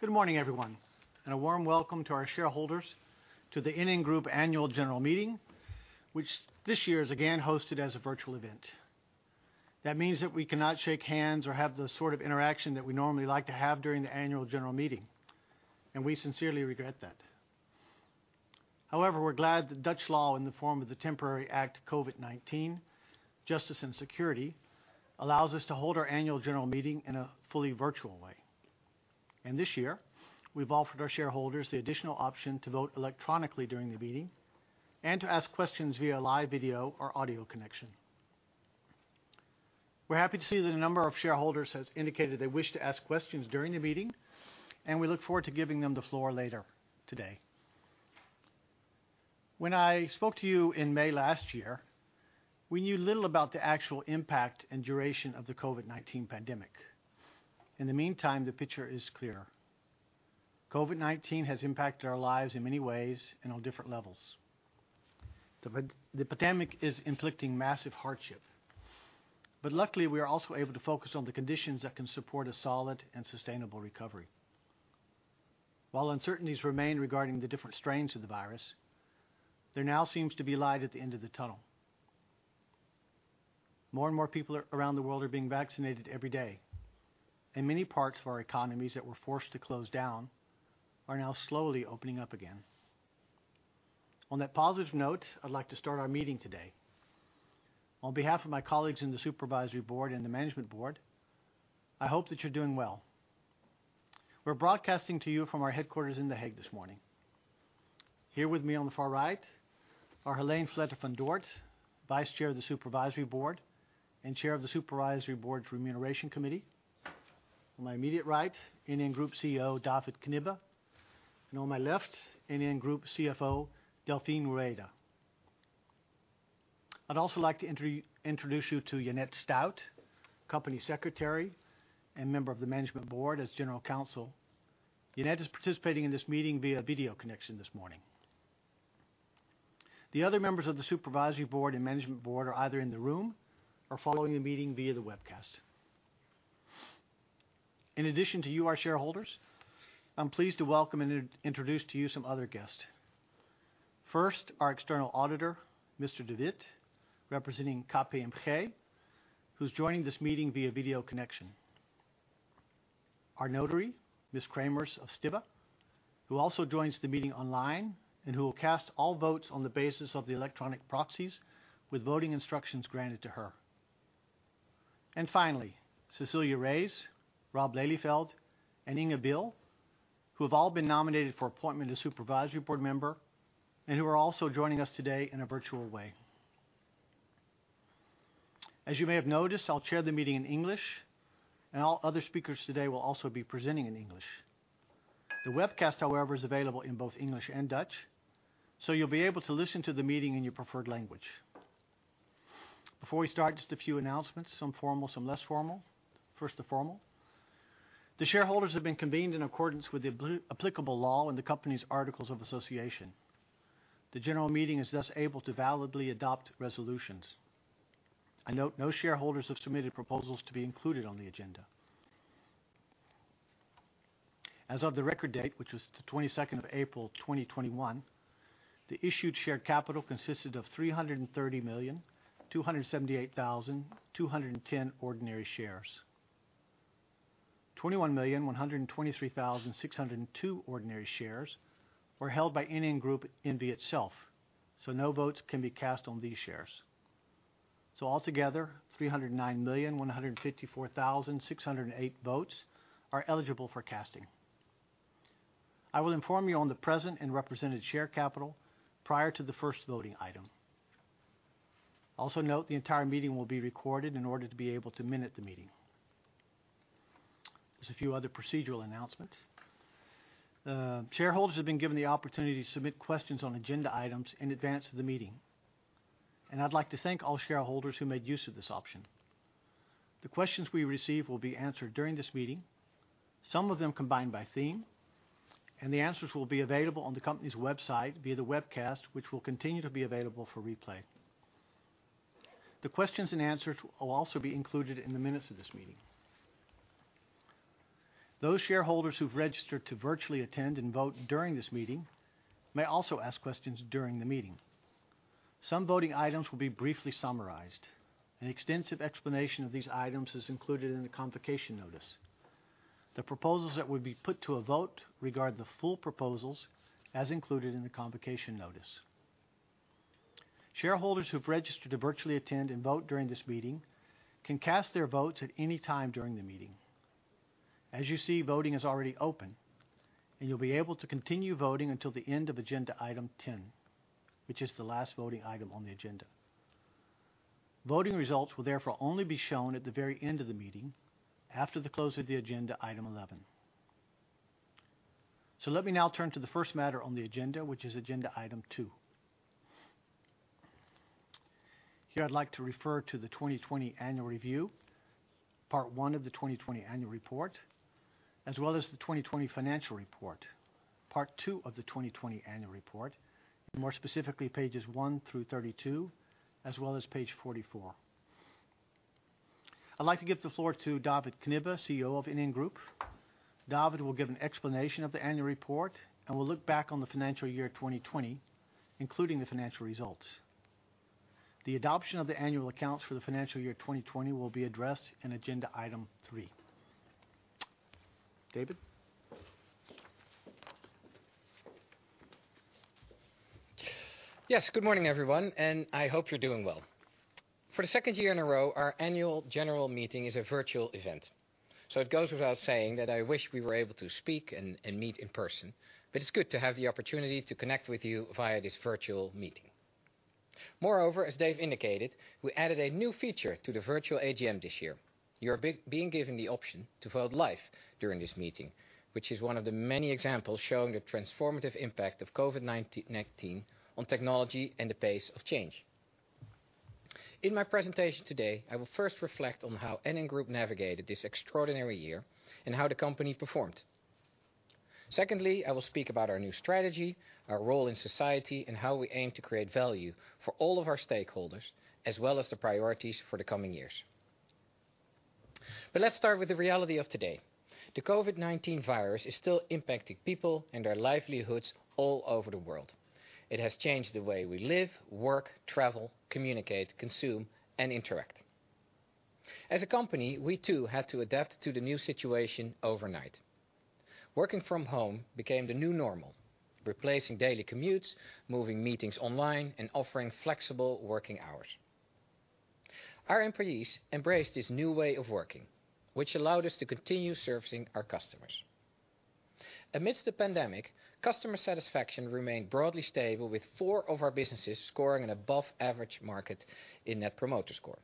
Good morning, everyone, and a warm welcome to our shareholders to the NN Group Annual General Meeting, which this year is again hosted as a virtual event. That means that we cannot shake hands or have the sort of interaction that we normally like to have during the Annual General Meeting, and we sincerely regret that. However, we're glad that Dutch law, in the form of the Temporary Act COVID-19 Justice and Security, allows us to hold our Annual General Meeting in a fully virtual way, and this year, we've offered our shareholders the additional option to vote electronically during the meeting and to ask questions via live video or audio connection. We're happy to see that a number of shareholders have indicated they wish to ask questions during the meeting, and we look forward to giving them the floor later today. When I spoke to you in May last year, we knew little about the actual impact and duration of the COVID-19 pandemic. In the meantime, the picture is clear: COVID-19 has impacted our lives in many ways and on different levels. The pandemic is inflicting massive hardship, but luckily, we are also able to focus on the conditions that can support a solid and sustainable recovery. While uncertainties remain regarding the different strains of the virus, there now seems to be light at the end of the tunnel. More and more people around the world are being vaccinated every day, and many parts of our economies that were forced to close down are now slowly opening up again. On that positive note, I'd like to start our meeting today. On behalf of my colleagues in the Supervisory Board and the Management Board, I hope that you're doing well. We're broadcasting to you from our headquarters in The Hague this morning. Here with me on the far right are Hélène Vletter-van Dort, Vice-Chair of the Supervisory Board and Chair of the Supervisory Board's Remuneration Committee, on my immediate right, NN Group CEO David Knibbe, and on my left, NN Group CFO Delfin Rueda. I'd also like to introduce you to Janet Stuijt, Company Secretary and Member of the Management Board as General Counsel. Janet is participating in this meeting via video connection this morning. The other members of the Supervisory Board and Management Board are either in the room or following the meeting via the webcast. In addition to you, our shareholders, I'm pleased to welcome and introduce to you some other guests. First, our External Auditor, Mr. De Wit, representing KPMG, who's joining this meeting via video connection. Our Notary, Ms. Cremers of Stibbe, who also joins the meeting online and who will cast all votes on the basis of the electronic proxies with voting instructions granted to her. And finally, Cecilia Reyes, Rob Lelieveld, and Inga Beale, who have all been nominated for appointment as Supervisory Board member and who are also joining us today in a virtual way. As you may have noticed, I'll chair the meeting in English, and all other speakers today will also be presenting in English. The webcast, however, is available in both English and Dutch, so you'll be able to listen to the meeting in your preferred language. Before we start, just a few announcements, some formal, some less formal. First, the formal. The shareholders have been convened in accordance with the applicable law and the company's articles of association. The General Meeting is thus able to validly adopt resolutions. I note no shareholders have submitted proposals to be included on the agenda. As of the record date, which was the 22nd of April 2021, the issued share capital consisted of 330,278,210 ordinary shares. 21,123,602 ordinary shares were held by NN Group N.V. itself, so no votes can be cast on these shares. So altogether, 309,154,608 votes are eligible for casting. I will inform you on the present and represented share capital prior to the first voting item. Also note, the entire meeting will be recorded in order to be able to minute the meeting. There's a few other procedural announcements. Shareholders have been given the opportunity to submit questions on agenda items in advance of the meeting, and I'd like to thank all shareholders who made use of this option. The questions we receive will be answered during this meeting, some of them combined by theme, and the answers will be available on the company's website via the webcast, which will continue to be available for replay. The questions and answers will also be included in the minutes of this meeting. Those shareholders who've registered to virtually attend and vote during this meeting may also ask questions during the meeting. Some voting items will be briefly summarized. An extensive explanation of these items is included in the convocation notice. The proposals that would be put to a vote regard the full proposals as included in the convocation notice. Shareholders who've registered to virtually attend and vote during this meeting can cast their votes at any time during the meeting. As you see, voting is already open, and you'll be able to continue voting until the end of agenda item 10, which is the last voting item on the agenda. Voting results will therefore only be shown at the very end of the meeting after the close of the agenda item 11. So let me now turn to the first matter on the agenda, which is agenda item 2. Here, I'd like to refer to the 2020 Annual Review, part 1 of the 2020 Annual Report, as well as the 2020 Financial Report, part 2 of the 2020 Annual Report, and more specifically, pages 1 through 32, as well as page 44. I'd like to give the floor to David Knibbe, CEO of NN Group. David will give an explanation of the Annual Report and will look back on the financial year 2020, including the financial results. The adoption of the annual accounts for the financial year 2020 will be addressed in agenda item 3. David? Yes, good morning, everyone, and I hope you're doing well. For the second year in a row, our Annual General Meeting is a virtual event. So it goes without saying that I wish we were able to speak and meet in person, but it's good to have the opportunity to connect with you via this virtual meeting. Moreover, as Dave indicated, we added a new feature to the virtual AGM this year. You're being given the option to vote live during this meeting, which is one of the many examples showing the transformative impact of COVID-19 on technology and the pace of change. In my presentation today, I will first reflect on how NN Group navigated this extraordinary year and how the company performed. Secondly, I will speak about our new strategy, our role in society, and how we aim to create value for all of our stakeholders, as well as the priorities for the coming years. But let's start with the reality of today. The COVID-19 virus is still impacting people and their livelihoods all over the world. It has changed the way we live, work, travel, communicate, consume, and interact. As a company, we too had to adapt to the new situation overnight. Working from home became the new normal, replacing daily commutes, moving meetings online, and offering flexible working hours. Our employees embraced this new way of working, which allowed us to continue servicing our customers. Amidst the pandemic, customer satisfaction remained broadly stable, with four of our businesses scoring an above-average market in Net Promoter Score.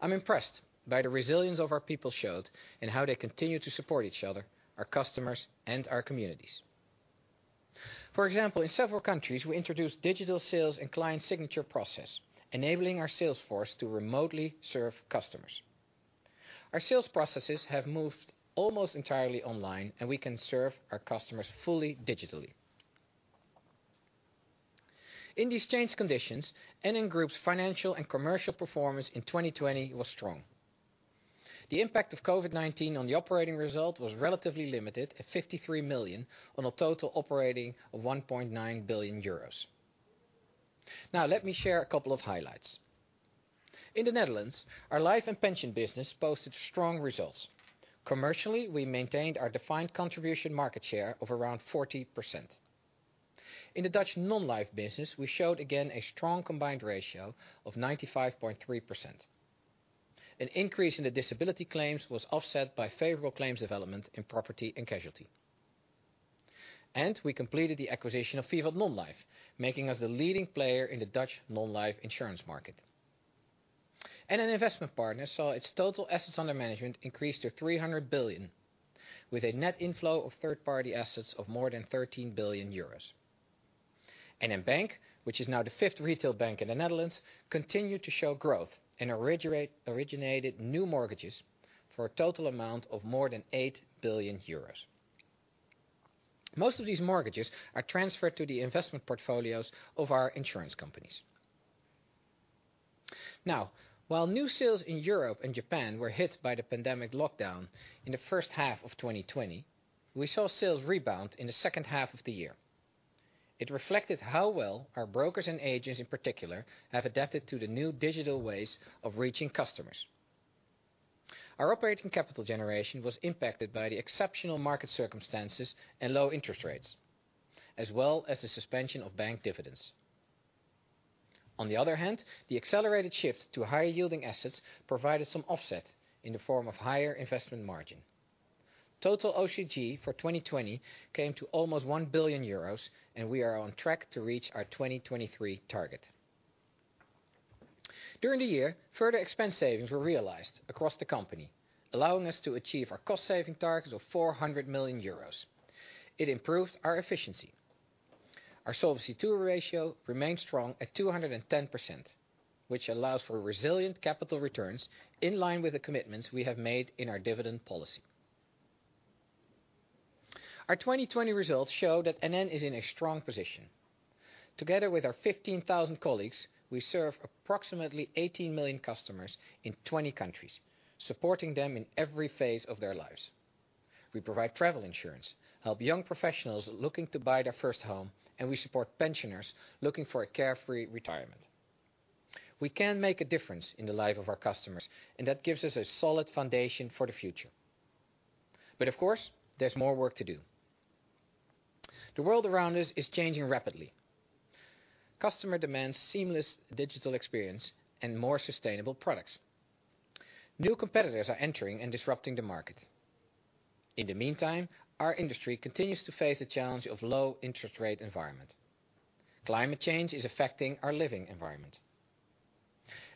I'm impressed by the resilience our people showed and how they continue to support each other, our customers, and our communities. For example, in several countries, we introduced digital sales and client signature processes, enabling our sales force to remotely serve customers. Our sales processes have moved almost entirely online, and we can serve our customers fully digitally. In these changed conditions, NN Group's financial and commercial performance in 2020 was strong. The impact of COVID-19 on the operating result was relatively limited at 53 million on a total operating of 1.9 billion euros. Now, let me share a couple of highlights. In the Netherlands, our life and pension business posted strong results. Commercially, we maintained our defined contribution market share of around 40%. In the Dutch non-life business, we showed again a strong combined ratio of 95.3%. An increase in the disability claims was offset by favorable claims development in property and casualty, and we completed the acquisition of Vivat Non-life, making us the leading player in the Dutch non-life insurance market. NN Investment Partners saw its total assets under management increase to 300 billion, with a net inflow of third-party assets of more than 13 billion euros. NN Bank, which is now the fifth retail bank in the Netherlands, continued to show growth and originated new mortgages for a total amount of more than 8 billion euros. Most of these mortgages are transferred to the investment portfolios of our insurance companies. Now, while new sales in Europe and Japan were hit by the pandemic lockdown in the first half of 2020, we saw sales rebound in the second half of the year. It reflected how well our brokers and agents, in particular, have adapted to the new digital ways of reaching customers. Our operating capital generation was impacted by the exceptional market circumstances and low interest rates, as well as the suspension of bank dividends. On the other hand, the accelerated shift to higher-yielding assets provided some offset in the form of higher investment margin. Total OCG for 2020 came to almost 1 billion euros, and we are on track to reach our 2023 target. During the year, further expense savings were realized across the company, allowing us to achieve our cost-saving target of 400 million euros. It improved our efficiency. Our solvency ratio remained strong at 210%, which allows for resilient capital returns in line with the commitments we have made in our dividend policy. Our 2020 results show that NN is in a strong position. Together with our 15,000 colleagues, we serve approximately 18 million customers in 20 countries, supporting them in every phase of their lives. We provide travel insurance, help young professionals looking to buy their first home, and we support pensioners looking for a carefree retirement. We can make a difference in the life of our customers, and that gives us a solid foundation for the future. But of course, there's more work to do. The world around us is changing rapidly. Customer demands seamless digital experience and more sustainable products. New competitors are entering and disrupting the market. In the meantime, our industry continues to face the challenge of a low interest rate environment. Climate change is affecting our living environment.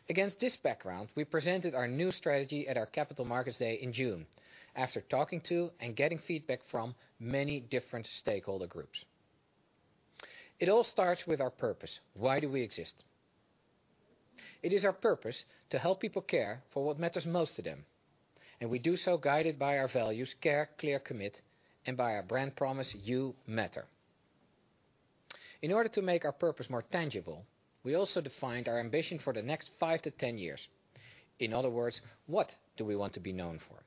Against this background, we presented our new strategy at our Capital Markets Day in June, after talking to and getting feedback from many different stakeholder groups. It all starts with our purpose: why do we exist? It is our purpose to help people care for what matters most to them, and we do so guided by our values: care, clear, commit, and by our brand promise: you matter. In order to make our purpose more tangible, we also defined our ambition for the next five to 10 years. In other words, what do we want to be known for?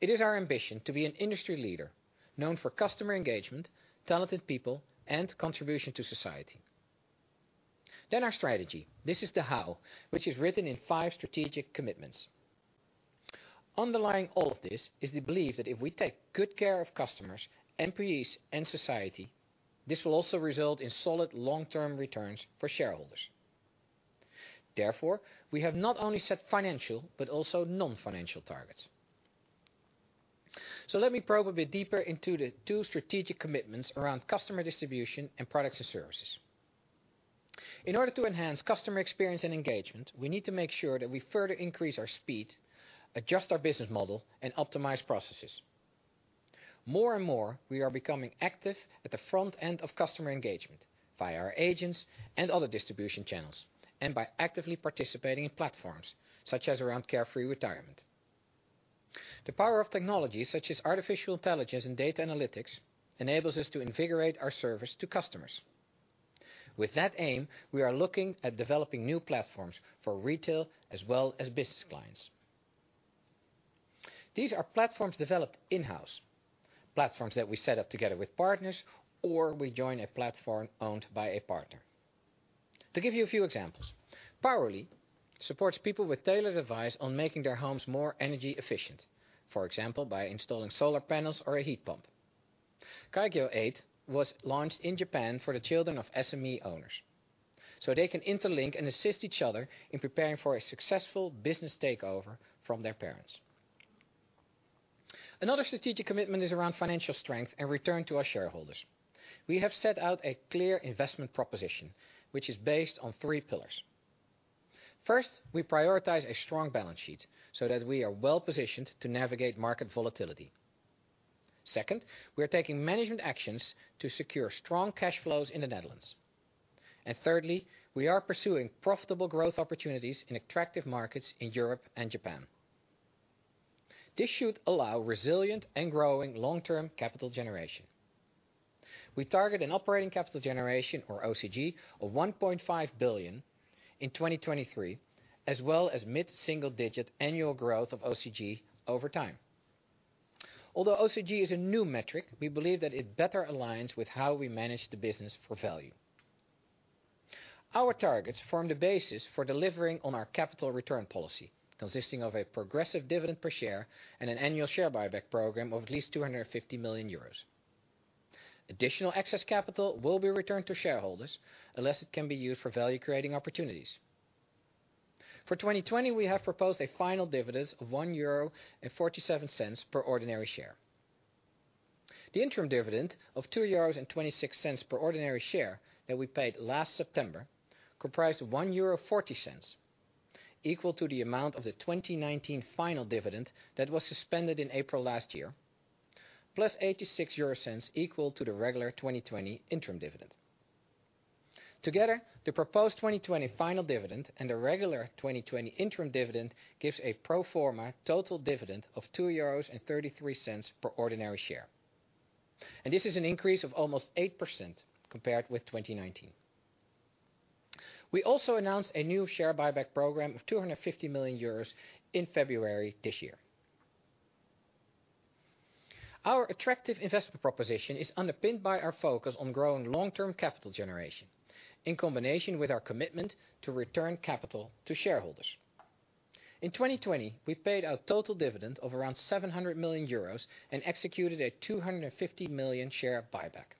It is our ambition to be an industry leader known for customer engagement, talented people, and contribution to society. Then our strategy. This is the how, which is written in five strategic commitments. Underlying all of this is the belief that if we take good care of customers, employees, and society, this will also result in solid long-term returns for shareholders. Therefore, we have not only set financial but also non-financial targets. Let me probe a bit deeper into the two strategic commitments around customer distribution and products and services. In order to enhance customer experience and engagement, we need to make sure that we further increase our speed, adjust our business model, and optimize processes. More and more, we are becoming active at the front end of customer engagement via our agents and other distribution channels and by actively participating in platforms such as around Carefree Retirement. The power of technologies such as artificial intelligence and data analytics enables us to invigorate our service to customers. With that aim, we are looking at developing new platforms for retail as well as business clients. These are platforms developed in-house, platforms that we set up together with partners, or we join a platform owned by a partner. To give you a few examples, Powerly supports people with tailored advice on making their homes more energy efficient, for example, by installing solar panels or a heat pump. Kaikou was launched in Japan for the children of SME owners, so they can interlink and assist each other in preparing for a successful business takeover from their parents. Another strategic commitment is around financial strength and return to our shareholders. We have set out a clear investment proposition, which is based on three pillars. First, we prioritize a strong balance sheet so that we are well positioned to navigate market volatility. Second, we are taking management actions to secure strong cash flows in the Netherlands. And thirdly, we are pursuing profitable growth opportunities in attractive markets in Europe and Japan. This should allow resilient and growing long-term capital generation. We target an operating capital generation, or OCG, of 1.5 billion in 2023, as well as mid-single-digit annual growth of OCG over time. Although OCG is a new metric, we believe that it better aligns with how we manage the business for value. Our targets form the basis for delivering on our capital return policy, consisting of a progressive dividend per share and an annual share buyback program of at least 250 million euros. Additional excess capital will be returned to shareholders unless it can be used for value-creating opportunities. For 2020, we have proposed a final dividend of 1.47 euro per ordinary share. The interim dividend of 2.26 euros per ordinary share that we paid last September comprised 1.40 euro, equal to the amount of the 2019 final dividend that was suspended in April last year, plus 0.86, equal to the regular 2020 interim dividend. Together, the proposed 2020 final dividend and the regular 2020 interim dividend gives a pro forma total dividend of 2.33 euros per ordinary share. This is an increase of almost 8% compared with 2019. We also announced a new share buyback program of 250 million euros in February this year. Our attractive investment proposition is underpinned by our focus on growing long-term capital generation in combination with our commitment to return capital to shareholders. In 2020, we paid our total dividend of around 700 million euros and executed a 250 million share buyback.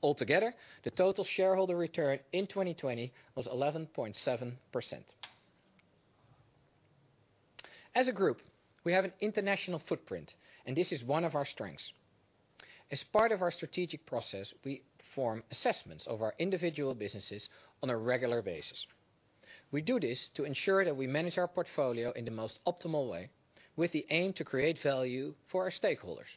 Altogether, the total shareholder return in 2020 was 11.7%. As a group, we have an international footprint, and this is one of our strengths. As part of our strategic process, we perform assessments of our individual businesses on a regular basis. We do this to ensure that we manage our portfolio in the most optimal way, with the aim to create value for our stakeholders.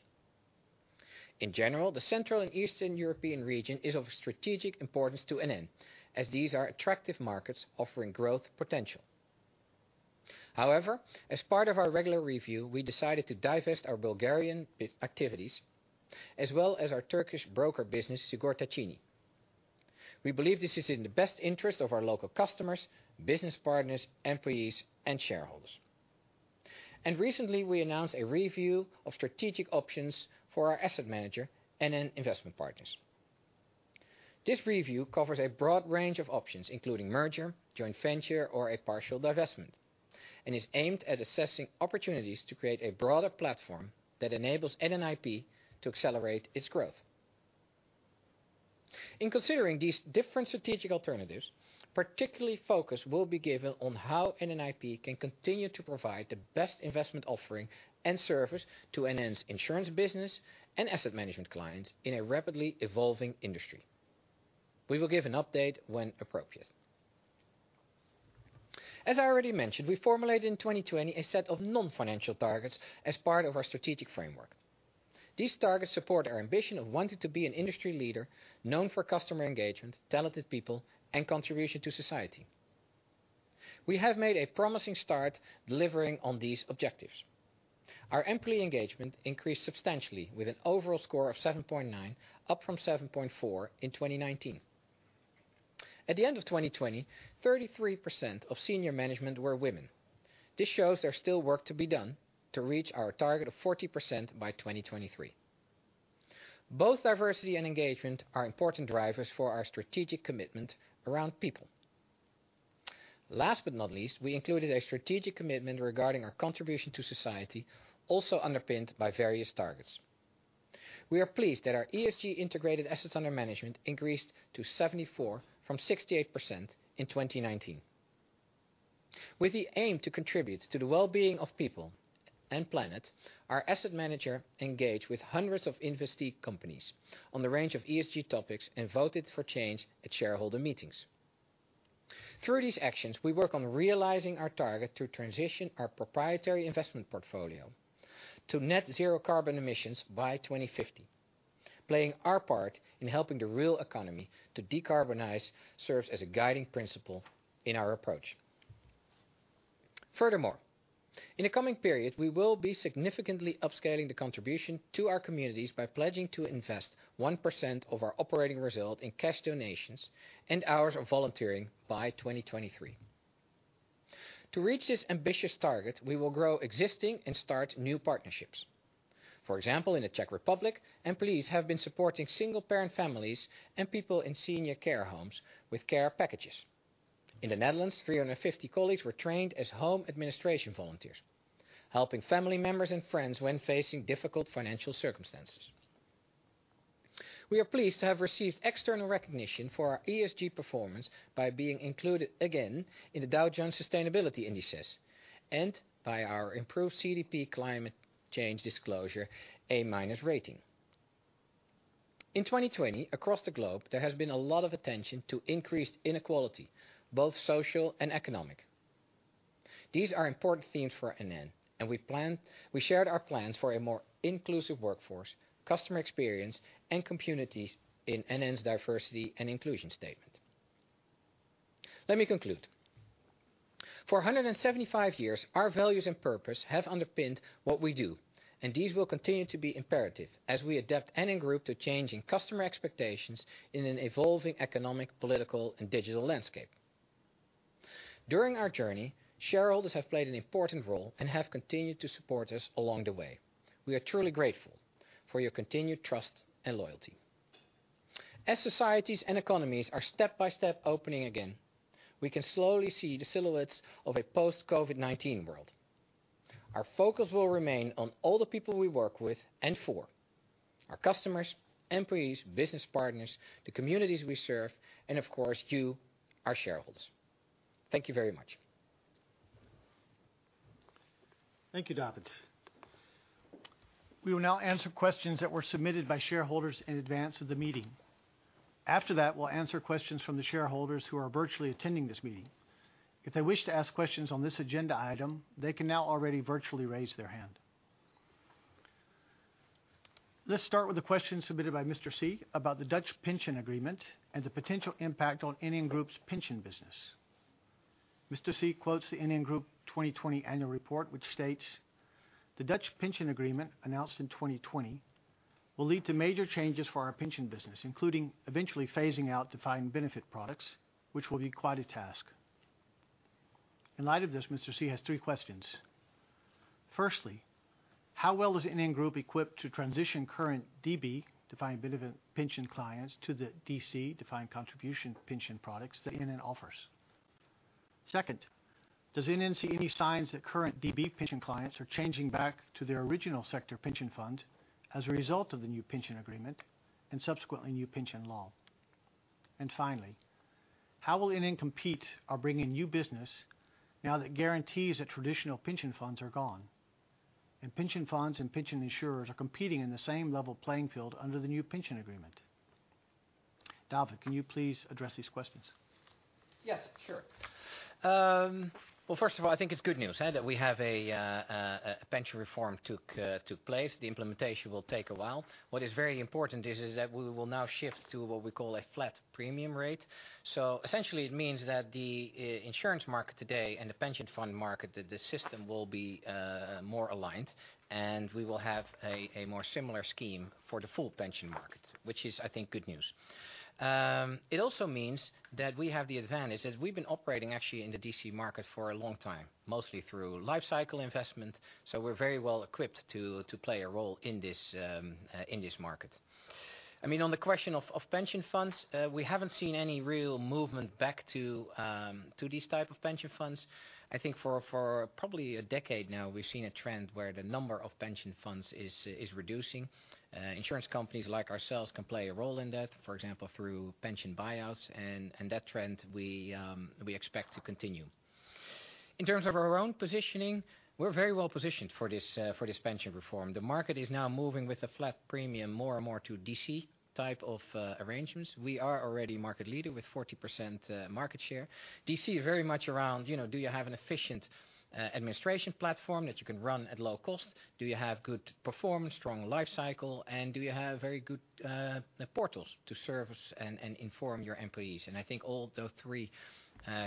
In general, the Central and Eastern European region is of strategic importance to NN, as these are attractive markets offering growth potential. However, as part of our regular review, we decided to divest our Bulgarian activities, as well as our Turkish broker business, Sigorta Cini. We believe this is in the best interest of our local customers, business partners, employees, and shareholders. And recently, we announced a review of strategic options for our asset manager, NN Investment Partners. This review covers a broad range of options, including merger, joint venture, or a partial divestment, and is aimed at assessing opportunities to create a broader platform that enables NNIP to accelerate its growth. In considering these different strategic alternatives, particular focus will be given on how NNIP can continue to provide the best investment offering and service to NN's insurance business and asset management clients in a rapidly evolving industry. We will give an update when appropriate. As I already mentioned, we formulated in 2020 a set of non-financial targets as part of our strategic framework. These targets support our ambition of wanting to be an industry leader known for customer engagement, talented people, and contribution to society. We have made a promising start delivering on these objectives. Our employee engagement increased substantially, with an overall score of 7.9, up from 7.4 in 2019. At the end of 2020, 33% of senior management were women. This shows there's still work to be done to reach our target of 40% by 2023. Both diversity and engagement are important drivers for our strategic commitment around people. Last but not least, we included a strategic commitment regarding our contribution to society, also underpinned by various targets. We are pleased that our ESG integrated assets under management increased to 74% from 68% in 2019. With the aim to contribute to the well-being of people and planet, our asset manager engaged with hundreds of investee companies on the range of ESG topics and voted for change at shareholder meetings. Through these actions, we work on realizing our target to transition our proprietary investment portfolio to net zero carbon emissions by 2050. Playing our part in helping the real economy to decarbonize serves as a guiding principle in our approach. Furthermore, in the coming period, we will be significantly upscaling the contribution to our communities by pledging to invest 1% of our operating result in cash donations and hours of volunteering by 2023. To reach this ambitious target, we will grow existing and start new partnerships. For example, in the Czech Republic, employees have been supporting single-parent families and people in senior care homes with care packages. In the Netherlands, 350 colleagues were trained as home administration volunteers, helping family members and friends when facing difficult financial circumstances. We are pleased to have received external recognition for our ESG performance by being included again in the Dow Jones Sustainability Indices and by our improved CDP Climate Change Disclosure A-rating. In 2020, across the globe, there has been a lot of attention to increased inequality, both social and economic. These are important themes for NN, and we shared our plans for a more inclusive workforce, customer experience, and communities in NN's diversity and inclusion statement. Let me conclude. For 175 years, our values and purpose have underpinned what we do, and these will continue to be imperative as we adapt NN Group to changing customer expectations in an evolving economic, political, and digital landscape. During our journey, shareholders have played an important role and have continued to support us along the way. We are truly grateful for your continued trust and loyalty. As societies and economies are step by step opening again, we can slowly see the silhouettes of a post-COVID-19 world. Our focus will remain on all the people we work with and for: our customers, employees, business partners, the communities we serve, and of course, you, our shareholders. Thank you very much. Thank you, David. We will now answer questions that were submitted by shareholders in advance of the meeting. After that, we'll answer questions from the shareholders who are virtually attending this meeting. If they wish to ask questions on this agenda item, they can now already virtually raise their hand. Let's start with the question submitted by Mr. Seij about the Dutch Pension Agreement and the potential impact on NN Group's pension business. Mr. Seij quotes the NN Group 2020 annual report, which states, "The Dutch Pension Agreement announced in 2020 will lead to major changes for our pension business, including eventually phasing out defined benefit products, which will be quite a task." In light of this, Mr. Seij has three questions. Firstly, how well is NN Group equipped to transition current DB defined benefit pension clients to the DC defined contribution pension products that NN offers? Second, does NN see any signs that current DB pension clients are changing back to their original sector pension fund as a result of the new pension agreement and subsequently new pension law? And finally, how will NN compete or bring in new business now that guarantees that traditional pension funds are gone and pension funds and pension insurers are competing in the same level playing field under the new pension agreement? David, can you please address these questions? Yes, sure. Well, first of all, I think it's good news, huh, that we have a pension reform took place. The implementation will take a while. What is very important is that we will now shift to what we call a flat premium rate. So essentially, it means that the insurance market today and the pension fund market, the system, will be more aligned, and we will have a more similar scheme for the full pension market, which is, I think, good news. It also means that we have the advantage that we've been operating actually in the DC market for a long time, mostly through life cycle investment, so we're very well equipped to play a role in this market. I mean, on the question of pension funds, we haven't seen any real movement back to these types of pension funds. I think for probably a decade now, we've seen a trend where the number of pension funds is reducing. Insurance companies like ourselves can play a role in that, for example, through pension buyouts, and that trend we expect to continue. In terms of our own positioning, we're very well positioned for this pension reform. The market is now moving with a flat premium more and more to DC type of arrangements. We are already a market leader with 40% market share. DC is very much around, you know, do you have an efficient administration platform that you can run at low cost? Do you have good performance, strong life cycle, and do you have very good portals to service and inform your employees? And I think all those three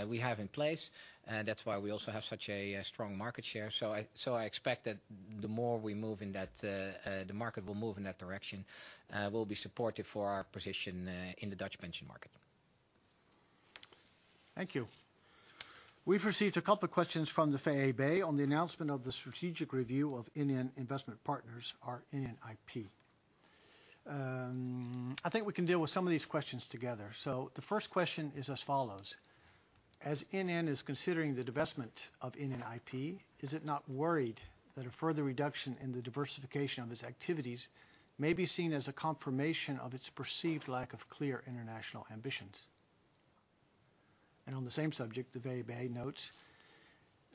we have in place, and that's why we also have such a strong market share. So I expect that the more we move in that, the market will move in that direction, will be supportive for our position in the Dutch pension market. Thank you. We've received a couple of questions from the VEB on the announcement of the strategic review of NN Investment Partners, our NNIP. I think we can deal with some of these questions together. So the first question is as follows: As NN is considering the divestment of NNIP, is it not worried that a further reduction in the diversification of its activities may be seen as a confirmation of its perceived lack of clear international ambitions? And on the same subject, the VEB notes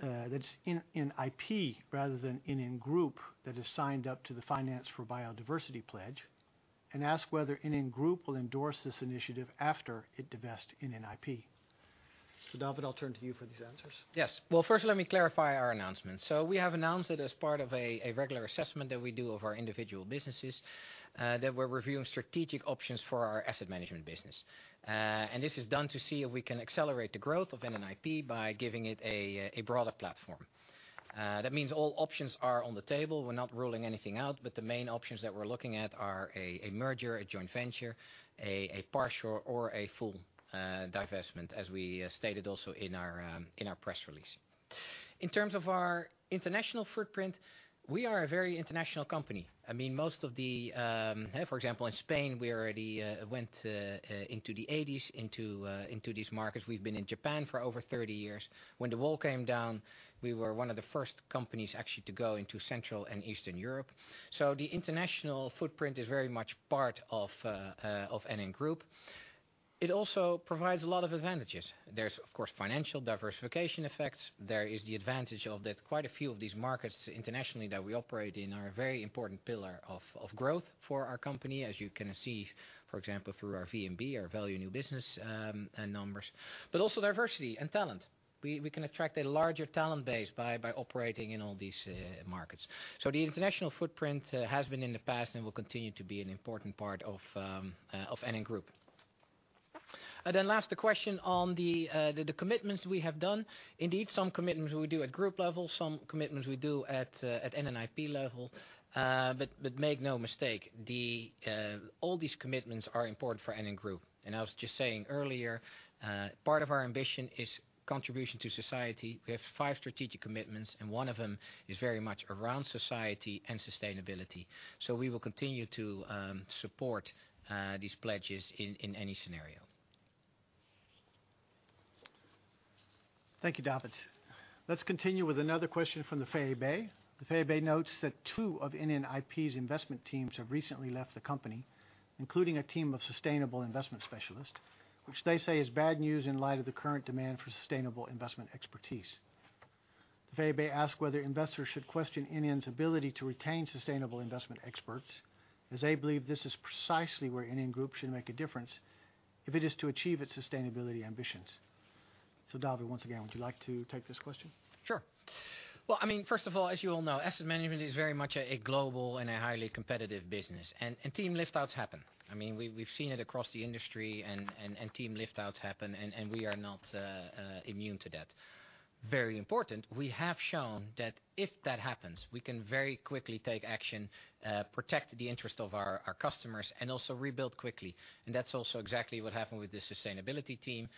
that it's NNIP rather than NN Group that has signed up to the Finance for Biodiversity Pledge and asked whether NN Group will endorse this initiative after it divests NNIP. So David, I'll turn to you for these answers. Yes. Well, first, let me clarify our announcement. We have announced it as part of a regular assessment that we do of our individual businesses, that we're reviewing strategic options for our asset management business. And this is done to see if we can accelerate the growth of NNIP by giving it a broader platform. That means all options are on the table. We're not ruling anything out, but the main options that we're looking at are a merger, a joint venture, a partial, or a full divestment, as we stated also in our press release. In terms of our international footprint, we are a very international company. I mean, most of the, for example, in Spain, we already went into these markets in the 1980s. We've been in Japan for over 30 years. When the wall came down, we were one of the first companies actually to go into Central and Eastern Europe. So the international footprint is very much part of NN Group. It also provides a lot of advantages. There's, of course, financial diversification effects. There is the advantage of that quite a few of these markets internationally that we operate in are a very important pillar of growth for our company, as you can see, for example, through our VNB, our value of new business numbers, but also diversity and talent. We can attract a larger talent base by operating in all these markets. So the international footprint has been in the past and will continue to be an important part of NN Group. And then last, the question on the commitments we have done. Indeed, some commitments we do at group level, some commitments we do at NNIP level, but make no mistake, all these commitments are important for NN Group. I was just saying earlier, part of our ambition is contribution to society. We have five strategic commitments, and one of them is very much around society and sustainability. So we will continue to support these pledges in any scenario. Thank you, David. Let's continue with another question from the VEB. The VEB notes that two of NNIP's investment teams have recently left the company, including a team of sustainable investment specialists, which they say is bad news in light of the current demand for sustainable investment expertise. The VEB asked whether investors should question NN's ability to retain sustainable investment experts, as they believe this is precisely where NN Group should make a difference if it is to achieve its sustainability ambitions. So David, once again, would you like to take this question? Sure. Well, I mean, first of all, as you all know, asset management is very much a global and a highly competitive business, and team liftouts happen. I mean, we've seen it across the industry, and team liftouts happen, and we are not immune to that. Very important, we have shown that if that happens, we can very quickly take action, protect the interest of our customers, and also rebuild quickly. And that's also exactly what happened with the sustainability team.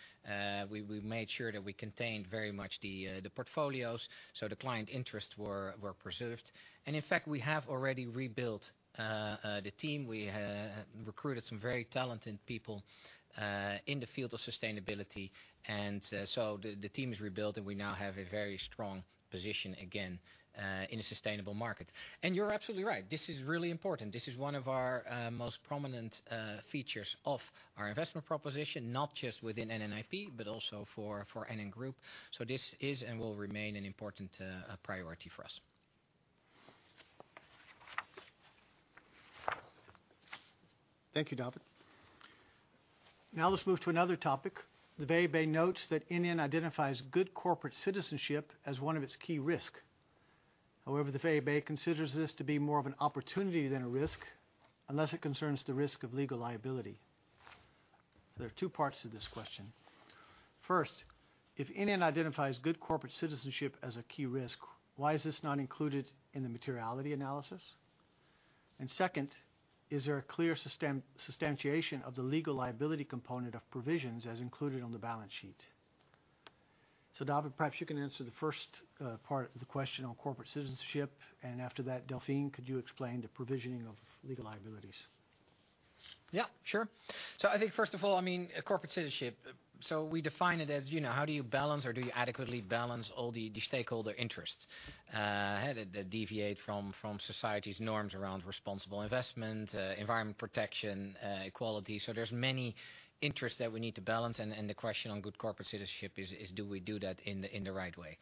We made sure that we contained very much the portfolios, so the client interests were preserved. And in fact, we have already rebuilt the team. We recruited some very talented people in the field of sustainability, and so the team is rebuilt, and we now have a very strong position again in a sustainable market. And you're absolutely right. This is really important. This is one of our most prominent features of our investment proposition, not just within NNIP, but also for NN Group. So this is and will remain an important priority for us. Thank you, David. Now let's move to another topic. The VEB notes that NN identifies good corporate citizenship as one of its key risks. However, the VEB considers this to be more of an opportunity than a risk unless it concerns the risk of legal liability. There are two parts to this question. First, if NN identifies good corporate citizenship as a key risk, why is this not included in the materiality analysis? And second, is there a clear substantiation of the legal liability component of provisions as included on the balance sheet? David, perhaps you can answer the first part of the question on corporate citizenship, and after that, Delfin, could you explain the provisioning of legal liabilities? Yeah, sure. So I think, first of all, I mean, corporate citizenship, so we define it as how do you balance or do you adequately balance all the stakeholder interests that deviate from society's norms around responsible investment, environment protection, equality? So there's many interests that we need to balance, and the question on good corporate citizenship is, do we do that in the right way?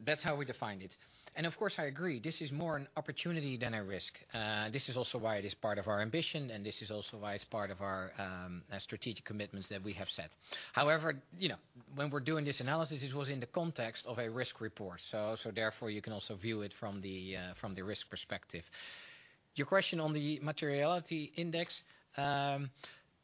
That's how we define it. And of course, I agree. This is more an opportunity than a risk. This is also why it is part of our ambition, and this is also why it's part of our strategic commitments that we have set. However, when we're doing this analysis, it was in the context of a risk report, so therefore you can also view it from the risk perspective. Your question on the materiality index,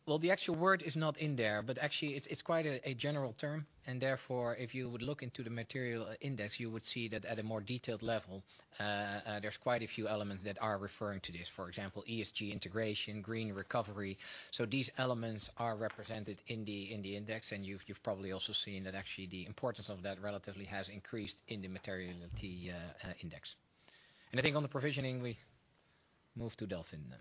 well, the actual word is not in there, but actually it's quite a general term, and therefore if you would look into the material index, you would see that at a more detailed level, there's quite a few elements that are referring to this. For example, ESG integration, green recovery. So these elements are represented in the index, and you've probably also seen that actually the importance of that relatively has increased in the materiality index, and I think on the provisioning, we move to Delfin then.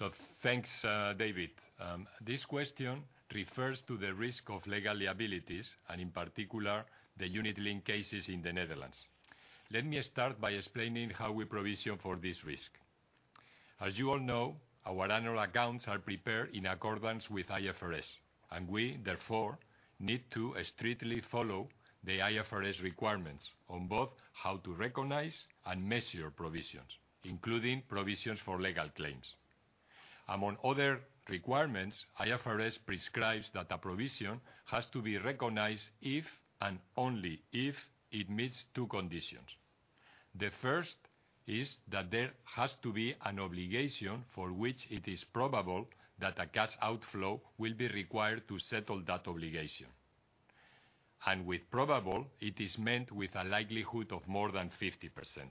Yes, I think, David, this question refers to the risk of legal liabilities and in particular the unit-linked in the Netherlands. Let me start by explaining how we provision for this risk. As you all know, our annual accounts are prepared. So thanks, David. This question refers to the risk of legal liabilities and in particular the unit-linked in the Netherlands. Let me start by explaining how we provision for this risk. As you all know, our annual accounts are prepared in accordance with IFRS, and we, therefore, need to strictly follow the IFRS requirements on both how to recognize and measure provisions, including provisions for legal claims. Among other requirements, IFRS prescribes that a provision has to be recognized if and only if it meets two conditions. The first is that there has to be an obligation for which it is probable that a cash outflow will be required to settle that obligation. And with probable, it is meant with a likelihood of more than 50%.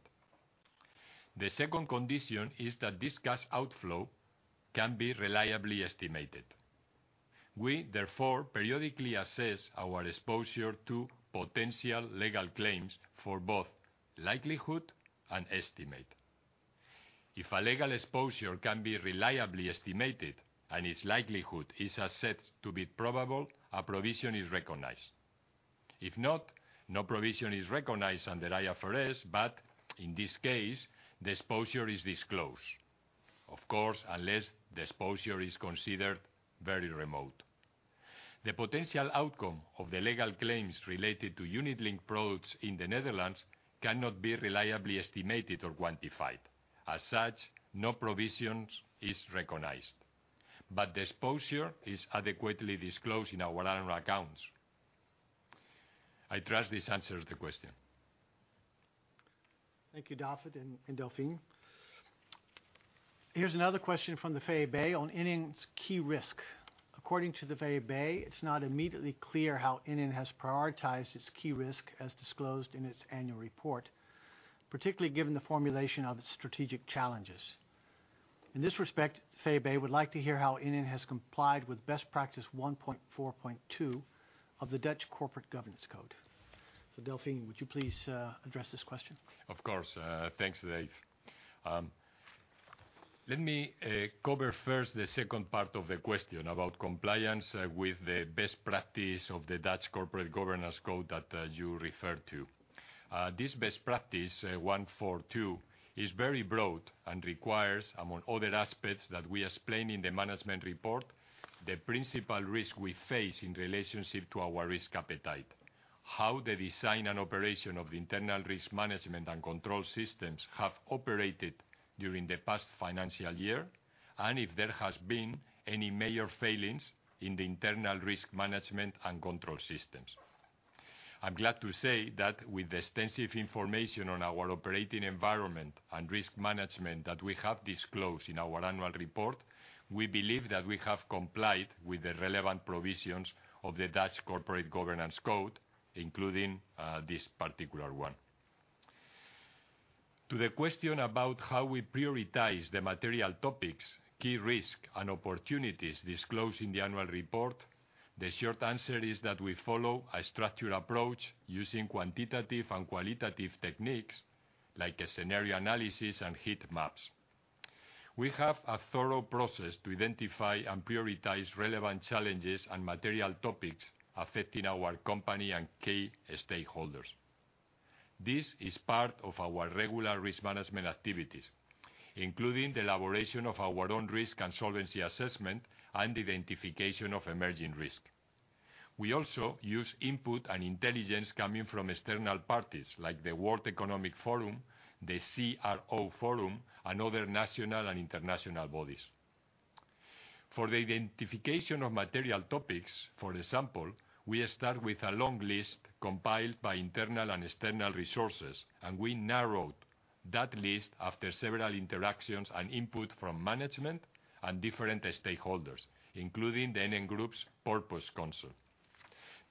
The second condition is that this cash outflow can be reliably estimated. We, therefore, periodically assess our exposure to potential legal claims for both likelihood and estimate. If a legal exposure can be reliably estimated and its likelihood is assessed to be probable, a provision is recognized. If not, no provision is recognized under IFRS, but in this case, the exposure is disclosed, of course, unless the exposure is considered very remote. The potential outcome of the legal claims related to unit-linked products in the Netherlands cannot be reliably estimated or quantified. As such, no provision is recognized, but the exposure is adequately disclosed in our annual accounts. I trust this answers the question. Thank you, David and Delfin. Here's another question from the VEB on NN's key risk. According to the VEB, it's not immediately clear how NN has prioritized its key risk as disclosed in its annual report, particularly given the formulation of its strategic challenges. In this respect, the VEB would like to hear how NN has complied with best practice 1.4.2 of the Dutch Corporate Governance Code. So Delfin, would you please address this question? Of course. Thanks, Dave. Let me cover first the second part of the question about compliance with the best practice of the Dutch Corporate Governance Code that you referred to. This best practice, 1.4.2, is very broad and requires, among other aspects that we explain in the management report, the principal risk we face in relationship to our risk appetite, how the design and operation of the internal risk management and control systems have operated during the past financial year, and if there has been any major failings in the internal risk management and control systems. I'm glad to say that with the extensive information on our operating environment and risk management that we have disclosed in our annual report, we believe that we have complied with the relevant provisions of the Dutch Corporate Governance Code, including this particular one. To the question about how we prioritize the material topics, key risks, and opportunities disclosed in the annual report, the short answer is that we follow a structured approach using quantitative and qualitative techniques like scenario analysis and heat maps. We have a thorough process to identify and prioritize relevant challenges and material topics affecting our company and key stakeholders. This is part of our regular risk management activities, including the elaboration of our own risk and solvency assessment and identification of emerging risk. We also use input and intelligence coming from external parties like the World Economic Forum, the CRO Forum, and other national and international bodies. For the identification of material topics, for example, we start with a long list compiled by internal and external resources, and we narrowed that list after several interactions and input from management and different stakeholders, including the NN Group's Purpose Council.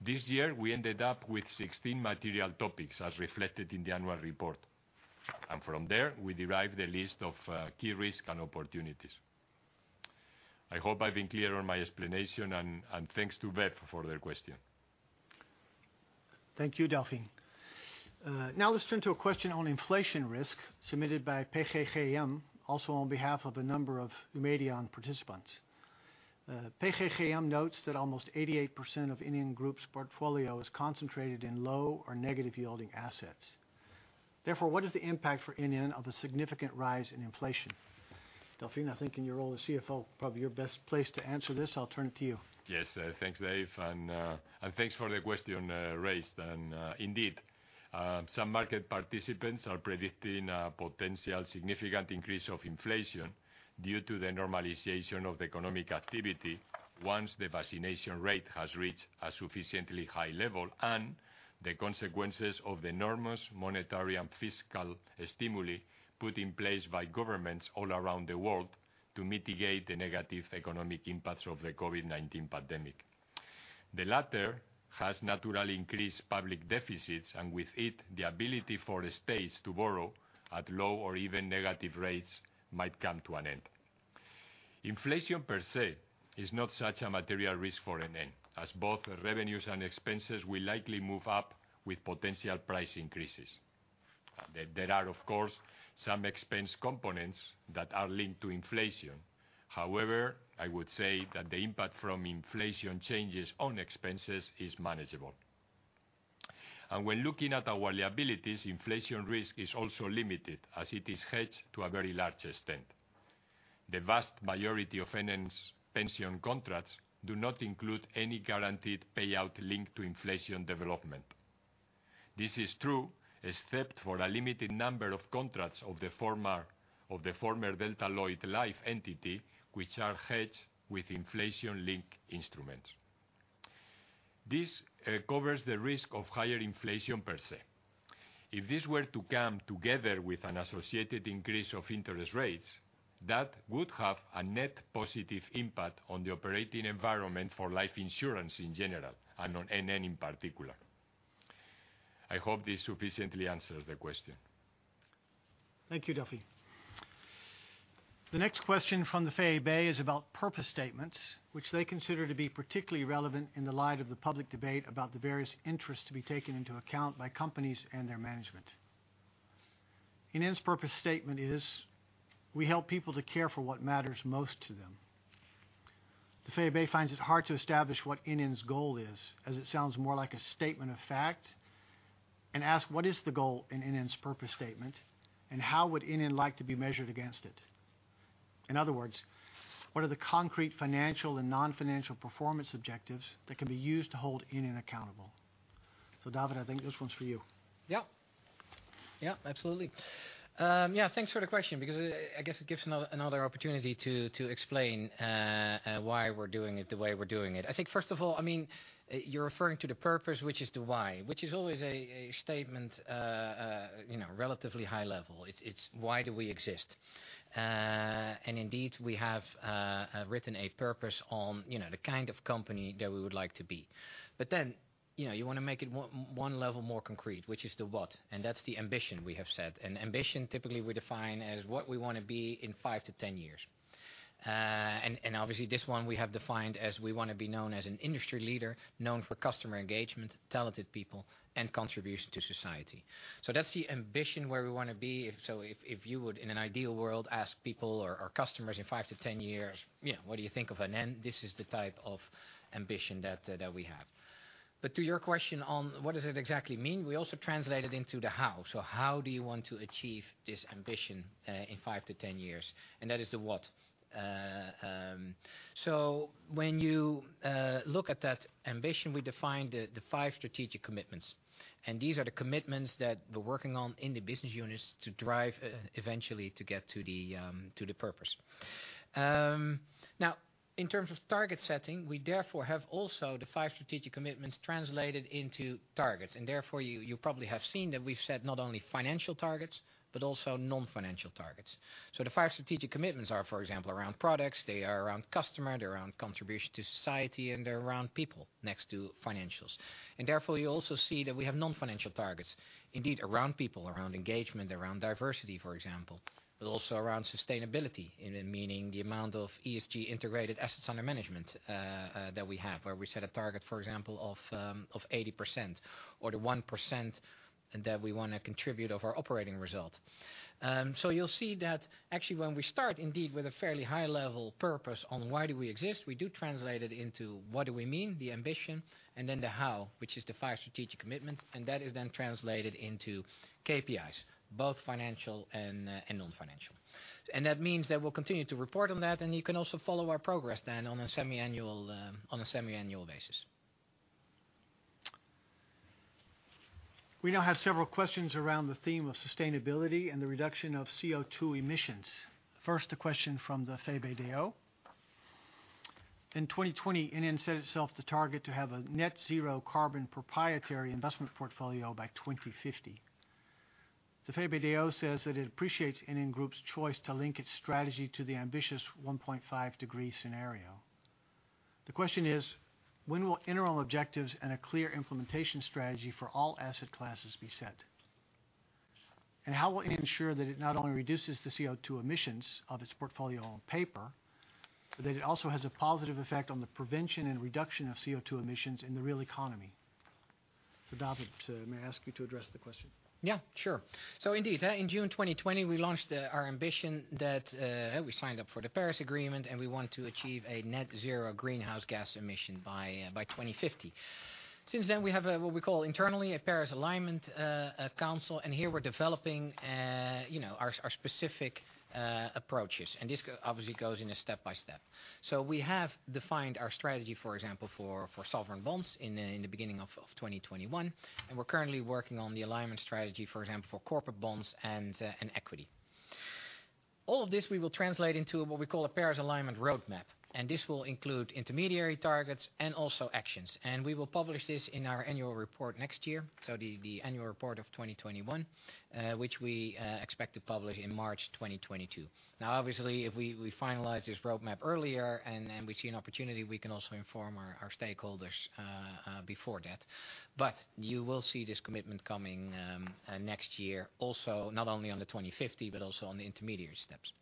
This year, we ended up with 16 material topics as reflected in the annual report, and from there, we derived the list of key risk and opportunities. I hope I've been clear on my explanation, and thanks to VEB for the question. Thank you, Delfin. Now let's turn to a question on inflation risk submitted by PGGM, also on behalf of a number of Eumedion participants. PGGM notes that almost 88% of NN Group's portfolio is concentrated in low or negative yielding assets. Therefore, what is the impact for NN of a significant rise in inflation? Delfin, I think in your role as CFO, probably your best place to answer this. I'll turn it to you. Yes, thanks, Dave, and thanks for the question raised. Indeed, some market participants are predicting a potential significant increase of inflation due to the normalization of the economic activity once the vaccination rate has reached a sufficiently high level and the consequences of the enormous monetary and fiscal stimuli put in place by governments all around the world to mitigate the negative economic impacts of the COVID-19 pandemic. The latter has naturally increased public deficits, and with it, the ability for states to borrow at low or even negative rates might come to an end. Inflation per se is not such a material risk for NN, as both revenues and expenses will likely move up with potential price increases. There are, of course, some expense components that are linked to inflation. However, I would say that the impact from inflation changes on expenses is manageable. When looking at our liabilities, inflation risk is also limited as it is hedged to a very large extent. The vast majority of NN's pension contracts do not include any guaranteed payout linked to inflation development. This is true except for a limited number of contracts of the former Delta Lloyd Life entity, which are hedged with inflation-linked instruments. This covers the risk of higher inflation per se. If this were to come together with an associated increase of interest rates, that would have a net positive impact on the operating environment for life insurance in general and on NN in particular. I hope this sufficiently answers the question. Thank you, Delfin. The next question from the VEB is about purpose statements, which they consider to be particularly relevant in the light of the public debate about the various interests to be taken into account by companies and their management. NN's purpose statement is, "We help people to care for what matters most to them." The VEB finds it hard to establish what NN's goal is, as it sounds more like a statement of fact, and ask, what is the goal in NN's purpose statement, and how would NN like to be measured against it? In other words, what are the concrete financial and non-financial performance objectives that can be used to hold NN accountable? So David, I think this one's for you. Yeah. Yeah, absolutely. Yeah, thanks for the question because I guess it gives another opportunity to explain why we're doing it the way we're doing it. I think, first of all, I mean, you're referring to the purpose, which is the why, which is always a statement relatively high level. It's why do we exist? And indeed, we have written a purpose on the kind of company that we would like to be. But then you want to make it one level more concrete, which is the what, and that's the ambition we have set. And ambition, typically, we define as what we want to be in 5 to 10 years. And obviously, this one we have defined as we want to be known as an industry leader known for customer engagement, talented people, and contribution to society. So that's the ambition where we want to be. So if you would, in an ideal world, ask people or customers in 5 to 10 years, what do you think of NN? This is the type of ambition that we have. But to your question on what does it exactly mean, we also translate it into the how. So how do you want to achieve this ambition in five to 10 years? And that is the what. So when you look at that ambition, we define the five strategic commitments, and these are the commitments that we're working on in the business units to drive eventually to get to the purpose. Now, in terms of target setting, we therefore have also the five strategic commitments translated into targets, and therefore you probably have seen that we've set not only financial targets but also non-financial targets. So the five strategic commitments are, for example, around products, they are around customer, they're around contribution to society, and they're around people next to financials. And therefore, you also see that we have non-financial targets, indeed, around people, around engagement, around diversity, for example, but also around sustainability, meaning the amount of ESG integrated assets under management that we have, where we set a target, for example, of 80% or the 1% that we want to contribute of our operating result. So you'll see that actually when we start, indeed, with a fairly high-level purpose on why do we exist, we do translate it into what do we mean, the ambition, and then the how, which is the five strategic commitments, and that is then translated into KPIs, both financial and non-financial. And that means that we'll continue to report on that, and you can also follow our progress then on a semi-annual basis. We now have several questions around the theme of sustainability and the reduction of CO2 emissions. First, a question from the VEB. In 2020, NN set itself the target to have a net-zero carbon proprietary investment portfolio by 2050. The VEB says that it appreciates NN Group's choice to link its strategy to the ambitious 1.5-degree scenario. The question is, when will interim objectives and a clear implementation strategy for all asset classes be set? And how will NN ensure that it not only reduces the CO2 emissions of its portfolio on paper, but that it also has a positive effect on the prevention and reduction of CO2 emissions in the real economy? So David, may I ask you to address the question? Yeah, sure. So indeed, in June 2020, we launched our ambition that we signed up for the Paris Agreement, and we want to achieve a net-zero greenhouse gas emission by 2050. Since then, we have what we call internally a Paris Alignment Council, and here we're developing our specific approaches, and this obviously goes in a step-by-step. So we have defined our strategy, for example, for sovereign bonds in the beginning of 2021, and we're currently working on the alignment strategy, for example, for corporate bonds and equity. All of this we will translate into what we call a Paris Alignment Roadmap, and this will include intermediary targets and also actions. And we will publish this in our annual report next year, so the annual report of 2021, which we expect to publish in March 2022. Now, obviously, if we finalize this roadmap earlier and we see an opportunity, we can also inform our stakeholders before that. But you will see this commitment coming next year, also not only on the 2050 but also on the intermediary steps.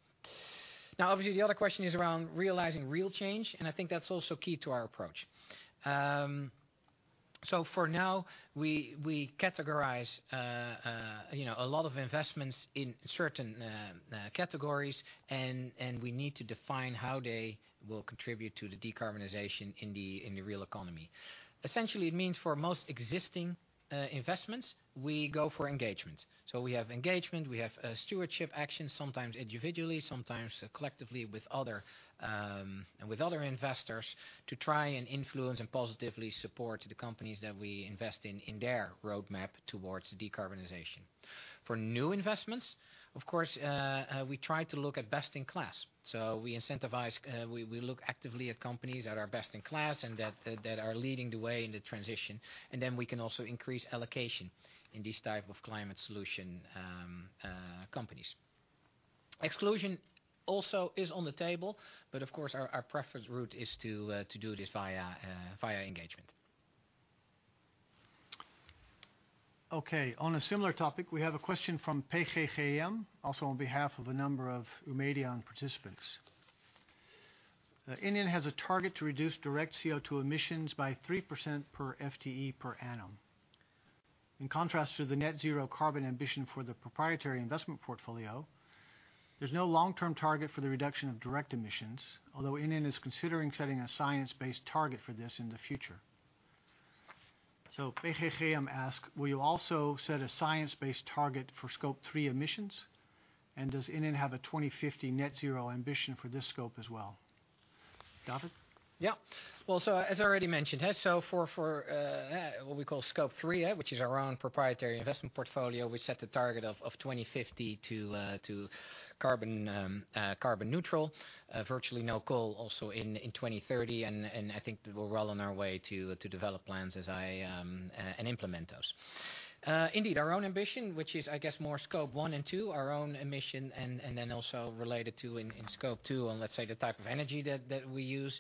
Now, obviously, the other question is around realizing real change, and I think that's also key to our approach. So for now, we categorize a lot of investments in certain categories, and we need to define how they will contribute to the decarbonization in the real economy. Essentially, it means for most existing investments, we go for engagement. So we have engagement, we have stewardship actions, sometimes individually, sometimes collectively with other investors to try and influence and positively support the companies that we invest in their roadmap towards decarbonization. For new investments, of course, we try to look at best-in-class. So we incentivize, we look actively at companies that are best-in-class and that are leading the way in the transition, and then we can also increase allocation in these types of climate solution companies. Exclusion also is on the table, but of course, our preference route is to do this via engagement. Okay. On a similar topic, we have a question from PGGM, also on behalf of a number of Eumedion participants. NN has a target to reduce direct CO2 emissions by 3% per FTE per annum. In contrast to the net-zero carbon ambition for the proprietary investment portfolio, there's no long-term target for the reduction of direct emissions, although NN is considering setting a science-based target for this in the future. So PGGM asks, will you also set a science-based target for Scope 3 emissions, and does NN have a 2050 net-zero ambition for this scope as well? David? Yeah. Well, so as I already mentioned, so for what we call Scope 3, which is our own proprietary investment portfolio, we set the target of 2050 to carbon neutral, virtually no coal also in 2030, and I think we're well on our way to develop plans and implement those. Indeed, our own ambition, which is, I guess, more Scope 1 and 2, our own emission, and then also related to in Scope 2 on, let's say, the type of energy that we use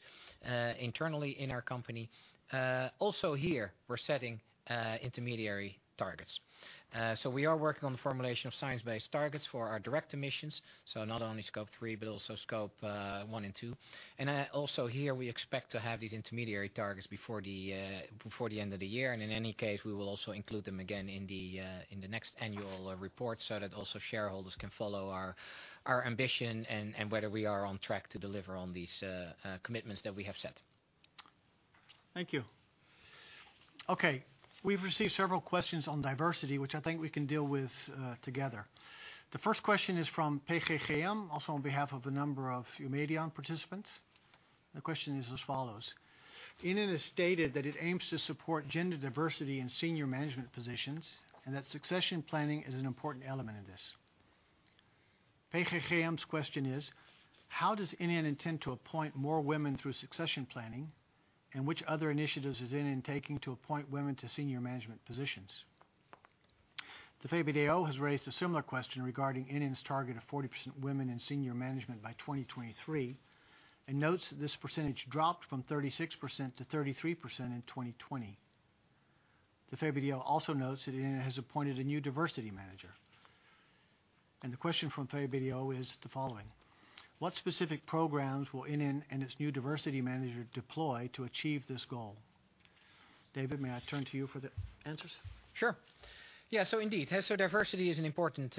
internally in our company. Also here, we're setting intermediary targets. So we are working on the formulation of science-based targets for our direct emissions, so not only Scope 3 but also Scope 1 and 2. And also here, we expect to have these intermediary targets before the end of the year, and in any case, we will also include them again in the next annual report so that also shareholders can follow our ambition and whether we are on track to deliver on these commitments that we have set. Thank you. Okay. We've received several questions on diversity, which I think we can deal with together. The first question is from PGGM, also on behalf of a number of Eumedion participants. The question is as follows. NN has stated that it aims to support gender diversity in senior management positions and that succession planning is an important element of this. PGGM's question is, how does NN intend to appoint more women through succession planning, and which other initiatives is NN taking to appoint women to senior management positions? The VEB has raised a similar question regarding NN's target of 40% women in senior management by 2023 and notes that this percentage dropped from 36% to 33% in 2020. The VEB also notes that NN has appointed a new diversity manager. The question from VEB is the following: what specific programs will NN and its new diversity manager deploy to achieve this goal? David, may I turn to you for the answers? Sure. Yeah, so indeed, diversity is an important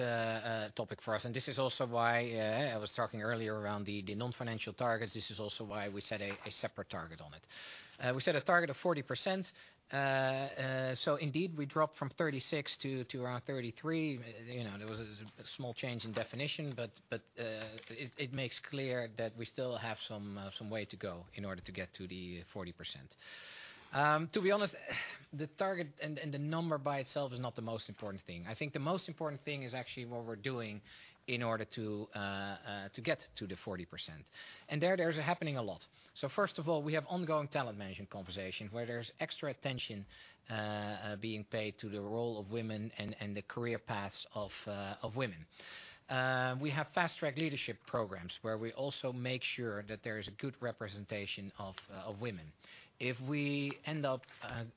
topic for us, and this is also why I was talking earlier around the non-financial targets. This is also why we set a separate target on it. We set a target of 40%, so indeed, we dropped from 36% to around 33%. There was a small change in definition, but it makes clear that we still have some way to go in order to get to the 40%. To be honest, the target and the number by itself is not the most important thing. I think the most important thing is actually what we're doing in order to get to the 40%. And there's happening a lot. So first of all, we have ongoing talent management conversations where there's extra attention being paid to the role of women and the career paths of women. We have fast-track leadership programs where we also make sure that there is a good representation of women. If we end up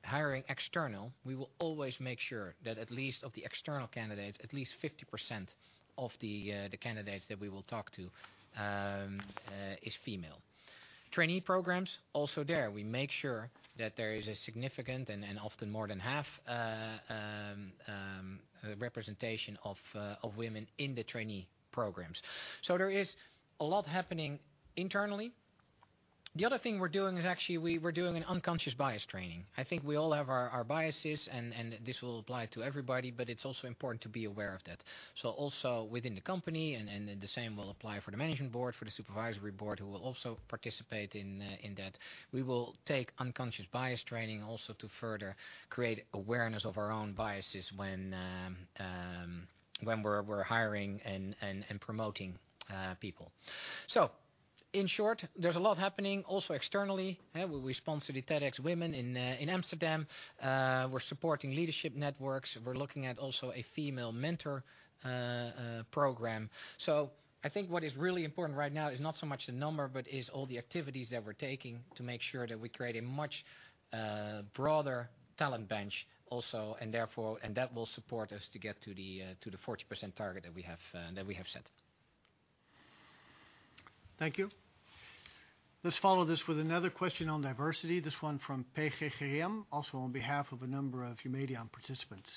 hiring external, we will always make sure that at least of the external candidates, at least 50% of the candidates that we will talk to is female. Trainee programs, also there, we make sure that there is a significant and often more than half representation of women in the trainee programs. So there is a lot happening internally. The other thing we're doing is actually we're doing an unconscious bias training. I think we all have our biases, and this will apply to everybody, but it's also important to be aware of that. So also within the company, and the same will apply for the Management Board, for the Supervisory Board who will also participate in that. We will take unconscious bias training also to further create awareness of our own biases when we're hiring and promoting people. So in short, there's a lot happening. Also externally, we sponsor the TEDxWomen in Amsterdam. We're supporting leadership networks. We're looking at also a female mentor program. I think what is really important right now is not so much the number, but it's all the activities that we're taking to make sure that we create a much broader talent bench also, and that will support us to get to the 40% target that we have set. Thank you. Let's follow this with another question on diversity, this one from PGGM, also on behalf of a number of Eumedion participants.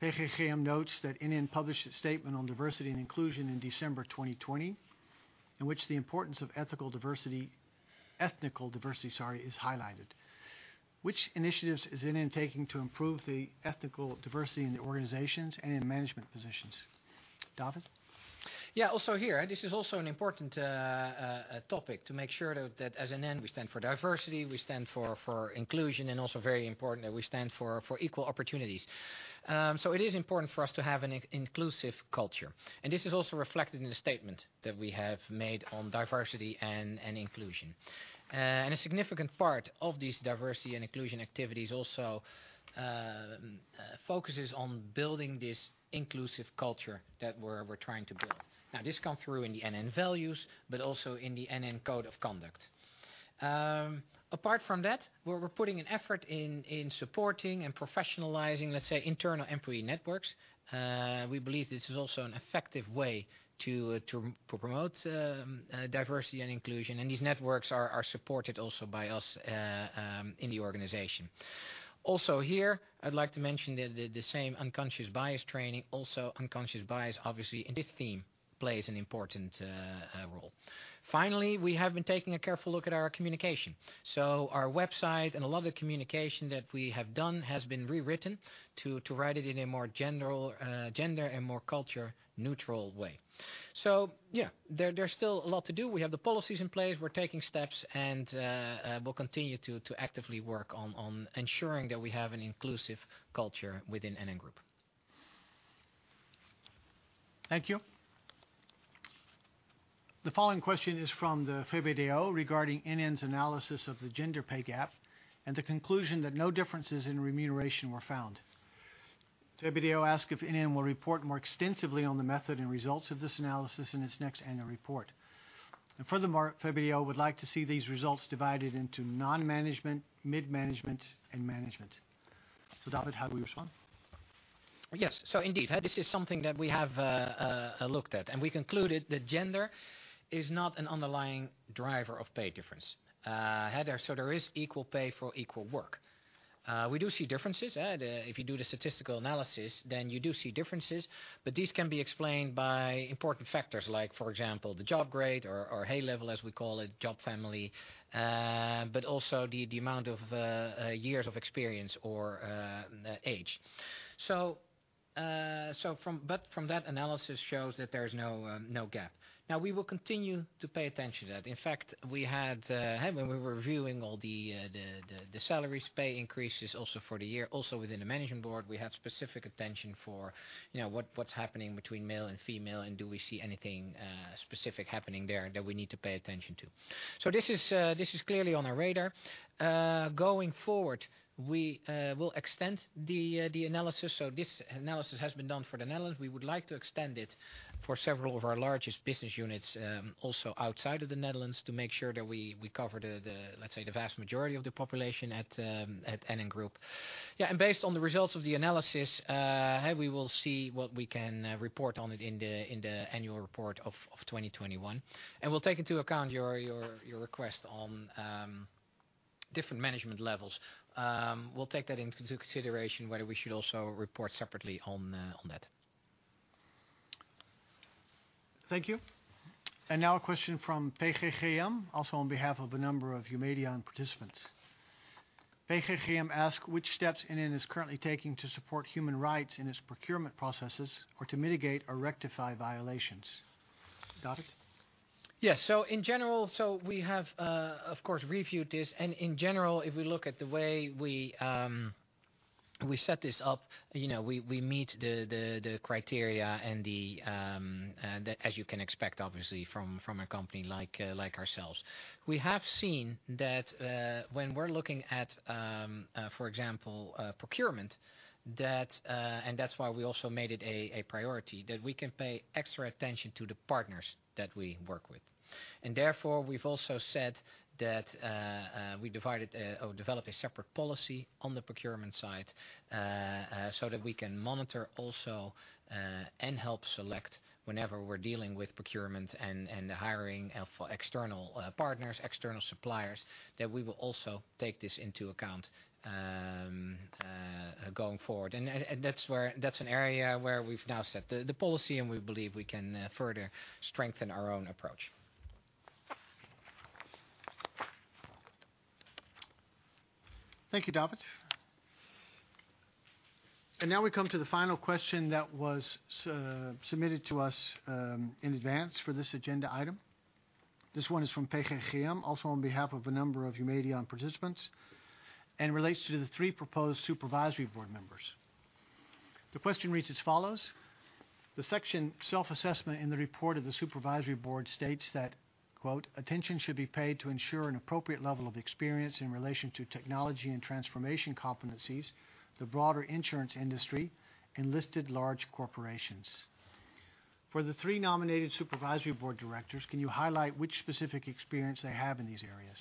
PGGM notes that NN published a statement on diversity and inclusion in December 2020, in which the importance of ethnic diversity is highlighted. Which initiatives is NN taking to improve the ethnic diversity in the organizations and in management positions? David? Yeah, also here, this is also an important topic to make sure that as NN, we stand for diversity, we stand for inclusion, and also very important that we stand for equal opportunities. It is important for us to have an inclusive culture, and this is also reflected in the statement that we have made on diversity and inclusion. A significant part of these diversity and inclusion activities also focuses on building this inclusive culture that we're trying to build. Now, this comes through in the NN values, but also in the NN Code of Conduct. Apart from that, we're putting an effort in supporting and professionalizing, let's say, internal employee networks. We believe this is also an effective way to promote diversity and inclusion, and these networks are supported also by us in the organization. Also here, I'd like to mention the same unconscious bias training, also unconscious bias, obviously. This theme plays an important role. Finally, we have been taking a careful look at our communication. Our website and a lot of the communication that we have done has been rewritten to write it in a more gender and more culture-neutral way. Yeah, there's still a lot to do. We have the policies in place. We're taking steps, and we'll continue to actively work on ensuring that we have an inclusive culture within NN Group. Thank you. The following question is from the VEB regarding NN's analysis of the gender pay gap and the conclusion that no differences in remuneration were found. The VEB asks if NN will report more extensively on the method and results of this analysis in its next annual report. Furthermore, the VEB would like to see these results divided into non-management, mid-management, and management. David, how do we respond? Yes. So indeed, this is something that we have looked at, and we concluded that gender is not an underlying driver of pay difference. So there is equal pay for equal work. We do see differences. If you do the statistical analysis, then you do see differences, but these can be explained by important factors like, for example, the job grade or Hay Level, as we call it, job family, but also the amount of years of experience or age. But from that analysis shows that there is no gap. Now, we will continue to pay attention to that. In fact, when we were reviewing all the salaries, pay increases also for the year, also within the Management Board, we had specific attention for what's happening between male and female, and do we see anything specific happening there that we need to pay attention to. So this is clearly on our radar. Going forward, we will extend the analysis. So this analysis has been done for the Netherlands. We would like to extend it for several of our largest business units also outside of the Netherlands to make sure that we cover the, let's say, the vast majority of the population at NN Group. Yeah, and based on the results of the analysis, we will see what we can report on it in the annual report of 2021. And we'll take into account your request on different management levels. We'll take that into consideration whether we should also report separately on that. Thank you. And now a question from PGGM, also on behalf of a number of Eumedion participants. PGGM asks which steps NN is currently taking to support human rights in its procurement processes or to mitigate or rectify violations. David? In general, we have, of course, reviewed this. In general, if we look at the way we set this up, we meet the criteria and the, as you can expect, obviously, from a company like ourselves. We have seen that when we're looking at, for example, procurement, and that's why we also made it a priority, that we can pay extra attention to the partners that we work with. And therefore, we've also said that we developed a separate policy on the procurement side so that we can monitor also and help select whenever we're dealing with procurement and hiring for external partners, external suppliers, that we will also take this into account going forward. And that's an area where we've now set the policy, and we believe we can further strengthen our own approach. Thank you, David. And now we come to the final question that was submitted to us in advance for this agenda item. This one is from PGGM, also on behalf of a number of Eumedion participants, and relates to the three proposed Supervisory Board members. The question reads as follows: the section self-assessment in the report of the Supervisory Board states that, "Attention should be paid to ensure an appropriate level of experience in relation to technology and transformation competencies, the broader insurance industry, and listed large corporations." For the three nominated Supervisory Board directors, can you highlight which specific experience they have in these areas?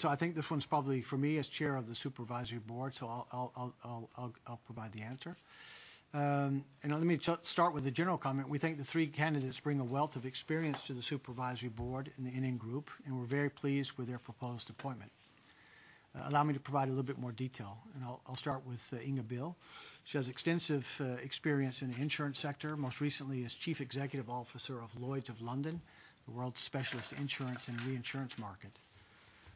So I think this one's probably for me as chair of the Supervisory Board, so I'll provide the answer. And let me start with a general comment. We think the three candidates bring a wealth of experience to the Supervisory Board in the NN Group, and we're very pleased with their proposed appointment. Allow me to provide a little bit more detail, and I'll start with Inga Beale. She has extensive experience in the insurance sector, most recently as Chief Executive Officer of Lloyd's of London, the world's specialist insurance and reinsurance market.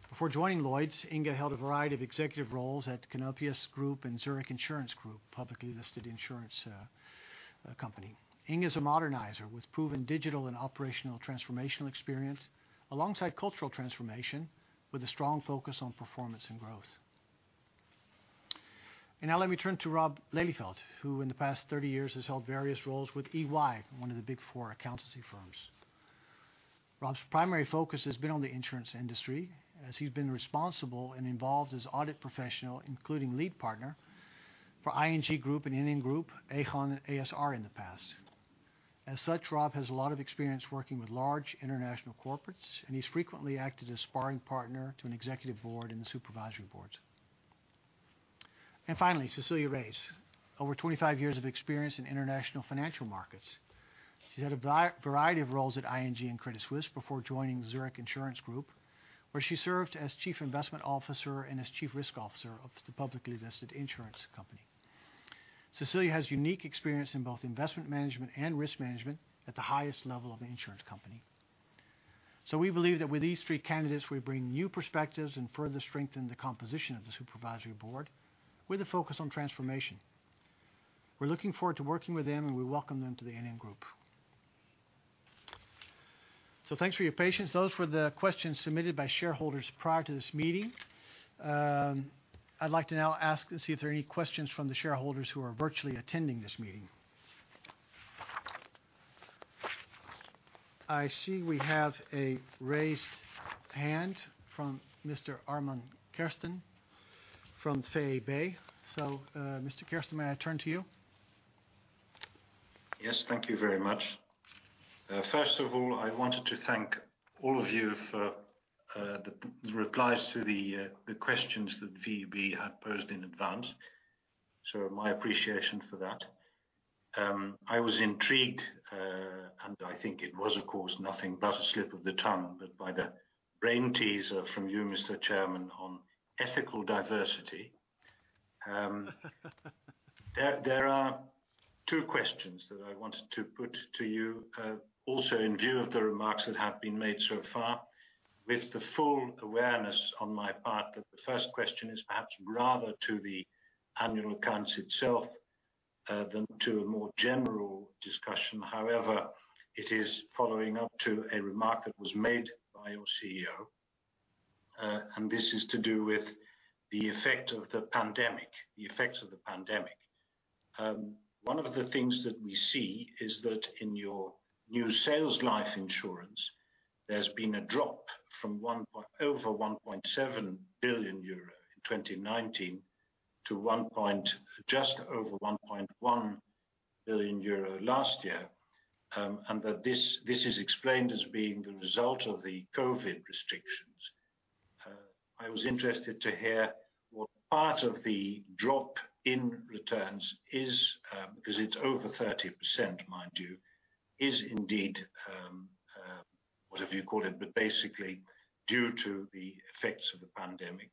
Before joining Lloyd's, Inga held a variety of executive roles at Canopius Group and Zurich Insurance Group, publicly listed insurance company. Inga is a modernizer with proven digital and operational transformational experience, alongside cultural transformation with a strong focus on performance and growth. And now let me turn to Rob Lelieveld, who in the past 30 years has held various roles with EY, one of the Big Four accounting firms. Rob's primary focus has been on the insurance industry, as he's been responsible and involved as audit professional, including lead partner for ING Group and NN Group, Achmea, and ASR in the past. As such, Rob has a lot of experience working with large international corporates, and he's frequently acted as sparring partner to an Executive Board and the Supervisory Boards, and finally, Cecilia Reyes, over 25 years of experience in international financial markets. She's had a variety of roles at ING and Credit Suisse before joining Zurich Insurance Group, where she served as chief investment officer and as chief risk officer of the publicly listed insurance company. Cecilia has unique experience in both investment management and risk management at the highest level of an insurance company. So we believe that with these three candidates, we bring new perspectives and further strengthen the composition of the Supervisory Board with a focus on transformation. We're looking forward to working with them, and we welcome them to the NN Group. So thanks for your patience. Those were the questions submitted by shareholders prior to this meeting. I'd like to now ask and see if there are any questions from the shareholders who are virtually attending this meeting. I see we have a raised hand from Mr. Armand Kersten from VEB. So Mr. Kersten, may I turn to you? Yes. Thank you very much. First of all, I wanted to thank all of you for the replies to the questions that VEB had posed in advance. So my appreciation for that. I was intrigued, and I think it was, of course, nothing but a slip of the tongue, but by the brain teaser from you, Mr. Chairman, on ethical diversity. There are two questions that I wanted to put to you, also in view of the remarks that have been made so far, with the full awareness on my part that the first question is perhaps rather to the annual accounts itself than to a more general discussion. However, it is following up to a remark that was made by your CEO, and this is to do with the effect of the pandemic, the effects of the pandemic. One of the things that we see is that in your new sales life insurance, there's been a drop from over 1.7 billion euro in 2019 to just over 1.1 billion euro last year, and that this is explained as being the result of the COVID restrictions. I was interested to hear what part of the drop in returns is, because it's over 30%, mind you, is indeed whatever you call it, but basically due to the effects of the pandemic.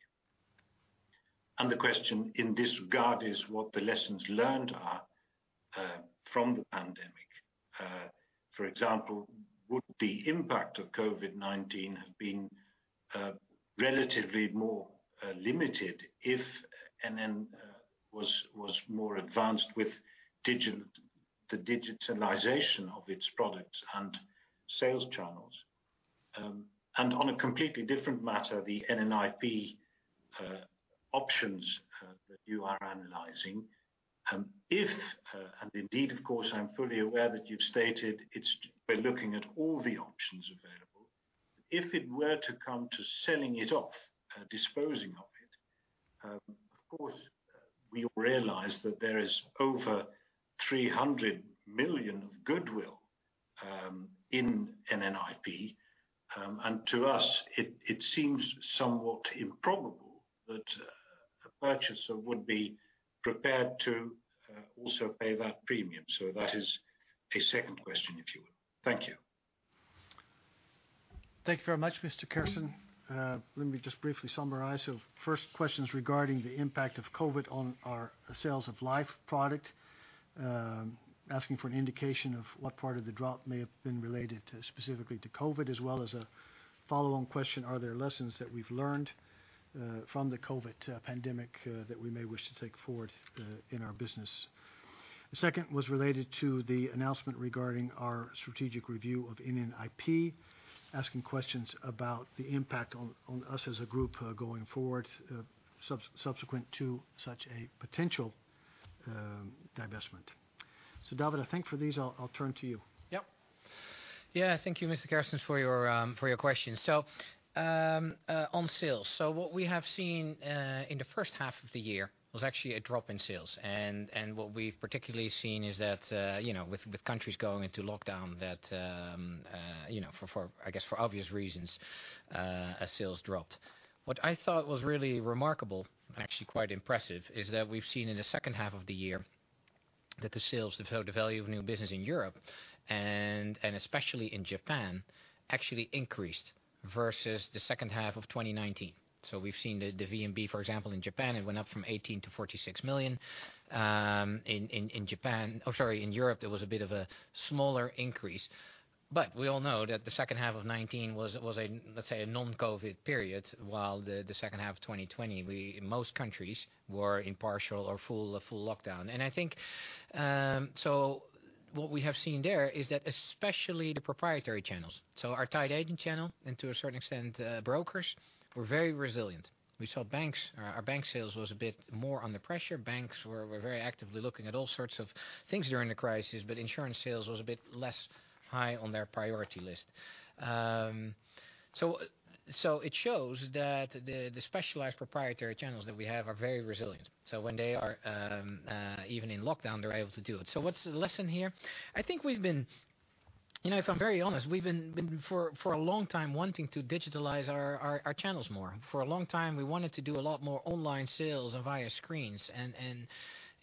And the question in this regard is what the lessons learned are from the pandemic. For example, would the impact of COVID-19 have been relatively more limited if NN was more advanced with the digitalization of its products and sales channels? On a completely different matter, the NNIP options that you are analyzing, if, and indeed, of course, I'm fully aware that you've stated we're looking at all the options available, if it were to come to selling it off, disposing of it, of course, we realize that there is over 300 million of goodwill in NNIP, and to us, it seems somewhat improbable that a purchaser would be prepared to also pay that premium. So that is a second question, if you will. Thank you. Thank you very much, Mr. Kersten. Let me just briefly summarize. So first question is regarding the impact of COVID on our sales of life product, asking for an indication of what part of the drop may have been related specifically to COVID, as well as a follow-on question: Are there lessons that we've learned from the COVID pandemic that we may wish to take forward in our business? The second was related to the announcement regarding our strategic review of NNIP, asking questions about the impact on us as a group going forward subsequent to such a potential divestment. So David, I think for these, I'll turn to you. Yep. Yeah. Thank you, Mr. Kersten, for your questions. So on sales, so what we have seen in the first half of the year was actually a drop in sales, and what we've particularly seen is that with countries going into lockdown, that for, I guess, for obvious reasons, sales dropped. What I thought was really remarkable, actually quite impressive, is that we've seen in the second half of the year that the sales, the value of new business in Europe, and especially in Japan, actually increased versus the second half of 2019. So we've seen the VNB, for example, in Japan, it went up from 18 million to 46 million. In Japan, or sorry, in Europe, there was a bit of a smaller increase, but we all know that the second half of 2019 was a, let's say, a non-COVID period, while the second half of 2020, most countries were in partial or full lockdown. And I think so what we have seen there is that especially the proprietary channels, so our tied agent channel and to a certain extent brokers, were very resilient. We saw our bank sales was a bit more under pressure. Banks were very actively looking at all sorts of things during the crisis, but insurance sales was a bit less high on their priority list. So it shows that the specialized proprietary channels that we have are very resilient. So when they are even in lockdown, they're able to do it. So what's the lesson here? I think we've been, if I'm very honest, we've been for a long time wanting to digitalize our channels more. For a long time, we wanted to do a lot more online sales via screens,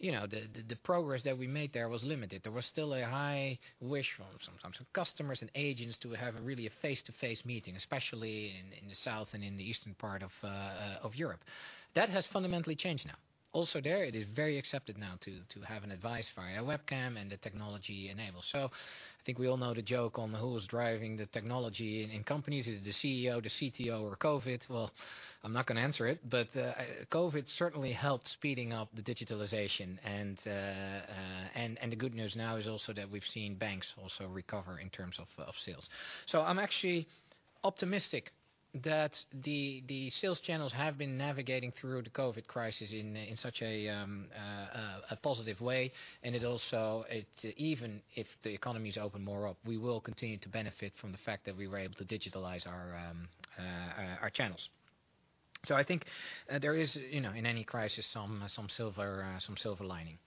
and the progress that we made there was limited. There was still a high wish from some customers and agents to have really a face-to-face meeting, especially in the south and in the eastern part of Europe. That has fundamentally changed now. Also there, it is very accepted now to have an advice via a webcam and the technology enabled. So I think we all know the joke on who was driving the technology in companies: is it the CEO, the CTO, or COVID? Well, I'm not going to answer it, but COVID certainly helped speeding up the digitalization, and the good news now is also that we've seen banks also recover in terms of sales. So I'm actually optimistic that the sales channels have been navigating through the COVID crisis in such a positive way, and it also, even if the economy is opening more up, we will continue to benefit from the fact that we were able to digitalize our channels. So I think there is, in any crisis, some silver lining.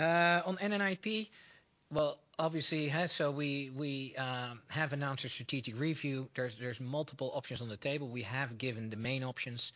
On NNIP, well, obviously, so we have announced a strategic review. There's multiple options on the table. We have given the main options,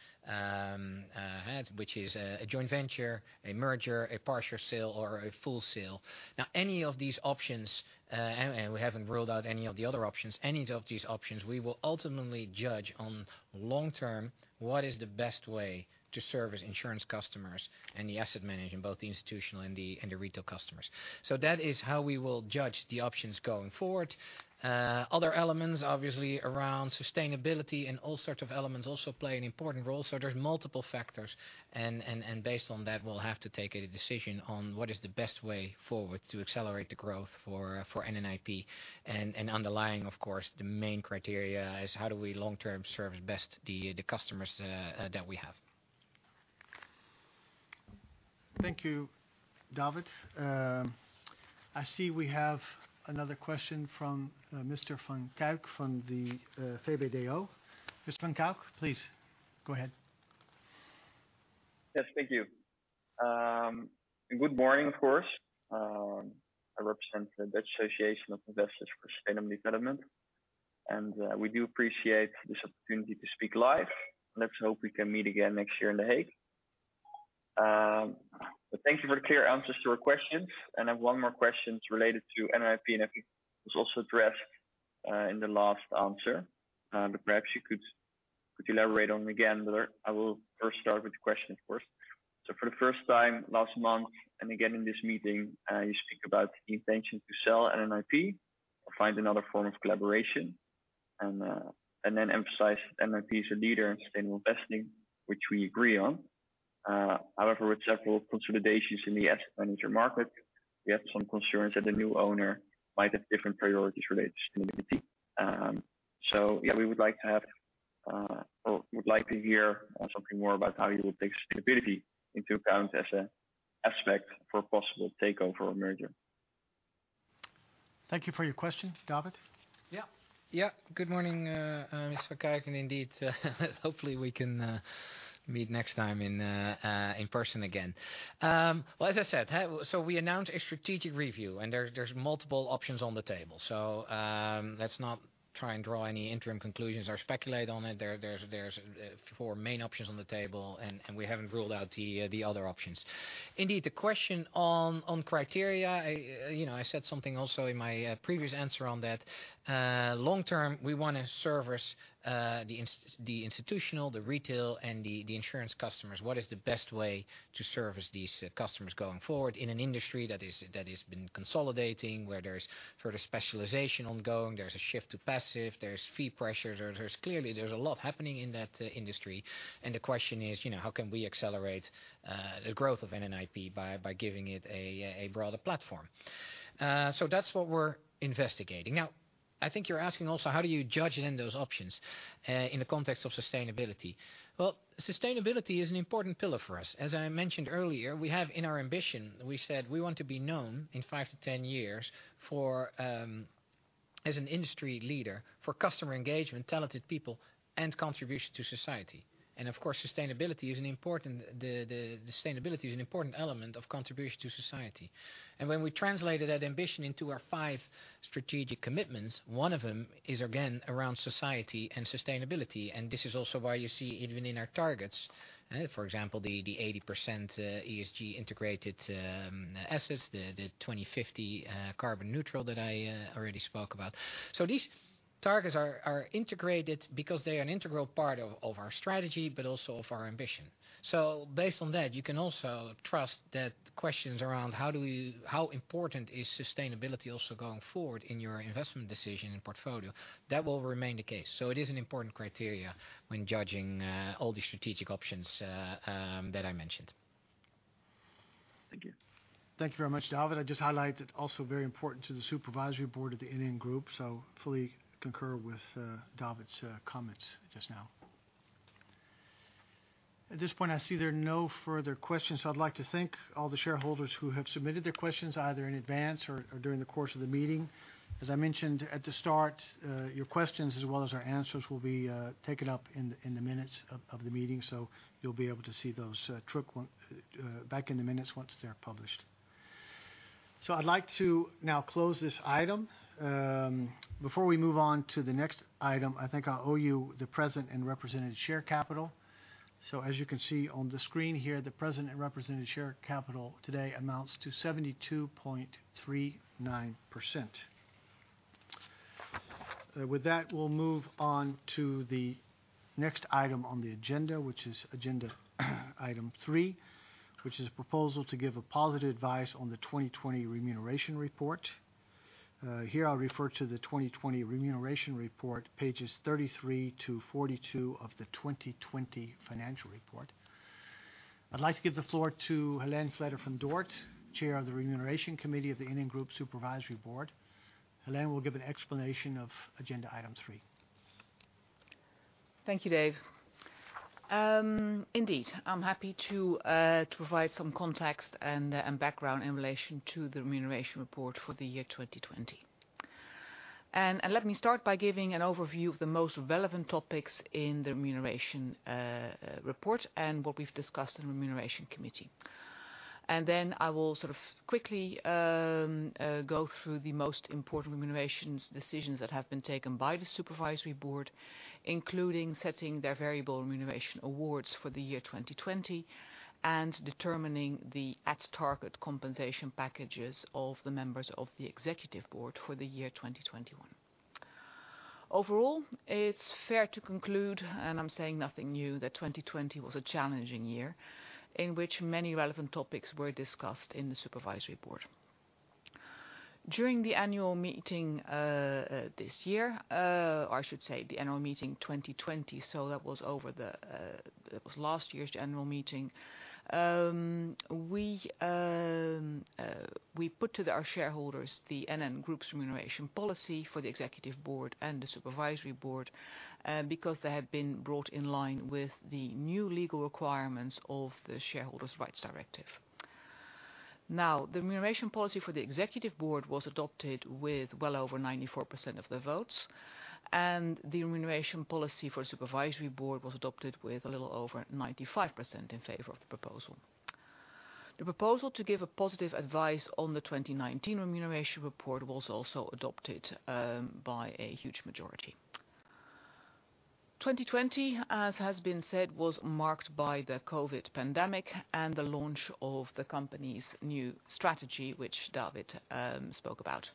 which is a joint venture, a merger, a partial sale, or a full sale. Now, any of these options, and we haven't ruled out any of the other options, any of these options, we will ultimately judge on long term what is the best way to service insurance customers and the asset management, both the institutional and the retail customers. So that is how we will judge the options going forward. Other elements, obviously, around sustainability and all sorts of elements also play an important role. So there's multiple factors, and based on that, we'll have to take a decision on what is the best way forward to accelerate the growth for NNIP, and underlying, of course, the main criteria is how do we long term service best the customers that we have. Thank you, David. I see we have another question from Mr. Marcel van de Kerk from the VEB. Mr. van de Kerk, please go ahead. Yes. Thank you. Good morning, of course. I represent the Dutch Association of Investors for Sustainable Development, and we do appreciate this opportunity to speak live. Let's hope we can meet again next year in The Hague. But thank you for the clear answers to our questions, and I have one more question related to NNIP, and I think it was also addressed in the last answer, but perhaps you could elaborate on it again. I will first start with the question, of course. So for the first time last month, and again in this meeting, you speak about the intention to sell NNIP or find another form of collaboration, and then emphasize NNIP is a leader in sustainable investing, which we agree on. However, with several consolidations in the asset manager market, we have some concerns that the new owner might have different priorities related to sustainability. So yeah, we would like to have or would like to hear something more about how you will take sustainability into account as an aspect for possible takeover or merger. Thank you for your question, David. Yeah. Yeah. Good morning, Mr. van de Kerk, and indeed, hopefully we can meet next time in person again. Well, as I said, so we announced a strategic review, and there's multiple options on the table. So let's not try and draw any interim conclusions or speculate on it. There's four main options on the table, and we haven't ruled out the other options. Indeed, the question on criteria, I said something also in my previous answer on that. Long term, we want to service the institutional, the retail, and the insurance customers. What is the best way to service these customers going forward in an industry that has been consolidating, where there's further specialization ongoing, there's a shift to passive, there's fee pressures, or there's clearly a lot happening in that industry, and the question is, how can we accelerate the growth of NNIP by giving it a broader platform? So that's what we're investigating. Now, I think you're asking also, how do you judge then those options in the context of sustainability? Well, sustainability is an important pillar for us. As I mentioned earlier, we have in our ambition, we said we want to be known in five to 10 years as an industry leader for customer engagement, talented people, and contribution to society. And of course, sustainability is an important element of contribution to society. When we translated that ambition into our five strategic commitments, one of them is again around society and sustainability, and this is also why you see even in our targets, for example, the 80% ESG integrated assets, the 2050 carbon neutral that I already spoke about. These targets are integrated because they are an integral part of our strategy, but also of our ambition. Based on that, you can also trust that questions around how important is sustainability also going forward in your investment decision and portfolio, that will remain the case. It is an important criteria when judging all the strategic options that I mentioned. Thank you. Thank you very much, David. I just highlighted also very important to the Supervisory Board of the NN Group, so fully concur with David's comments just now. At this point, I see there are no further questions, so I'd like to thank all the shareholders who have submitted their questions either in advance or during the course of the meeting. As I mentioned at the start, your questions as well as our answers will be taken up in the minutes of the meeting, so you'll be able to see those back in the minutes once they're published. I'd like to now close this item. Before we move on to the next item, I think I'll owe you the present and represented share capital. As you can see on the screen here, the present and represented share capital today amounts to 72.39%. With that, we'll move on to the next item on the agenda, which is agenda item three, which is a proposal to give a positive advice on the 2020 Remuneration Report. Here I'll refer to the 2020 Remuneration Report, pages 33 to 42 of the 2020 Financial Report. I'd like to give the floor to Hélène Vletter-van Dort, Chair of the Remuneration Committee of the NN Group Supervisory Board. Hélène will give an explanation of agenda item three. Thank you, Dave. Indeed, I'm happy to provide some context and background in relation to the remuneration report for the year 2020. And let me start by giving an overview of the most relevant topics in the remuneration report and what we've discussed in the Remuneration Committee. And then I will sort of quickly go through the most important remuneration decisions that have been taken by the Supervisory Board, including setting their variable remuneration awards for the year 2020 and determining the at-target compensation packages of the members of the Executive Board for the year 2021. Overall, it's fair to conclude, and I'm saying nothing new, that 2020 was a challenging year in which many relevant topics were discussed in the Supervisory Board. During the annual meeting this year, or I should say the annual meeting 2020, so that was last year's annual meeting, we put to our shareholders the NN Group's remuneration policy for the Executive Board and the Supervisory Board because they had been brought in line with the new legal requirements of the Shareholders' Rights Directive. Now, the remuneration policy for the Executive Board was adopted with well over 94% of the votes, and the remuneration policy for the Supervisory Board was adopted with a little over 95% in favor of the proposal. The proposal to give a positive advice on the 2019 remuneration report was also adopted by a huge majority. 2020, as has been said, was marked by the COVID pandemic and the launch of the company's new strategy, which David spoke about.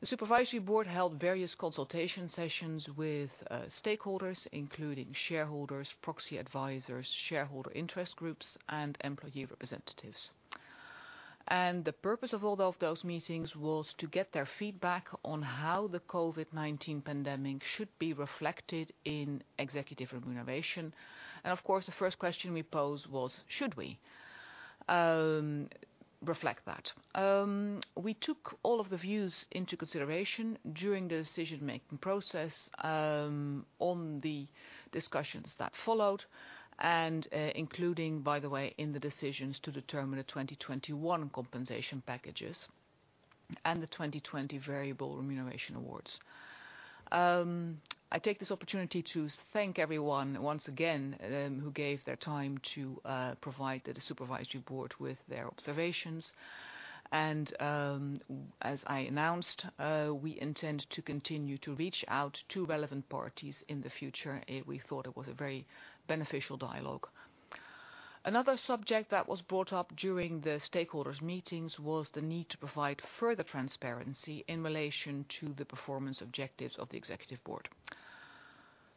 The Supervisory Board held various consultation sessions with stakeholders, including shareholders, proxy advisors, shareholder interest groups, and employee representatives. And the purpose of all of those meetings was to get their feedback on how the COVID-19 pandemic should be reflected in executive remuneration. And of course, the first question we posed was, should we reflect that? We took all of the views into consideration during the decision-making process on the discussions that followed, and including, by the way, in the decisions to determine the 2021 compensation packages and the 2020 variable remuneration awards. I take this opportunity to thank everyone once again who gave their time to provide the Supervisory Board with their observations. As I announced, we intend to continue to reach out to relevant parties in the future. We thought it was a very beneficial dialogue. Another subject that was brought up during the stakeholders' meetings was the need to provide further transparency in relation to the performance objectives of the Executive Board.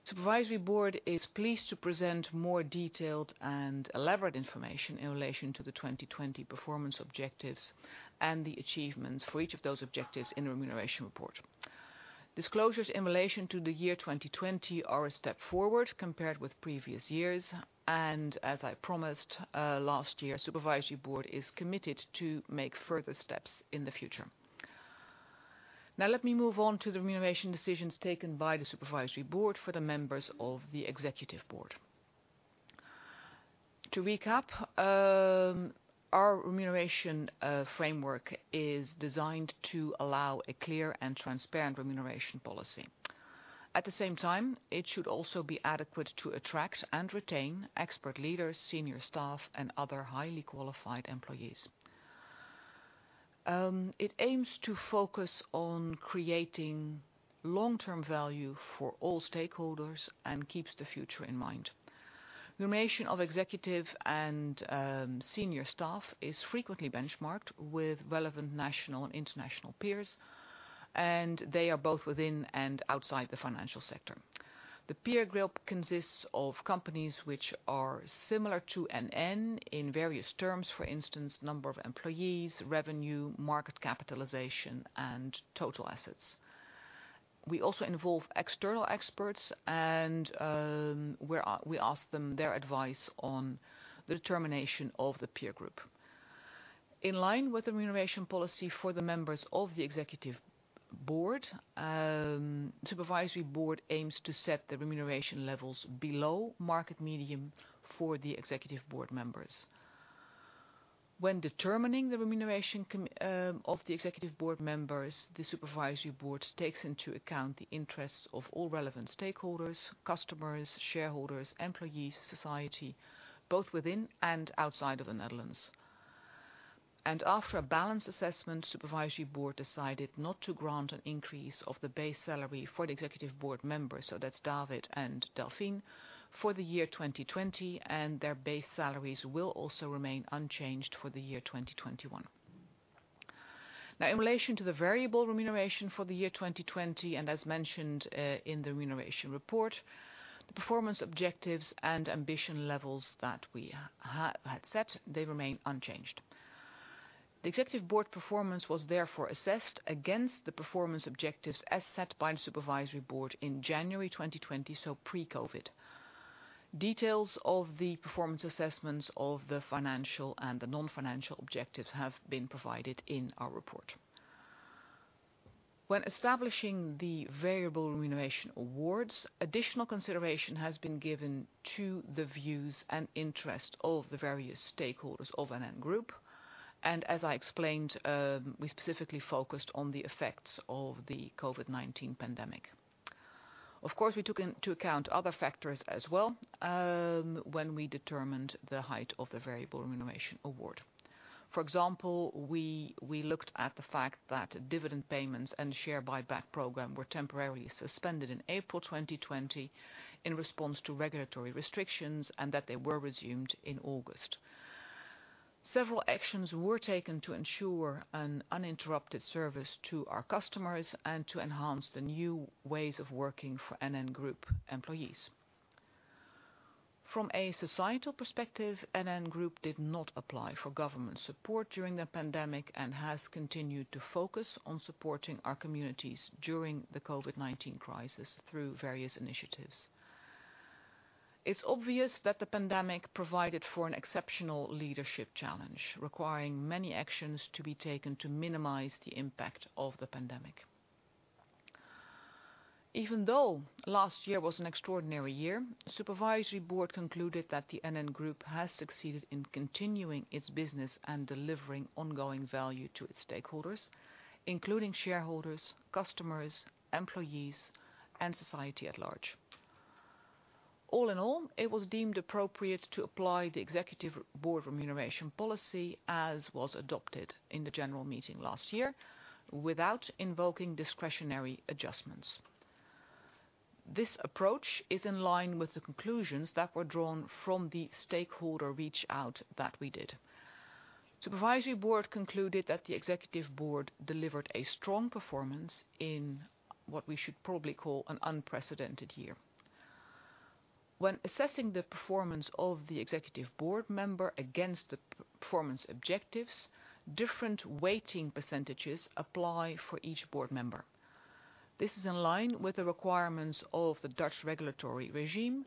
The Supervisory Board is pleased to present more detailed and elaborate information in relation to the 2020 performance objectives and the achievements for each of those objectives in the remuneration report. Disclosures in relation to the year 2020 are a step forward compared with previous years, and as I promised last year, the Supervisory Board is committed to make further steps in the future. Now, let me move on to the remuneration decisions taken by the Supervisory Board for the members of the Executive Board. To recap, our remuneration framework is designed to allow a clear and transparent remuneration policy. At the same time, it should also be adequate to attract and retain expert leaders, senior staff, and other highly qualified employees. It aims to focus on creating long-term value for all stakeholders and keeps the future in mind. The remuneration of executive and senior staff is frequently benchmarked with relevant national and international peers, and they are both within and outside the financial sector. The peer group consists of companies which are similar to NN in various terms, for instance, number of employees, revenue, market capitalization, and total assets. We also involve external experts, and we ask them their advice on the determination of the peer group. In line with the remuneration policy for the members of the Executive Board, the Supervisory Board aims to set the remuneration levels below market median for the Executive Board members. When determining the remuneration of the Executive Board members, the Supervisory Board takes into account the interests of all relevant stakeholders, customers, shareholders, employees, society, both within and outside of the Netherlands. After a balanced assessment, the Supervisory Board decided not to grant an increase of the base salary for the Executive Board members, so that's David and Delfin, for the year 2020, and their base salaries will also remain unchanged for the year 2021. Now, in relation to the variable remuneration for the year 2020, and as mentioned in the remuneration report, the performance objectives and ambition levels that we had set, they remain unchanged. The Executive Board performance was therefore assessed against the performance objectives as set by the Supervisory Board in January 2020, so pre-COVID. Details of the performance assessments of the financial and the non-financial objectives have been provided in our report. When establishing the variable remuneration awards, additional consideration has been given to the views and interests of the various stakeholders of NN Group, and as I explained, we specifically focused on the effects of the COVID-19 pandemic. Of course, we took into account other factors as well when we determined the height of the variable remuneration award. For example, we looked at the fact that dividend payments and the share buyback program were temporarily suspended in April 2020 in response to regulatory restrictions and that they were resumed in August. Several actions were taken to ensure an uninterrupted service to our customers and to enhance the new ways of working for NN Group employees. From a societal perspective, NN Group did not apply for government support during the pandemic and has continued to focus on supporting our communities during the COVID-19 crisis through various initiatives. It's obvious that the pandemic provided for an exceptional leadership challenge, requiring many actions to be taken to minimize the impact of the pandemic. Even though last year was an extraordinary year, the Supervisory Board concluded that the NN Group has succeeded in continuing its business and delivering ongoing value to its stakeholders, including shareholders, customers, employees, and society at large. All in all, it was deemed appropriate to apply the Executive Board remuneration policy as was adopted in the general meeting last year without invoking discretionary adjustments. This approach is in line with the conclusions that were drawn from the stakeholder reach-out that we did. The Supervisory Board concluded that the Executive Board delivered a strong performance in what we should probably call an unprecedented year. When assessing the performance of the Executive Board member against the performance objectives, different weighting percentages apply for each board member. This is in line with the requirements of the Dutch regulatory regime,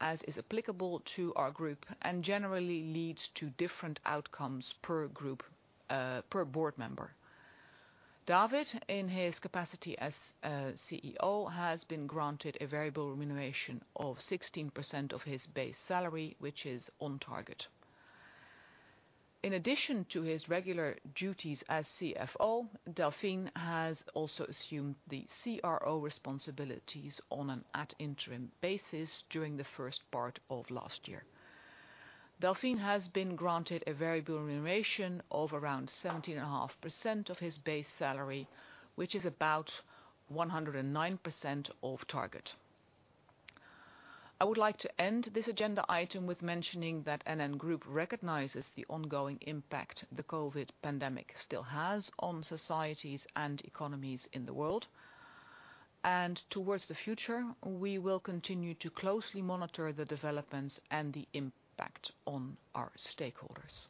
as is applicable to our group, and generally leads to different outcomes per board member. David, in his capacity as CEO, has been granted a variable remuneration of 16% of his base salary, which is on target. In addition to his regular duties as CFO, Delfin has also assumed the CRO responsibilities on an at-interim basis during the first part of last year. Delfin has been granted a variable remuneration of around 17.5% of his base salary, which is about 109% of target. I would like to end this agenda item with mentioning that NN Group recognizes the ongoing impact the COVID pandemic still has on societies and economies in the world, and towards the future, we will continue to closely monitor the developments and the impact on our stakeholders.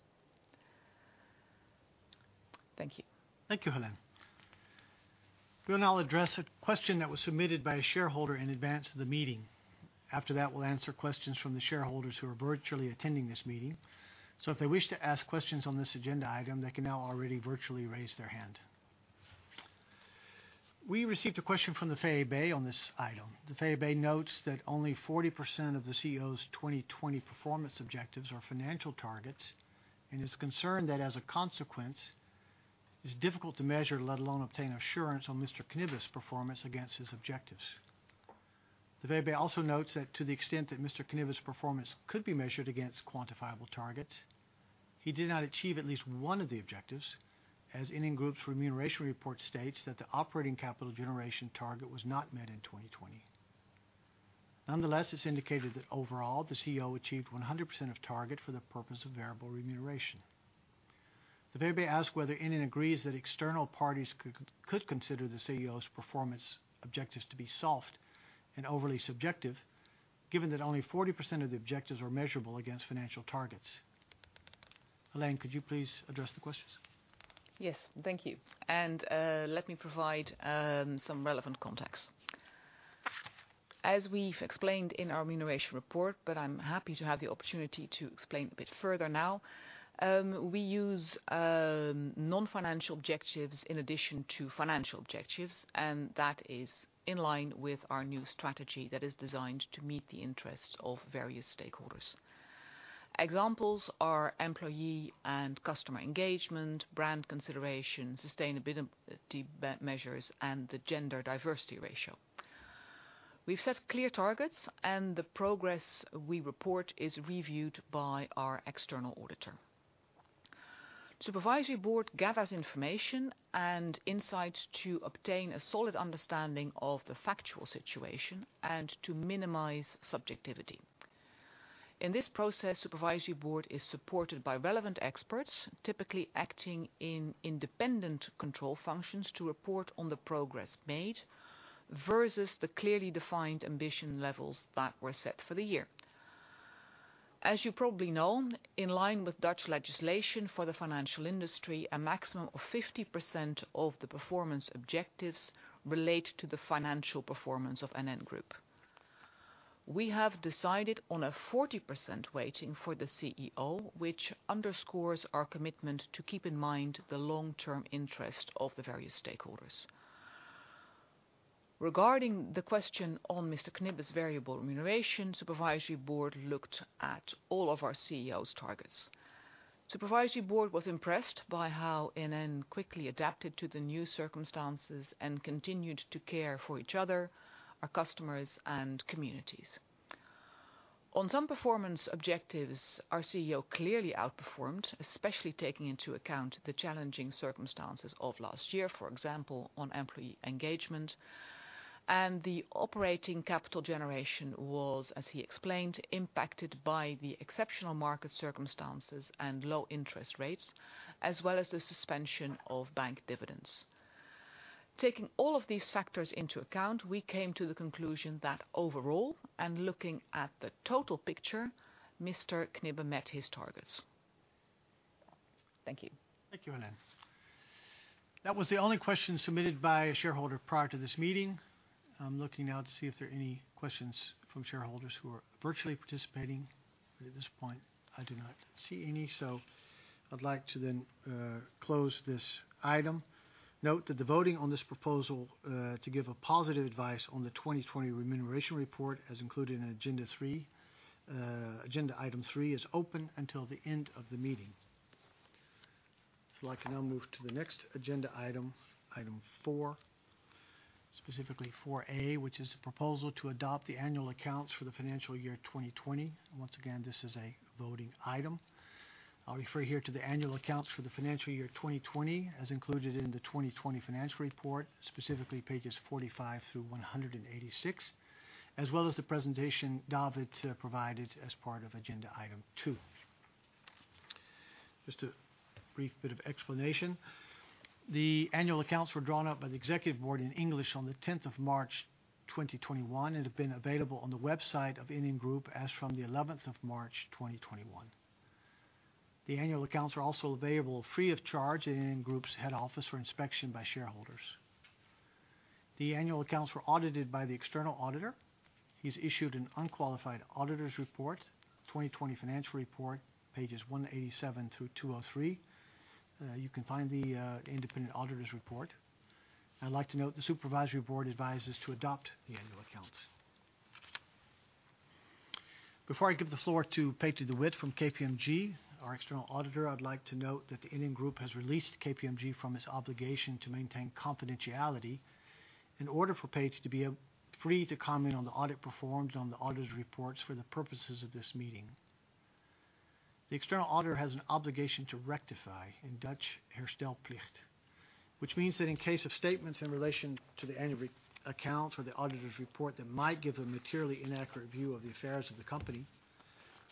Thank you. Thank you, Hélène. We'll now address a question that was submitted by a shareholder in advance of the meeting. After that, we'll answer questions from the shareholders who are virtually attending this meeting. So if they wish to ask questions on this agenda item, they can now already virtually raise their hand. We received a question from the VEB on this item. The VEB notes that only 40% of the CEO's 2020 performance objectives are financial targets, and is concerned that as a consequence, it's difficult to measure, let alone obtain assurance on Mr. Knibbe's performance against his objectives. The VEB also notes that to the extent that Mr. Knibbe's performance could be measured against quantifiable targets, he did not achieve at least one of the objectives, as NN Group's remuneration report states that the operating capital generation target was not met in 2020. Nonetheless, it's indicated that overall, the CEO achieved 100% of target for the purpose of variable remuneration. The VEB asked whether NN agrees that external parties could consider the CEO's performance objectives to be soft and overly subjective, given that only 40% of the objectives are measurable against financial targets. Hélène, could you please address the questions? Yes, thank you. Let me provide some relevant context. As we've explained in our remuneration report, but I'm happy to have the opportunity to explain a bit further now, we use non-financial objectives in addition to financial objectives, and that is in line with our new strategy that is designed to meet the interests of various stakeholders. Examples are employee and customer engagement, brand consideration, sustainability measures, and the gender diversity ratio. We've set clear targets, and the progress we report is reviewed by our external auditor. The Supervisory Board gathers information and insights to obtain a solid understanding of the factual situation and to minimize subjectivity. In this process, the Supervisory Board is supported by relevant experts, typically acting in independent control functions to report on the progress made versus the clearly defined ambition levels that were set for the year. As you probably know, in line with Dutch legislation for the financial industry, a maximum of 50% of the performance objectives relate to the financial performance of NN Group. We have decided on a 40% weighting for the CEO, which underscores our commitment to keep in mind the long-term interests of the various stakeholders. Regarding the question on Mr. Knibbe's variable remuneration, the Supervisory Board looked at all of our CEO's targets. The Supervisory Board was impressed by how NN quickly adapted to the new circumstances and continued to care for each other, our customers, and communities. On some performance objectives, our CEO clearly outperformed, especially taking into account the challenging circumstances of last year, for example, on employee engagement, and the operating capital generation was, as he explained, impacted by the exceptional market circumstances and low interest rates, as well as the suspension of bank dividends. Taking all of these factors into account, we came to the conclusion that overall, and looking at the total picture, Mr. Knibbe met his targets. Thank you. Thank you, Hélène. That was the only question submitted by a shareholder prior to this meeting. I'm looking now to see if there are any questions from shareholders who are virtually participating, but at this point, I do not see any, so I'd like to then close this item. Note that the voting on this proposal to give a positive advice on the 2020 Remuneration Report, as included in agenda item three, is open until the end of the meeting. I'd like to now move to the next agenda item, item four, specifically 4A, which is the proposal to adopt the annual accounts for the financial year 2020. Once again, this is a voting item. I'll refer here to the annual accounts for the financial year 2020, as included in the 2020 Financial Report, specifically pages 45 through 186, as well as the presentation David provided as part of agenda item two. Just a brief bit of explanation. The annual accounts were drawn up by the Executive Board in English on the 10th of March 2021 and have been available on the website of NN Group as from the 11th of March 2021. The annual accounts are also available free of charge at NN Group's head office for inspection by shareholders. The annual accounts were audited by the external auditor. He's issued an unqualified auditor's report. 2020 Financial Report, pages 187 through 203. You can find the independent auditor's report. I'd like to note the Supervisory Board advises to adopt the annual accounts. Before I give the floor to Paige DeWitt from KPMG, our external auditor, I'd like to note that NN Group has released KPMG from its obligation to maintain confidentiality in order for Paige to be free to comment on the audit performed on the auditor's reports for the purposes of this meeting. The external auditor has an obligation to rectify, in Dutch, herstelplicht, which means that in case of statements in relation to the annual accounts or the auditor's report that might give a materially inaccurate view of the affairs of the company,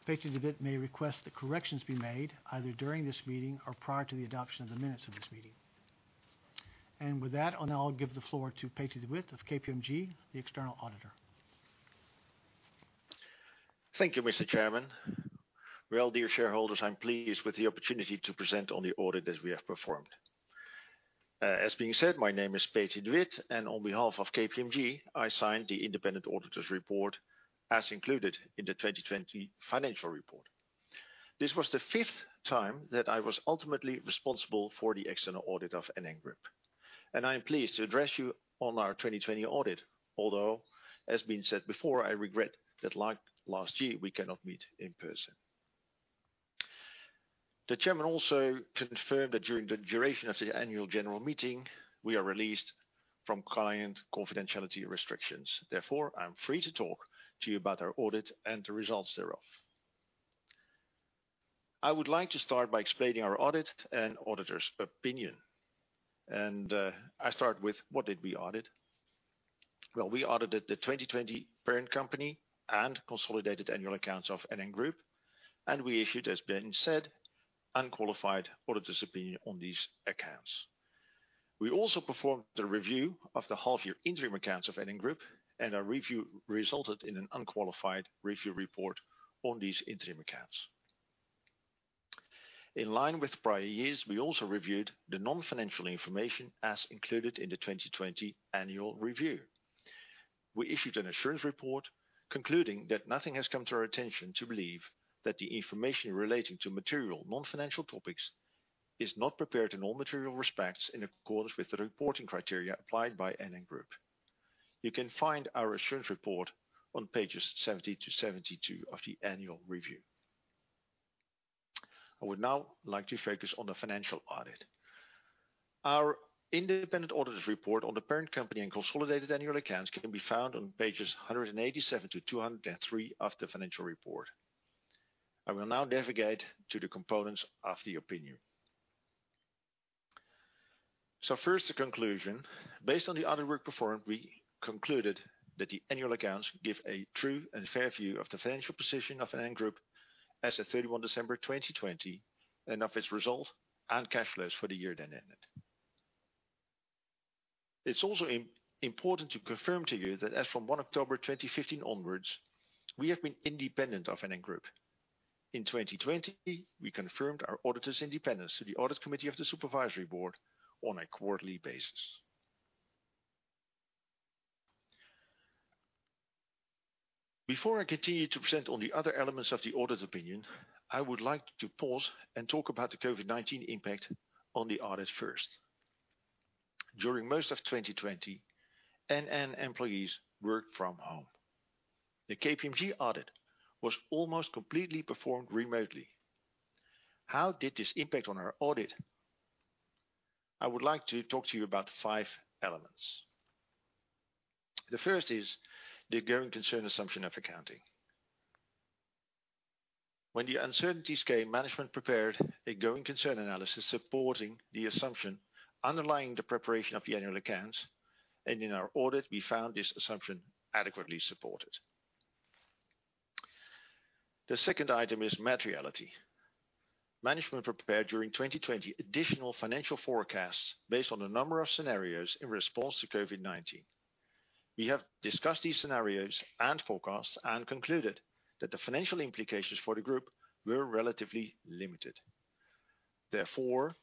Paige DeWitt may request that corrections be made either during this meeting or prior to the adoption of the minutes of this meeting. With that, I'll now give the floor to Paige DeWitt of KPMG, the external auditor. Thank you, Mr. Chairman. Dear shareholders, I'm pleased with the opportunity to present on the audit that we have performed. As being said, my name is Paige DeWitt, and on behalf of KPMG, I signed the independent auditor's report as included in the 2020 Financial Report. This was the fifth time that I was ultimately responsible for the external audit of NN Group, and I'm pleased to address you on our 2020 audit, although, as being said before, I regret that like last year, we cannot meet in person. The chairman also confirmed that during the duration of the Annual General Meeting, we are released from client confidentiality restrictions. Therefore, I'm free to talk to you about our audit and the results thereof. I would like to start by explaining our audit and auditor's opinion, and I start with what did we audit? We audited the 2020 parent company and consolidated annual accounts of NN Group, and we issued, as being said, unqualified auditor's opinion on these accounts. We also performed the review of the half-year interim accounts of NN Group, and our review resulted in an unqualified review report on these interim accounts. In line with prior years, we also reviewed the non-financial information as included in the 2020 Annual Review. We issued an assurance report concluding that nothing has come to our attention to believe that the information relating to material non-financial topics is not prepared in all material respects in accordance with the reporting criteria applied by NN Group. You can find our assurance report on pages 70-72 of the Annual Review. I would now like to focus on the financial audit. Our independent auditor's report on the parent company and consolidated annual accounts can be found on pages 187-203 of the financial report. I will now navigate to the components of the opinion. So first, the conclusion. Based on the audit work performed, we concluded that the annual accounts give a true and fair view of the financial position of NN Group as of 31 December 2020 and of its result and cash flows for the year then ended. It's also important to confirm to you that as from 1 October 2015 onwards, we have been independent of NN Group. In 2020, we confirmed our auditor's independence to the Audit Committee of the Supervisory Board on a quarterly basis. Before I continue to present on the other elements of the audit opinion, I would like to pause and talk about the COVID-19 impact on the audit first. During most of 2020, NN employees worked from home. The KPMG audit was almost completely performed remotely. How did this impact on our audit? I would like to talk to you about five elements. The first is the going concern assumption of accounting. When the uncertainties came, management prepared a going concern analysis supporting the assumption underlying the preparation of the annual accounts, and in our audit, we found this assumption adequately supported. The second item is materiality. Management prepared during 2020 additional financial forecasts based on a number of scenarios in response to COVID-19. We have discussed these scenarios and forecasts and concluded that the financial implications for the group were relatively limited. Therefore,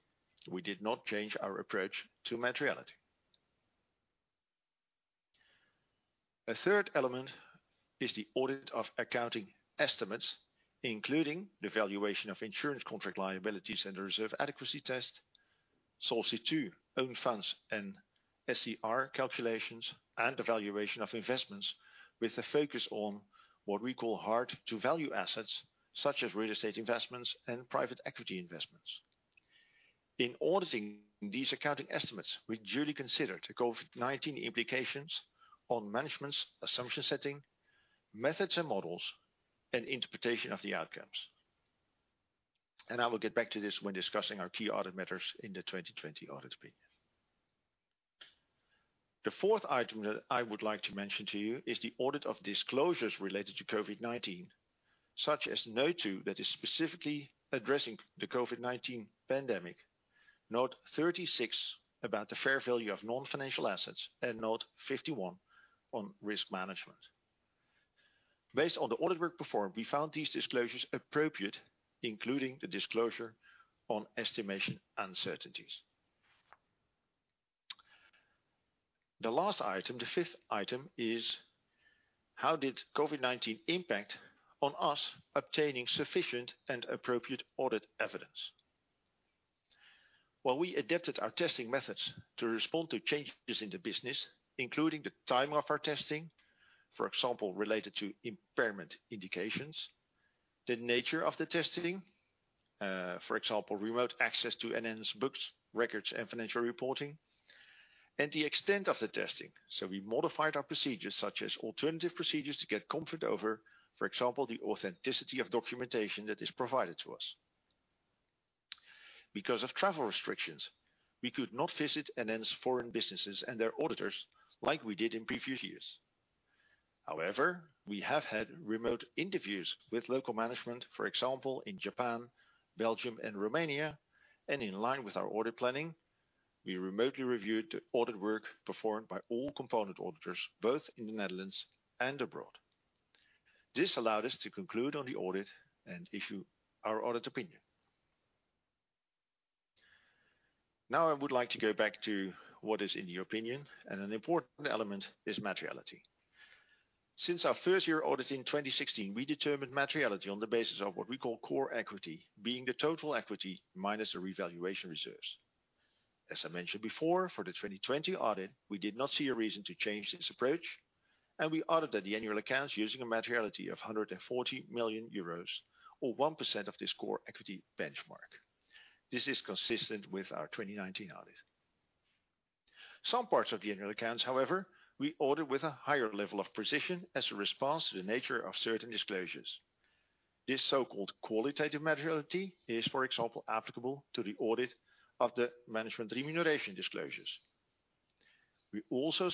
we did not change our approach to materiality. A third element is the audit of accounting estimates, including the valuation of insurance contract liabilities and the reserve adequacy test, Solvency II Own Funds and SCR calculations, and the valuation of investments with a focus on what we call hard-to-value assets, such as real estate investments and private equity investments. In auditing these accounting estimates, we duly considered the COVID-19 implications on management's assumption setting, methods and models, and interpretation of the outcomes. I will get back to this when discussing our key audit matters in the 2020 audit opinion. The fourth item that I would like to mention to you is the audit of disclosures related to COVID-19, such as Note 30 that is specifically addressing the COVID-19 pandemic, Note 36 about the fair value of non-financial assets, and Note 51 on risk management. Based on the audit work performed, we found these disclosures appropriate, including the disclosure on estimation uncertainties. The last item, the fifth item, is how did COVID-19 impact on us obtaining sufficient and appropriate audit evidence? Well, we adapted our testing methods to respond to changes in the business, including the time of our testing, for example, related to impairment indications, the nature of the testing, for example, remote access to NN's books, records, and financial reporting, and the extent of the testing. So we modified our procedures, such as alternative procedures, to get comfort over, for example, the authenticity of documentation that is provided to us. Because of travel restrictions, we could not visit NN's foreign businesses and their auditors like we did in previous years. However, we have had remote interviews with local management, for example, in Japan, Belgium, and Romania, and in line with our audit planning, we remotely reviewed the audit work performed by all component auditors, both in the Netherlands and abroad. This allowed us to conclude on the audit and issue our audit opinion. Now, I would like to go back to what is in the opinion, and an important element is materiality. Since our first year audit in 2016, we determined materiality on the basis of what we call core equity, being the total equity minus the revaluation reserves. As I mentioned before, for the 2020 audit, we did not see a reason to change this approach, and we audited the annual accounts using a materiality of 140 million euros, or 1% of this core equity benchmark. This is consistent with our 2019 audit. Some parts of the annual accounts, however, we audited with a higher level of precision as a response to the nature of certain disclosures. This so-called qualitative materiality is, for example, applicable to the audit of the management remuneration disclosures. We also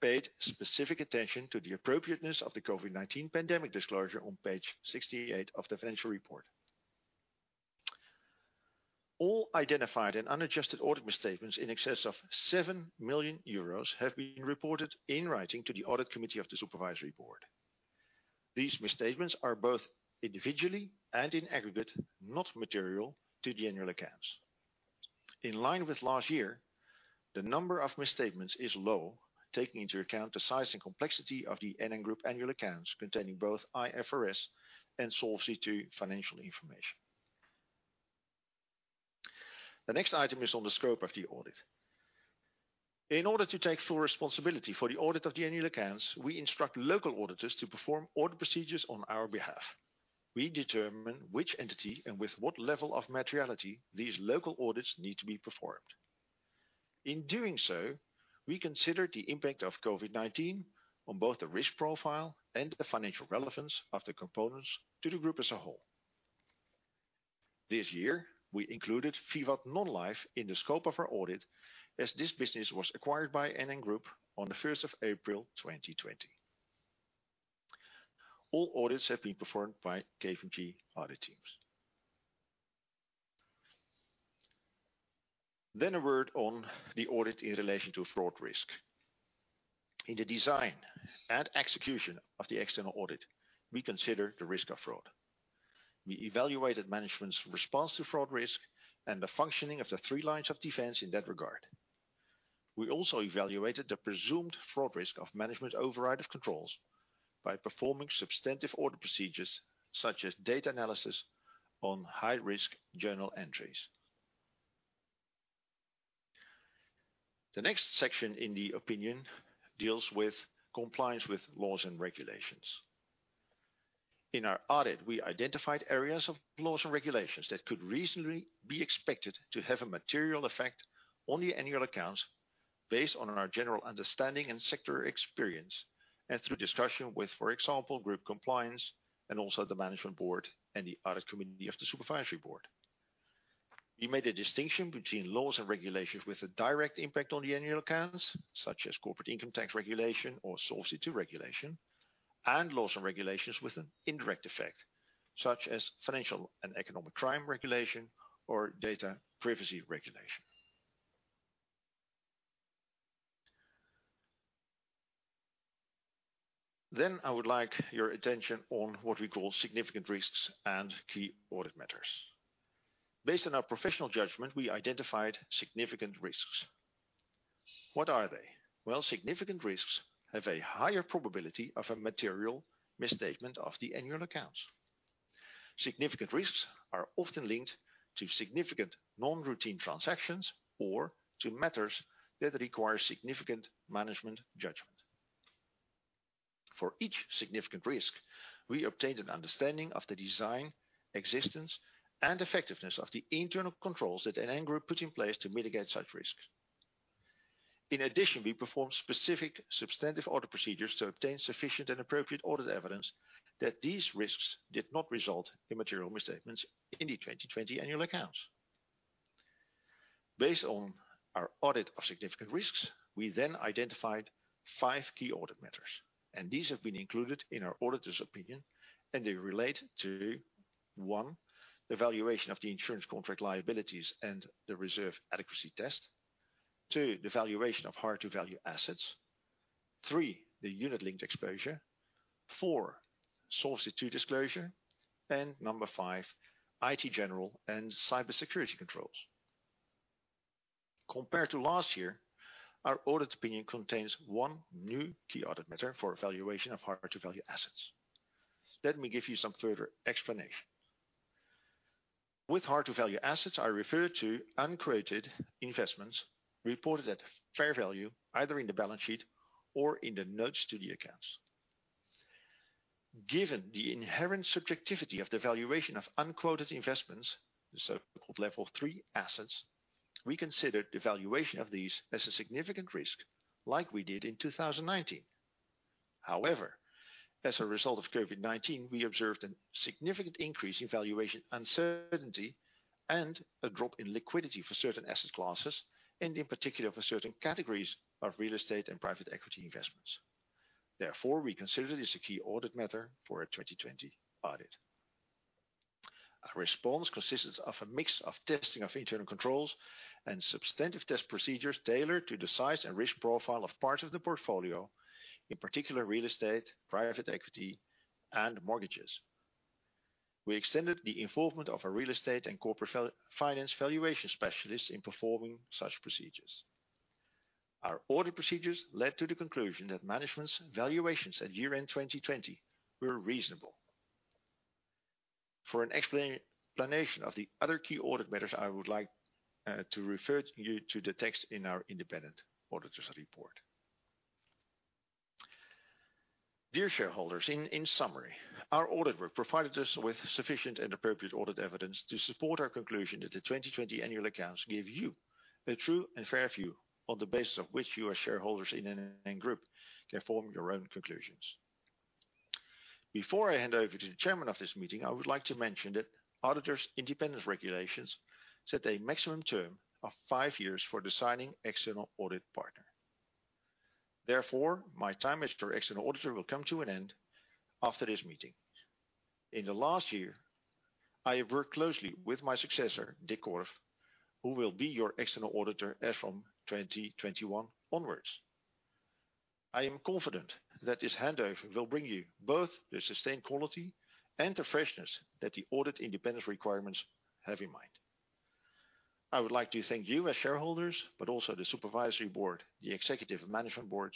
paid specific attention to the appropriateness of the COVID-19 pandemic disclosure on page 68 of the financial report. All identified and unadjusted audit misstatements in excess of 7 million euros have been reported in writing to the Audit Committee of the Supervisory Board. These misstatements are both individually and in aggregate not material to the annual accounts. In line with last year, the number of misstatements is low, taking into account the size and complexity of the NN Group annual accounts containing both IFRS and Solvency II financial information. The next item is on the scope of the audit. In order to take full responsibility for the audit of the annual accounts, we instruct local auditors to perform audit procedures on our behalf. We determine which entity and with what level of materiality these local audits need to be performed. In doing so, we consider the impact of COVID-19 on both the risk profile and the financial relevance of the components to the group as a whole. This year, we included Vivat Non-life in the scope of our audit as this business was acquired by NN Group on the 1st of April 2020. All audits have been performed by KPMG audit teams. Then, a word on the audit in relation to fraud risk. In the design and execution of the external audit, we consider the risk of fraud. We evaluated management's response to fraud risk and the functioning of the Three Lines of Defense in that regard. We also evaluated the presumed fraud risk of management override of controls by performing substantive audit procedures such as data analysis on high-risk journal entries. The next section in the opinion deals with compliance with laws and regulations. In our audit, we identified areas of laws and regulations that could reasonably be expected to have a material effect on the annual accounts based on our general understanding and sector experience and through discussion with, for example, group compliance and also the Management Board and the Audit Committee of the Supervisory Board. We made a distinction between laws and regulations with a direct impact on the annual accounts, such as corporate income tax regulation or Solvency II regulation, and laws and regulations with an indirect effect, such as financial and economic crime regulation or data privacy regulation. Then I would like your attention on what we call significant risks and key audit matters. Based on our professional judgment, we identified significant risks. What are they? Well, significant risks have a higher probability of a material misstatement of the annual accounts. Significant risks are often linked to significant non-routine transactions or to matters that require significant management judgment. For each significant risk, we obtained an understanding of the design, existence, and effectiveness of the internal controls that NN Group put in place to mitigate such risks. In addition, we performed specific substantive audit procedures to obtain sufficient and appropriate audit evidence that these risks did not result in material misstatements in the 2020 annual accounts. Based on our audit of significant risks, we then identified five key audit matters, and these have been included in our auditor's opinion, and they relate to, one, the valuation of the insurance contract liabilities and the reserve adequacy test, two, the valuation of hard-to-value assets, three, the unit-linked exposure, four, Solvency II disclosure, and number five, IT general and cybersecurity controls. Compared to last year, our audit opinion contains one new key audit matter for evaluation of hard-to-value assets. Let me give you some further explanation. With hard-to-value assets, I refer to unquoted investments reported at fair value, either in the balance sheet or in the notes to the accounts. Given the inherent subjectivity of the valuation of unquoted investments, the so-called Level 3 assets, we considered the valuation of these as a significant risk, like we did in 2019. However, as a result of COVID-19, we observed a significant increase in valuation uncertainty and a drop in liquidity for certain asset classes, and in particular for certain categories of real estate and private equity investments. Therefore, we consider this a key audit matter for a 2020 audit. Our response consisted of a mix of testing of internal controls and substantive test procedures tailored to the size and risk profile of parts of the portfolio, in particular real estate, private equity, and mortgages. We extended the involvement of a real estate and corporate finance valuation specialist in performing such procedures. Our audit procedures led to the conclusion that management's valuations at year-end 2020 were reasonable. For an explanation of the other key audit matters, I would like to refer you to the text in our independent auditor's report. Dear shareholders, in summary, our audit work provided us with sufficient and appropriate audit evidence to support our conclusion that the 2020 annual accounts give you a true and fair view on the basis of which you as shareholders in NN Group can form your own conclusions. Before I hand over to the chairman of this meeting, I would like to mention that auditor independence regulations set a maximum term of five years for designating external audit partner. Therefore, my time as your external auditor will come to an end after this meeting. In the last year, I have worked closely with my successor, Dick Korf, who will be your external auditor as from 2021 onwards. I am confident that this handover will bring you both the sustained quality and the freshness that the audit independence requirements have in mind. I would like to thank you as shareholders, but also the Supervisory Board, the Executive Management Board,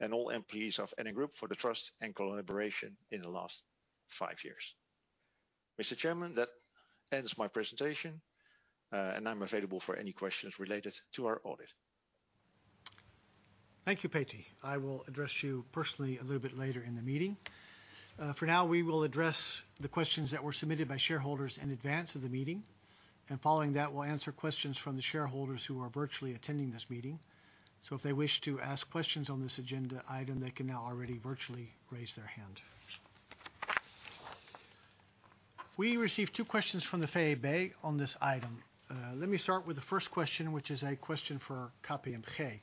and all employees of NN Group for the trust and collaboration in the last five years. Mr. Chairman, that ends my presentation, and I'm available for any questions related to our audit. Thank you, Paige. I will address you personally a little bit later in the meeting. For now, we will address the questions that were submitted by shareholders in advance of the meeting, and following that, we'll answer questions from the shareholders who are virtually attending this meeting. So if they wish to ask questions on this agenda item, they can now already virtually raise their hand. We received two questions from the VEB on this item. Let me start with the first question, which is a question for KPMG.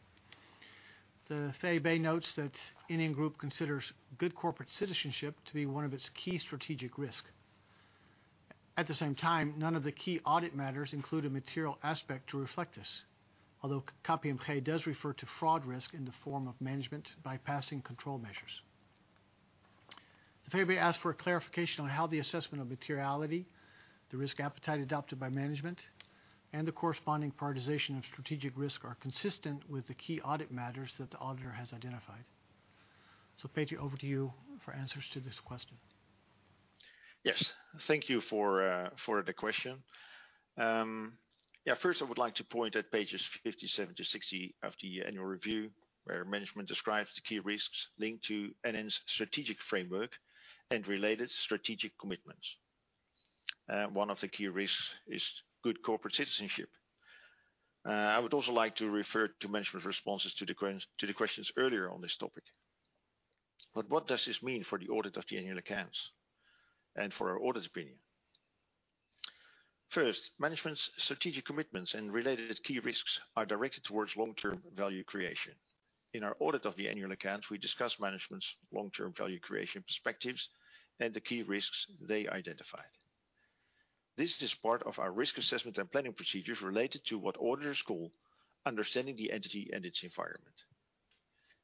The VEB notes that NN Group considers good corporate citizenship to be one of its key strategic risks. At the same time, none of the key audit matters include a material aspect to reflect this, although KPMG does refer to fraud risk in the form of management bypassing control measures. The VEB asks for a clarification on how the assessment of materiality, the risk appetite adopted by management, and the corresponding prioritization of strategic risk are consistent with the key audit matters that the auditor has identified. So Paige, over to you for answers to this question. Yes. Thank you for the question. Yeah. First, I would like to point at pages 57-60 of the Annual Review where management describes the key risks linked to NN's strategic framework and related strategic commitments. One of the key risks is good corporate citizenship. I would also like to refer to management's responses to the questions earlier on this topic. But what does this mean for the audit of the annual accounts and for our audit opinion? First, management's strategic commitments and related key risks are directed towards long-term value creation. In our audit of the annual accounts, we discuss management's long-term value creation perspectives and the key risks they identified. This is part of our risk assessment and planning procedures related to what auditors call understanding the entity and its environment.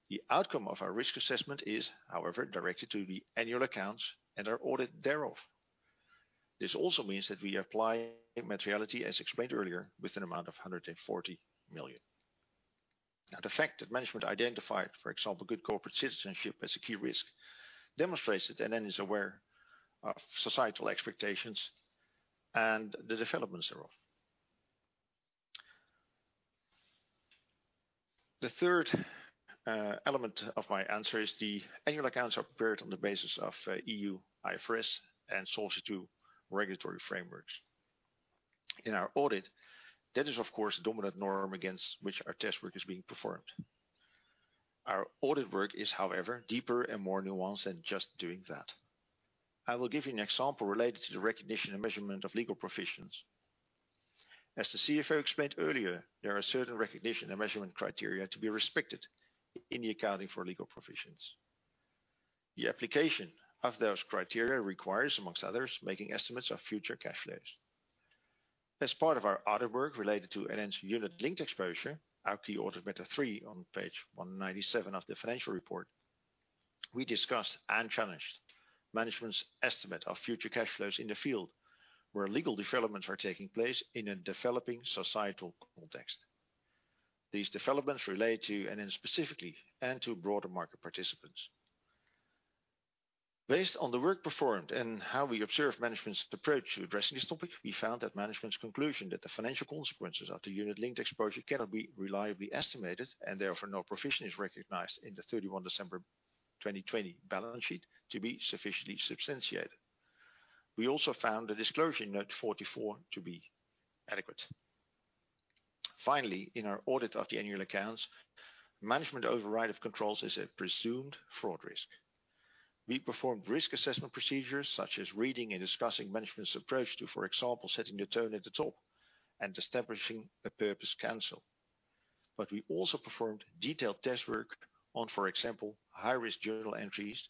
The outcome of our risk assessment is, however, directed to the annual accounts and our audit thereof. This also means that we apply materiality as explained earlier with an amount of 140 million. Now, the fact that management identified, for example, good corporate citizenship as a key risk demonstrates that NN is aware of societal expectations and the developments thereof. The third element of my answer is the annual accounts are prepared on the basis of EU IFRS and Solvency II regulatory frameworks. In our audit, that is, of course, the dominant norm against which our test work is being performed. Our audit work is, however, deeper and more nuanced than just doing that. I will give you an example related to the recognition and measurement of legal provisions. As the CFO explained earlier, there are certain recognition and measurement criteria to be respected in the accounting for legal provisions. The application of those criteria requires, amongst others, making estimates of future cash flows. As part of our audit work related to NN's unit-linked exposure, our key audit matter on page 197 of the financial report, we discussed and challenged management's estimate of future cash flows in the field where legal developments are taking place in a developing societal context. These developments relate to NN specifically and to broader market participants. Based on the work performed and how we observe management's approach to addressing this topic, we found that management's conclusion that the financial consequences of the unit-linked exposure cannot be reliably estimated and therefore no provision is recognized in the 31 December 2020 balance sheet to be sufficiently substantiated. We also found the disclosure in note 44 to be adequate. Finally, in our audit of the annual accounts, management override of controls is a presumed fraud risk. We performed risk assessment procedures such as reading and discussing management's approach to, for example, setting the tone at the top and establishing a purpose. But we also performed detailed test work on, for example, high-risk journal entries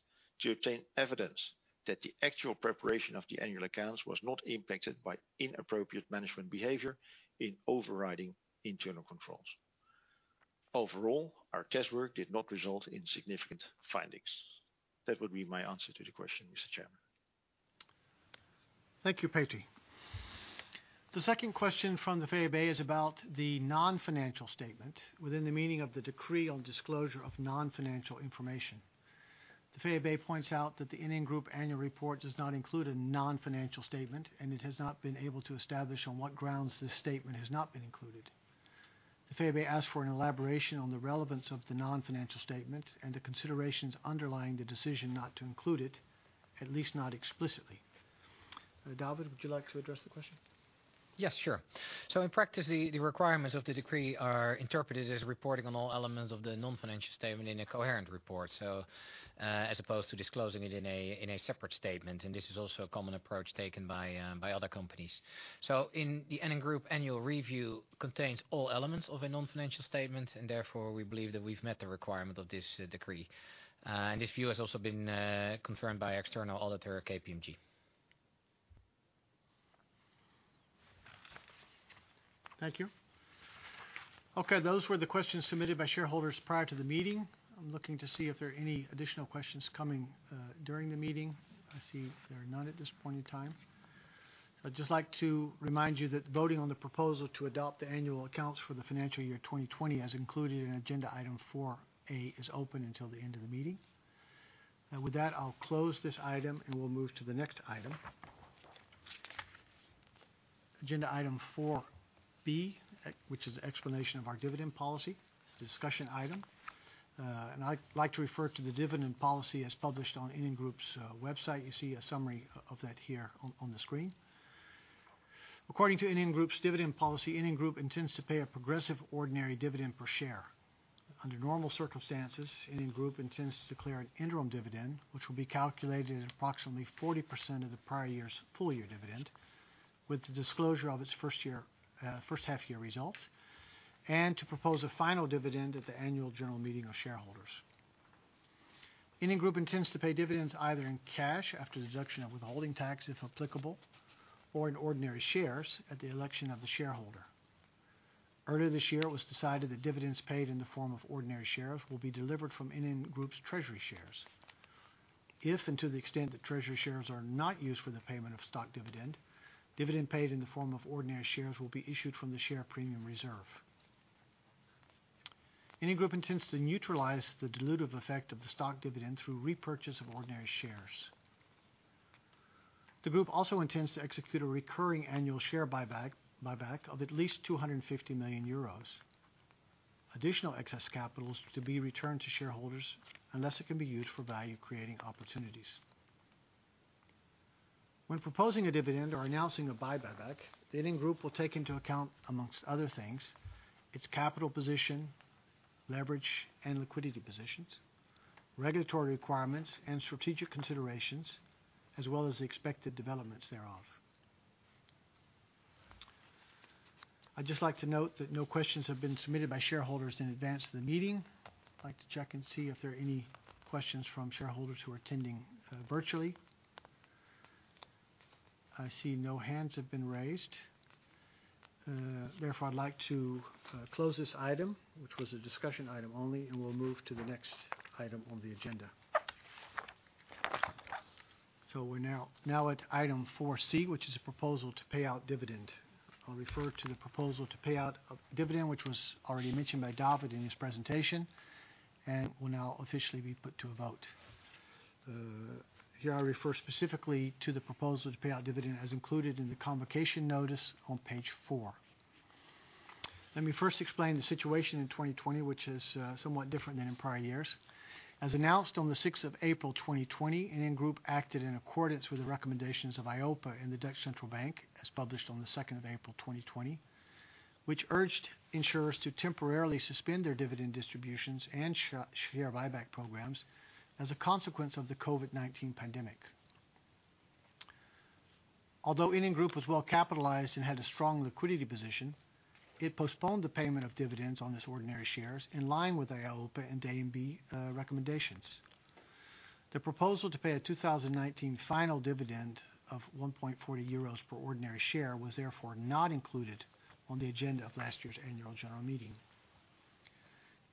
to obtain evidence that the actual preparation of the annual accounts was not impacted by inappropriate management behavior in overriding internal controls. Overall, our test work did not result in significant findings. That would be my answer to the question, Mr. Chairman. Thank you, Paige. The second question from the VEB is about the non-financial statement within the meaning of the Decree on Disclosure of Non-Financial Information. The VEB points out that the NN Group annual report does not include a non-financial statement, and it has not been able to establish on what grounds this statement has not been included. The VEB asks for an elaboration on the relevance of the non-financial statement and the considerations underlying the decision not to include it, at least not explicitly. David, would you like to address the question? Yes, sure. So in practice, the requirements of the decree are interpreted as reporting on all elements of the non-financial statement in a coherent report, as opposed to disclosing it in a separate statement. And this is also a common approach taken by other companies. So in the NN Group Annual Review, it contains all elements of a non-financial statement, and therefore we believe that we've met the requirement of this decree. And this view has also been confirmed by external auditor KPMG. Thank you. Okay. Those were the questions submitted by shareholders prior to the meeting. I'm looking to see if there are any additional questions coming during the meeting. I see there are none at this point in time. I'd just like to remind you that voting on the proposal to adopt the annual accounts for the financial year 2020 as included in agenda item 4A is open until the end of the meeting. With that, I'll close this item and we'll move to the next item. Agenda item 4B, which is an explanation of our dividend policy, is a discussion item. And I'd like to refer to the dividend policy as published on NN Group's website. You see a summary of that here on the screen. According to NN Group's dividend policy, NN Group intends to pay a progressive ordinary dividend per share. Under normal circumstances, NN Group intends to declare an interim dividend, which will be calculated at approximately 40% of the prior year's full-year dividend, with the disclosure of its first half-year results, and to propose a final dividend at the Annual General Meeting of shareholders. NN Group intends to pay dividends either in cash after deduction of withholding tax, if applicable, or in ordinary shares at the election of the shareholder. Earlier this year, it was decided that dividends paid in the form of ordinary shares will be delivered from NN Group's treasury shares. If and to the extent that treasury shares are not used for the payment of stock dividend, dividend paid in the form of ordinary shares will be issued from the share premium reserve. NN Group intends to neutralize the dilutive effect of the stock dividend through repurchase of ordinary shares. The group also intends to execute a recurring annual share buyback of at least 250 million euros. Additional excess capital is to be returned to shareholders unless it can be used for value-creating opportunities. When proposing a dividend or announcing a buyback, the NN Group will take into account, among other things, its capital position, leverage and liquidity positions, regulatory requirements and strategic considerations, as well as the expected developments thereof. I'd just like to note that no questions have been submitted by shareholders in advance of the meeting. I'd like to check and see if there are any questions from shareholders who are attending virtually. I see no hands have been raised. Therefore, I'd like to close this item, which was a discussion item only, and we'll move to the next item on the agenda, so we're now at item 4C, which is a proposal to pay out dividend. I'll refer to the proposal to pay out dividend, which was already mentioned by David in his presentation, and will now officially be put to a vote. Here, I refer specifically to the proposal to pay out dividend as included in the convocation notice on page 4. Let me first explain the situation in 2020, which is somewhat different than in prior years. As announced on the 6th of April 2020, NN Group acted in accordance with the recommendations of EIOPA and the Dutch Central Bank, as published on the 2nd of April 2020, which urged insurers to temporarily suspend their dividend distributions and share buyback programs as a consequence of the COVID-19 pandemic. Although NN Group was well capitalized and had a strong liquidity position, it postponed the payment of dividends on its ordinary shares in line with EIOPA and DNB recommendations. The proposal to pay a 2019 final dividend of 1.40 euros per ordinary share was therefore not included on the agenda of last year's Annual General Meeting.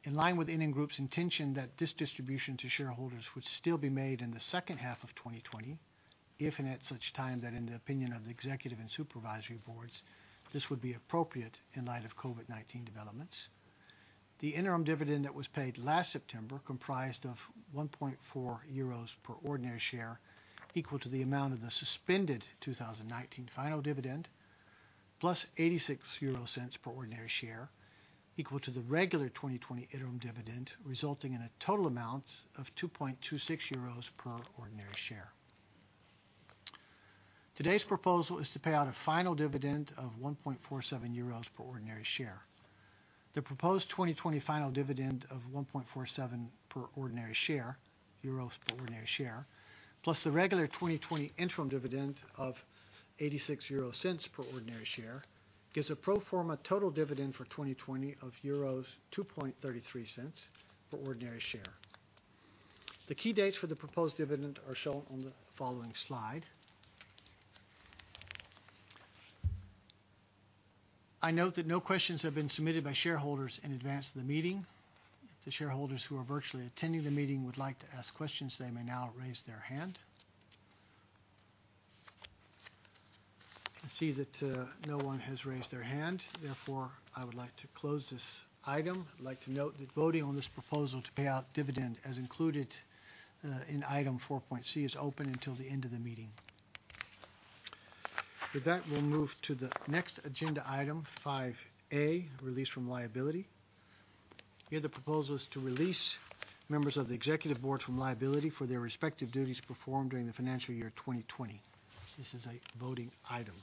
In line with NN Group's intention that this distribution to shareholders would still be made in the second half of 2020, if and at such time that, in the opinion of the executive and Supervisory Boards, this would be appropriate in light of COVID-19 developments, the interim dividend that was paid last September comprised of 1.40 euros per ordinary share, equal to the amount of the suspended 2019 final dividend, plus 0.86 per ordinary share, equal to the regular 2020 interim dividend, resulting in a total amount of 2.26 euros per ordinary share. Today's proposal is to pay out a final dividend of 1.47 euros per ordinary share. The proposed 2020 final dividend of 1.47 per ordinary share, euros per ordinary share, plus the regular 2020 interim dividend of 0.86 per ordinary share gives a pro forma total dividend for 2020 of euros 2.33 per ordinary share. The key dates for the proposed dividend are shown on the following slide. I note that no questions have been submitted by shareholders in advance of the meeting. If the shareholders who are virtually attending the meeting would like to ask questions, they may now raise their hand. I see that no one has raised their hand. Therefore, I would like to close this item. I'd like to note that voting on this proposal to pay out dividend as included in item 4.C is open until the end of the meeting. With that, we'll move to the next agenda item, 5A, release from liability. Here, the proposal is to release members of the Executive Board from liability for their respective duties performed during the financial year 2020. This is a voting item.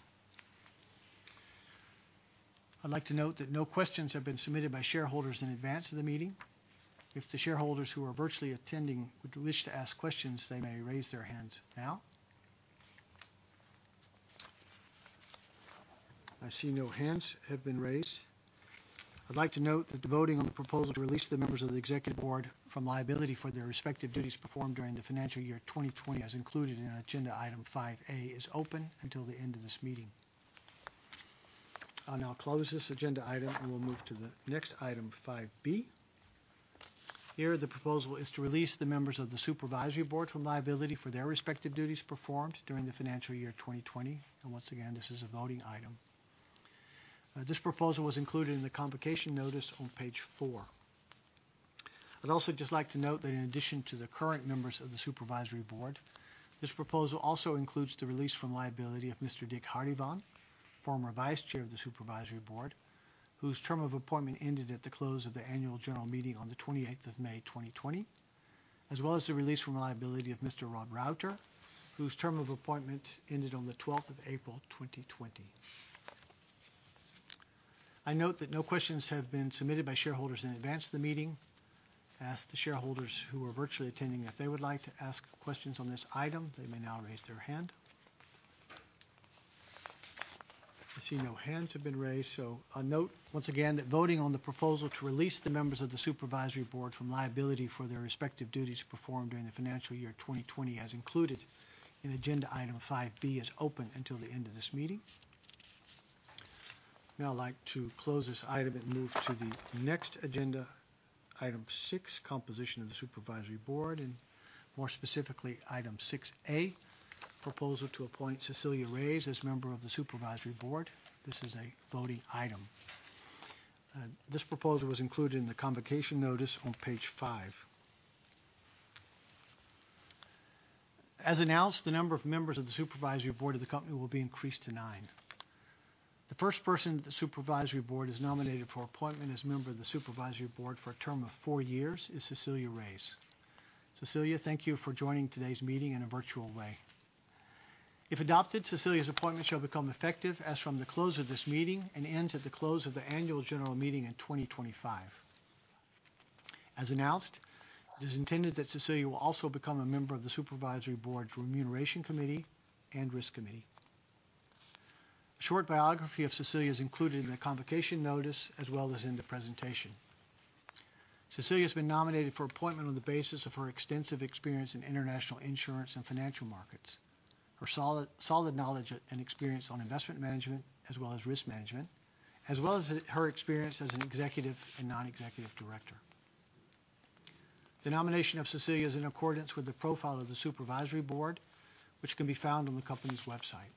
I'd like to note that no questions have been submitted by shareholders in advance of the meeting. If the shareholders who are virtually attending wish to ask questions, they may raise their hands now. I see no hands have been raised. I'd like to note that the voting on the proposal to release the members of the Executive Board from liability for their respective duties performed during the financial year 2020, as included in agenda item 5A, is open until the end of this meeting. I'll now close this agenda item and we'll move to the next item, 5B. Here, the proposal is to release the members of the Supervisory Board from liability for their respective duties performed during the financial year 2020. And once again, this is a voting item. This proposal was included in the convocation notice on page 4. I'd also just like to note that in addition to the current members of the Supervisory Board, this proposal also includes the release from liability of Mr. Dick Harryvan, former Vice-Chair of the Supervisory Board, whose term of appointment ended at the close of the Annual General Meeting on the 28th of May 2020, as well as the release from liability of Mr. Robert W. Jenkins, whose term of appointment ended on the 12th of April 2020. I note that no questions have been submitted by shareholders in advance of the meeting. I ask the shareholders who are virtually attending, if they would like to ask questions on this item, they may now raise their hand. I see no hands have been raised. So I'll note once again that voting on the proposal to release the members of the Supervisory Board from liability for their respective duties performed during the financial year 2020, as included in agenda item 5B, is open until the end of this meeting. Now I'd like to close this item and move to the next agenda, item 6, composition of the Supervisory Board, and more specifically item 6A, proposal to appoint Cecilia Reyes as member of the Supervisory Board. This is a voting item. This proposal was included in the convocation notice on page 5. As announced, the number of members of the Supervisory Board of the company will be increased to nine. The first person the Supervisory Board has nominated for appointment as member of the Supervisory Board for a term of four years is Cecilia Reyes. Cecilia, thank you for joining today's meeting in a virtual way. If adopted, Cecilia's appointment shall become effective as from the close of this meeting and ends at the close of the Annual General Meeting in 2025. As announced, it is intended that Cecilia will also become a member of the Supervisory Board's Remuneration Committee and Risk Committee. A short biography of Cecilia is included in the convocation notice as well as in the presentation. Cecilia has been nominated for appointment on the basis of her extensive experience in international insurance and financial markets, her solid knowledge and experience on investment management as well as risk management, as well as her experience as an executive and non-executive director. The nomination of Cecilia is in accordance with the profile of the Supervisory Board, which can be found on the company's website.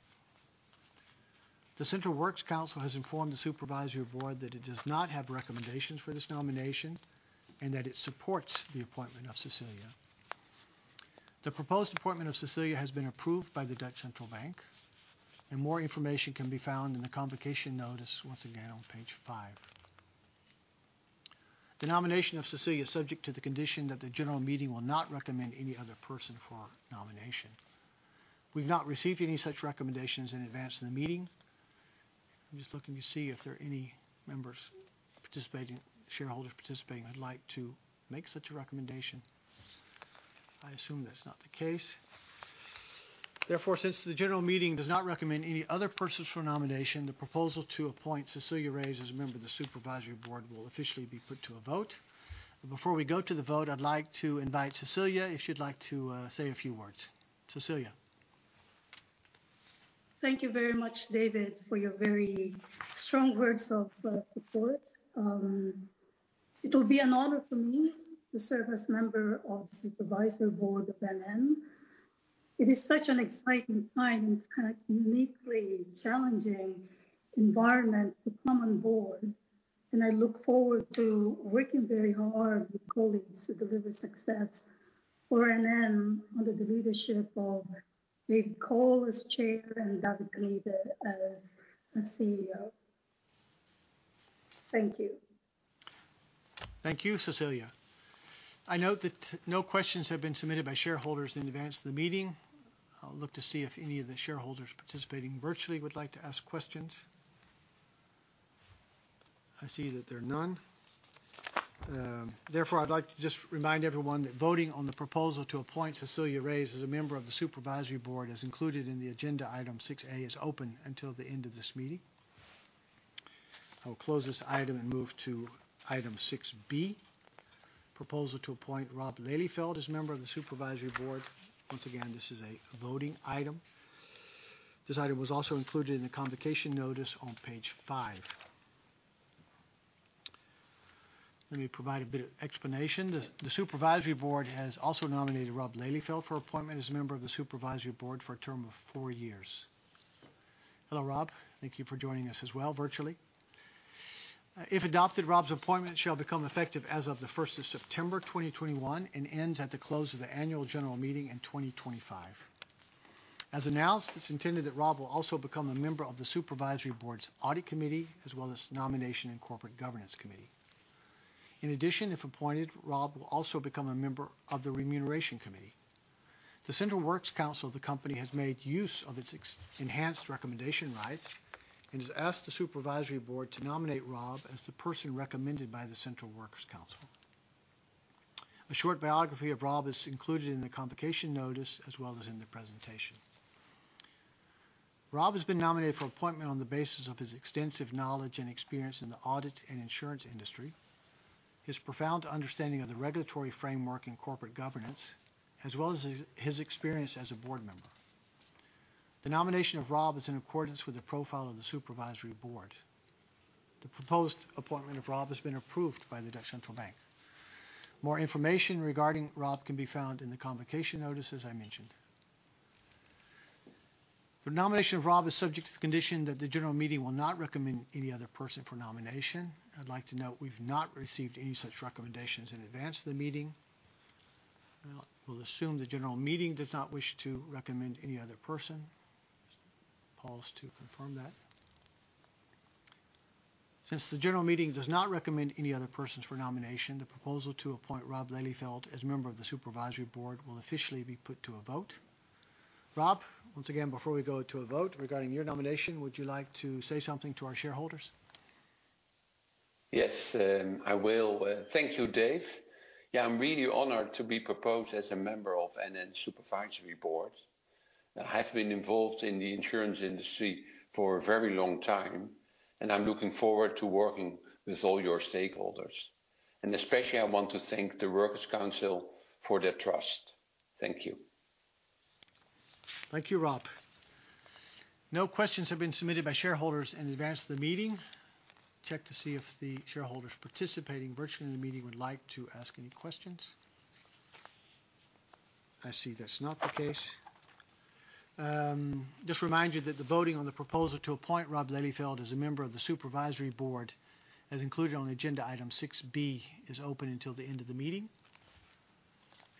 The Central Works Council has informed the Supervisory Board that it does not have recommendations for this nomination and that it supports the appointment of Cecilia. The proposed appointment of Cecilia has been approved by the Dutch Central Bank, and more information can be found in the convocation notice, once again on page 5. The nomination of Cecilia is subject to the condition that the general meeting will not recommend any other person for nomination. We've not received any such recommendations in advance of the meeting. I'm just looking to see if there are any shareholders participating who'd like to make such a recommendation. I assume that's not the case. Therefore, since the general meeting does not recommend any other persons for nomination, the proposal to appoint Cecilia Reyes as a member of the Supervisory Board will officially be put to a vote. But before we go to the vote, I'd like to invite Cecilia if she'd like to say a few words. Cecilia. Thank you very much, David, for your very strong words of support. It will be an honor for me to serve as member of the Supervisory Board of NN. It is such an exciting time and kind of uniquely challenging environment to come on board, and I look forward to working very hard with colleagues to deliver success for NN under the leadership of David Cole as Chair and David Knibbe as CEO. Thank you. Thank you, Cecilia. I note that no questions have been submitted by shareholders in advance of the meeting. I'll look to see if any of the shareholders participating virtually would like to ask questions. I see that there are none. Therefore, I'd like to just remind everyone that voting on the proposal to appoint Cecilia Reyes as a member of the Supervisory Board as included in the agenda item 6A is open until the end of this meeting. I will close this item and move to item 6B, proposal to appoint Rob Lelieveld as member of the Supervisory Board. Once again, this is a voting item. This item was also included in the convocation notice on page 5. Let me provide a bit of explanation. The Supervisory Board has also nominated Rob Lelieveld for appointment as a member of the Supervisory Board for a term of four years. Hello, Rob. Thank you for joining us as well virtually. If adopted, Rob's appointment shall become effective as of the 1st of September 2021 and ends at the close of the Annual General Meeting in 2025. As announced, it's intended that Rob will also become a member of the Supervisory Board's Audit Committee as well as Nomination and Corporate Governance Committee. In addition, if appointed, Rob will also become a member of the Remuneration Committee. The Central Works Council of the company has made use of its enhanced recommendation rights and has asked the Supervisory Board to nominate Rob as the person recommended by the Central Works Council. A short biography of Rob is included in the convocation notice as well as in the presentation. Rob has been nominated for appointment on the basis of his extensive knowledge and experience in the audit and insurance industry, his profound understanding of the regulatory framework and corporate governance, as well as his experience as a board member. The nomination of Rob is in accordance with the profile of the Supervisory Board. The proposed appointment of Rob has been approved by the Dutch Central Bank. More information regarding Rob can be found in the convocation notice, as I mentioned. The nomination of Rob is subject to the condition that the General Meeting will not recommend any other person for nomination. I'd like to note we've not received any such recommendations in advance of the meeting. We'll assume the General Meeting does not wish to recommend any other person. Pause to confirm that. Since the general meeting does not recommend any other persons for nomination, the proposal to appoint Rob Lelieveld as member of the Supervisory Board will officially be put to a vote. Rob, once again, before we go to a vote regarding your nomination, would you like to say something to our shareholders? Yes, I will. Thank you, Dave. Yeah, I'm really honored to be proposed as a member of NN's Supervisory Board. I have been involved in the insurance industry for a very long time, and I'm looking forward to working with all your stakeholders. And especially, I want to thank the Workers' Council for their trust. Thank you. Thank you, Rob. No questions have been submitted by shareholders in advance of the meeting. Check to see if the shareholders participating virtually in the meeting would like to ask any questions. I see that's not the case. Just remind you that the voting on the proposal to appoint Rob Lelieveld as a member of the Supervisory Board as included on agenda item 6B is open until the end of the meeting.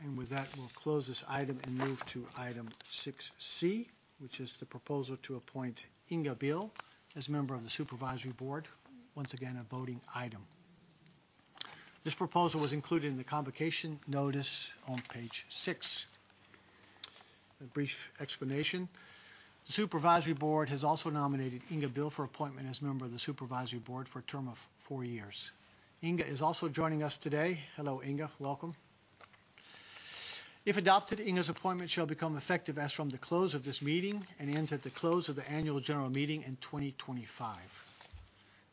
And with that, we'll close this item and move to item 6C, which is the proposal to appoint Inga Beale as a member of the Supervisory Board, once again a voting item. This proposal was included in the convocation notice on page 6. A brief explanation. The Supervisory Board has also nominated Inga Beale for appointment as member of the Supervisory Board for a term of four years. Inga is also joining us today. Hello, Inga. Welcome. If adopted, Inga's appointment shall become effective as from the close of this meeting and ends at the close of the Annual General Meeting in 2025.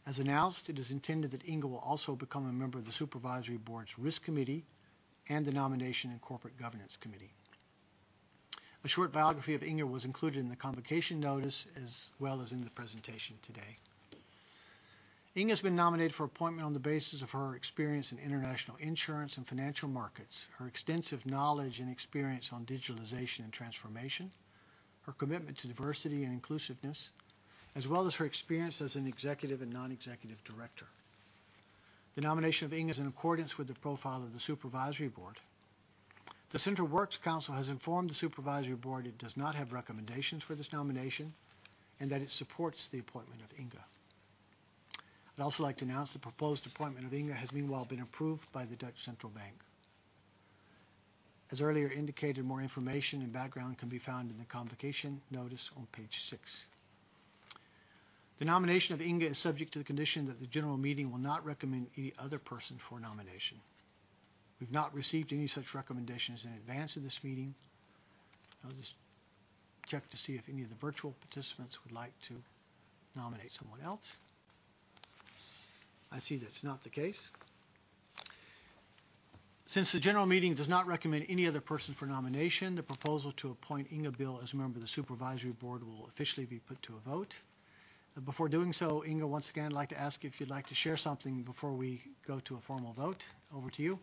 As announced, it is intended that Inga will also become a member of the Supervisory Board's Risk Committee and the Nomination and Corporate Governance Committee. A short biography of Inga was included in the convocation notice as well as in the presentation today. Inga has been nominated for appointment on the basis of her experience in international insurance and financial markets, her extensive knowledge and experience on digitalization and transformation, her commitment to diversity and inclusiveness, as well as her experience as an executive and non-executive director. The nomination of Inga is in accordance with the profile of the Supervisory Board. The Central Works Council has informed the Supervisory Board it does not have recommendations for this nomination and that it supports the appointment of Inga. I'd also like to announce the proposed appointment of Inga has meanwhile been approved by the Dutch Central Bank. As earlier indicated, more information and background can be found in the convocation notice on page six. The nomination of Inga is subject to the condition that the general meeting will not recommend any other person for nomination. We've not received any such recommendations in advance of this meeting. I'll just check to see if any of the virtual participants would like to nominate someone else. I see that's not the case. Since the general meeting does not recommend any other person for nomination, the proposal to appoint Inga Beale as a member of the Supervisory Board will officially be put to a vote. Before doing so, Inga, once again, I'd like to ask if you'd like to share something before we go to a formal vote. Over to you.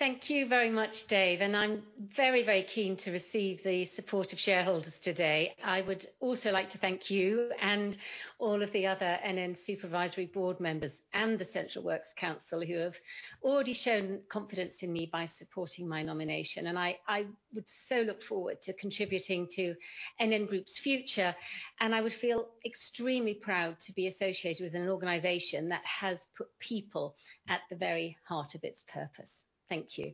Thank you very much, Dave. I'm very, very keen to receive the support of shareholders today. I would also like to thank you and all of the other NN Supervisory Board members and the Central Works Council who have already shown confidence in me by supporting my nomination. I would so look forward to contributing to NN Group's future. I would feel extremely proud to be associated with an organization that has put people at the very heart of its purpose. Thank you.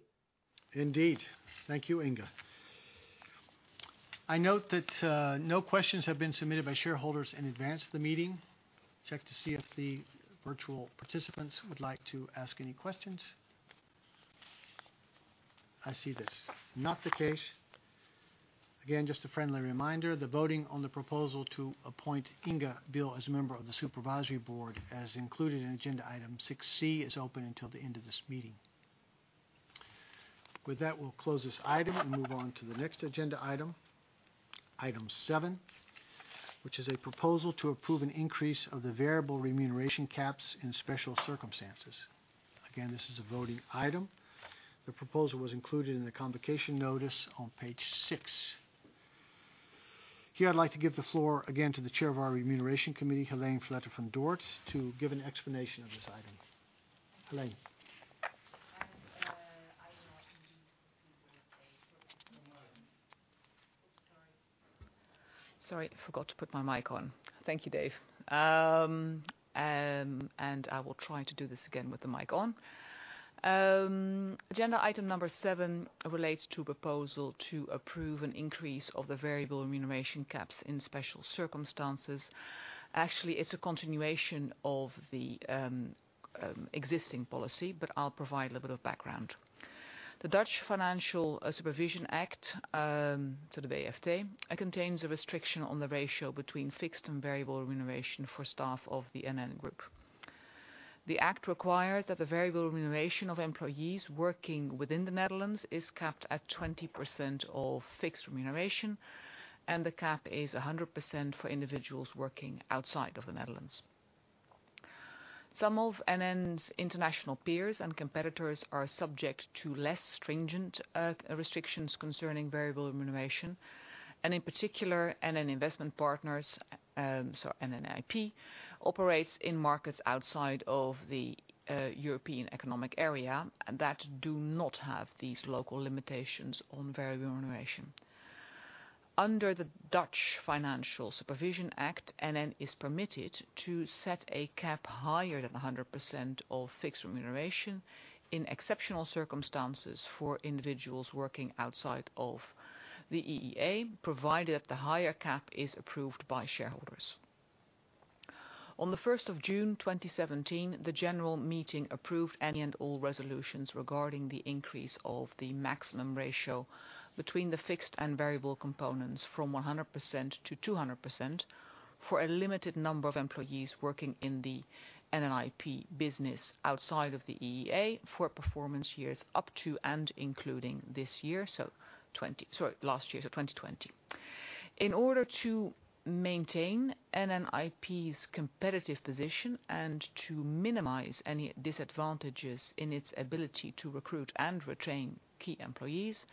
Indeed. Thank you, Inga. I note that no questions have been submitted by shareholders in advance of the meeting. Check to see if the virtual participants would like to ask any questions. I see that's not the case. Again, just a friendly reminder, the voting on the proposal to appoint Inga Beale as a member of the Supervisory Board as included in agenda item 6C is open until the end of this meeting. With that, we'll close this item and move on to the next agenda item, item 7, which is a proposal to approve an increase of the variable remuneration caps in special circumstances. Again, this is a voting item. The proposal was included in the convocation notice on page 6. Here, I'd like to give the floor again to the chair of our Remuneration Committee, Hélène Vletter-van Dort, to give an explanation of this item. Hélène. Sorry, I forgot to put my mic on. Thank you, Dave. And I will try to do this again with the mic on. Agenda item number seven relates to a proposal to approve an increase of the variable remuneration caps in special circumstances. Actually, it's a continuation of the existing policy, but I'll provide a little bit of background. The Dutch Financial Supervision Act, so the Wft, contains a restriction on the ratio between fixed and variable remuneration for staff of the NN Group. The act requires that the variable remuneration of employees working within the Netherlands is capped at 20% of fixed remuneration, and the cap is 100% for individuals working outside of the Netherlands. Some of NN's international peers and competitors are subject to less stringent restrictions concerning variable remuneration. In particular, NN Investment Partners, so NNIP, operates in markets outside of the European Economic Area that do not have these local limitations on variable remuneration. Under the Dutch Financial Supervision Act, NN is permitted to set a cap higher than 100% of fixed remuneration in exceptional circumstances for individuals working outside of the EEA, provided that the higher cap is approved by shareholders. On the 1st of June 2017, the general meeting approved any and all resolutions regarding the increase of the maximum ratio between the fixed and variable components from 100% to 200% for a limited number of employees working in the NNIP business outside of the EEA for performance years up to and including this year, so 20 sorry, last year, so 2020. In order to maintain NNIP's competitive position and to minimize any disadvantages in its ability to recruit and retain key employees,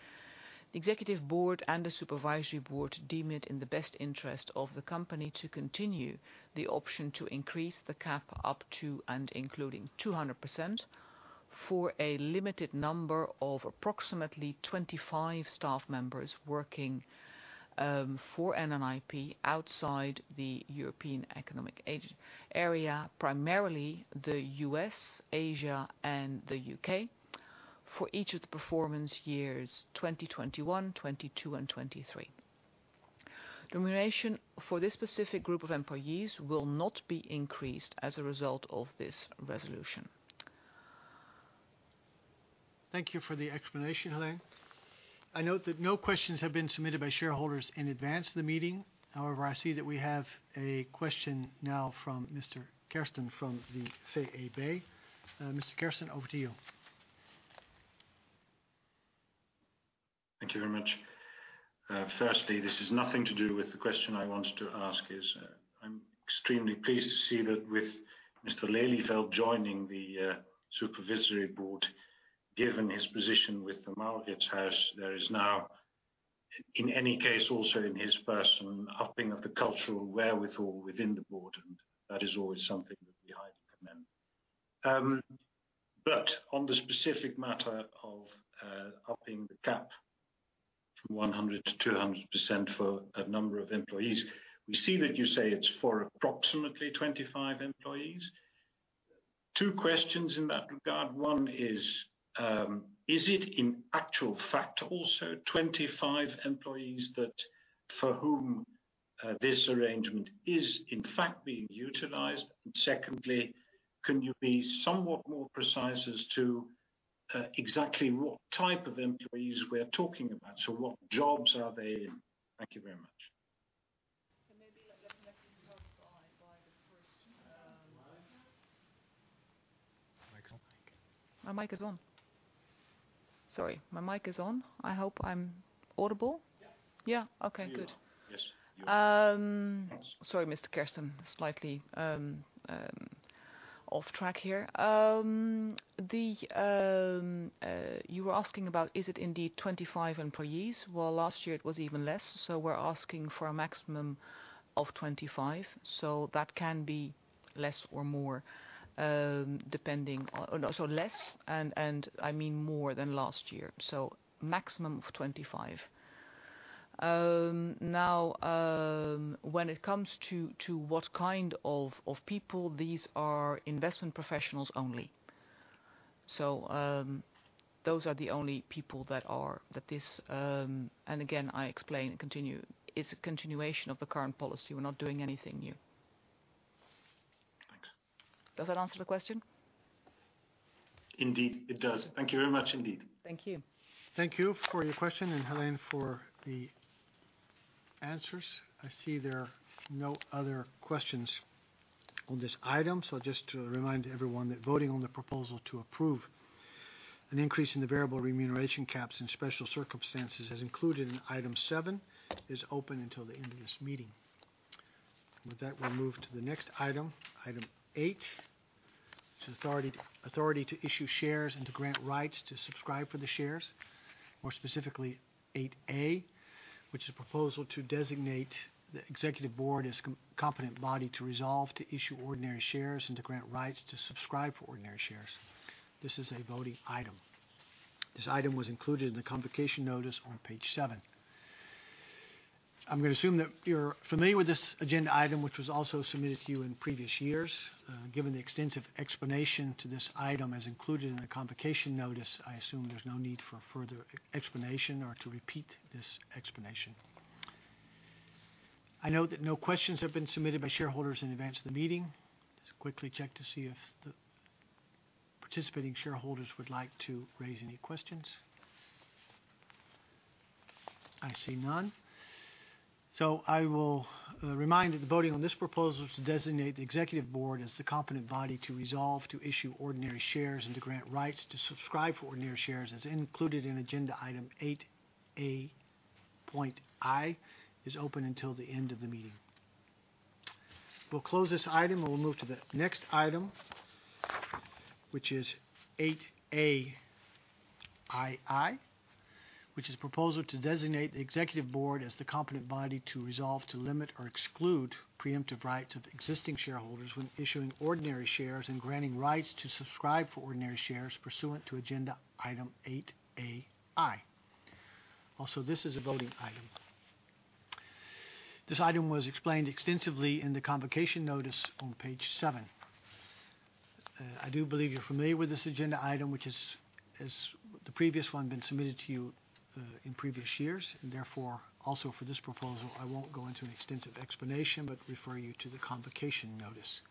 the Executive Board and the Supervisory Board deemed it in the best interest of the company to continue the option to increase the cap up to and including 200% for a limited number of approximately 25 staff members working for NNIP outside the European Economic Area, primarily the U.S., Asia, and the U.K., for each of the performance years 2021, 2022, and 2023. The remuneration for this specific group of employees will not be increased as a result of this resolution. Thank you for the explanation, Hélène. I note that no questions have been submitted by shareholders in advance of the meeting. However, I see that we have a question now from Mr. Kersten from the VEB. Mr. Kersten, over to you. Thank you very much. Firstly, this is nothing to do with the question I wanted to ask. I'm extremely pleased to see that with Mr. Lelieveld joining the Supervisory Board, given his position with the Markets House, there is now, in any case, also in his person, upping of the cultural wherewithal within the board, and that is always something that we highly commend, but on the specific matter of upping the cap from 100% to 200% for a number of employees, we see that you say it's for approximately 25 employees. Two questions in that regard. One is, is it in actual fact also 25 employees that for whom this arrangement is in fact being utilized? And secondly, can you be somewhat more precise as to exactly what type of employees we're talking about? So what jobs are they in? Thank you very much. And maybe let me just be touched by the question. My mic is on. My mic is on. Sorry. I hope I'm audible. Yeah. Yeah. Okay. Good. Sorry, Mr. Kersten, slightly off track here. You were asking about is it indeed 25 employees? Well, last year it was even less. So we're asking for a maximum of 25. So that can be less or more depending on so less, and I mean more than last year. So maximum of 25. Now, when it comes to what kind of people, these are investment professionals only. So those are the only people that this and again, I explain it continues. It's a continuation of the current policy. We're not doing anything new. Thanks. Does that answer the question? Indeed, it does. Thank you very much, indeed. Thank you. Thank you for your question and Hélène for the answers. I see there are no other questions on this item. So just to remind everyone that voting on the proposal to approve an increase in the variable remuneration caps in special circumstances as included in item 7 is open until the end of this meeting. With that, we'll move to the next item, item 8, which is authority to issue shares and to grant rights to subscribe for the shares, more specifically 8A, which is a proposal to designate the Executive Board as a competent body to resolve to issue ordinary shares and to grant rights to subscribe for ordinary shares. This is a voting item. This item was included in the convocation notice on page 7. I'm going to assume that you're familiar with this agenda item, which was also submitted to you in previous years. Given the extensive explanation to this item as included in the convocation notice, I assume there's no need for further explanation or to repeat this explanation. I note that no questions have been submitted by shareholders in advance of the meeting. Just quickly check to see if the participating shareholders would like to raise any questions. I see none. So I will remind that the voting on this proposal is to designate the Executive Board as the competent body to resolve to issue ordinary shares and to grant rights to subscribe for ordinary shares as included in agenda item 8A point I. It is open until the end of the meeting. We'll close this item and we'll move to the next item, which is 8A II, which is a proposal to designate the Executive Board as the competent body to resolve to limit or exclude preemptive rights of existing shareholders when issuing ordinary shares and granting rights to subscribe for ordinary shares pursuant to agenda item 8A I. Also, this is a voting item. This item was explained extensively in the convocation notice on page 7. I do believe you're familiar with this agenda item, which has the previous one been submitted to you in previous years. And therefore, also for this proposal, I won't go into an extensive explanation but refer you to the convocation notice.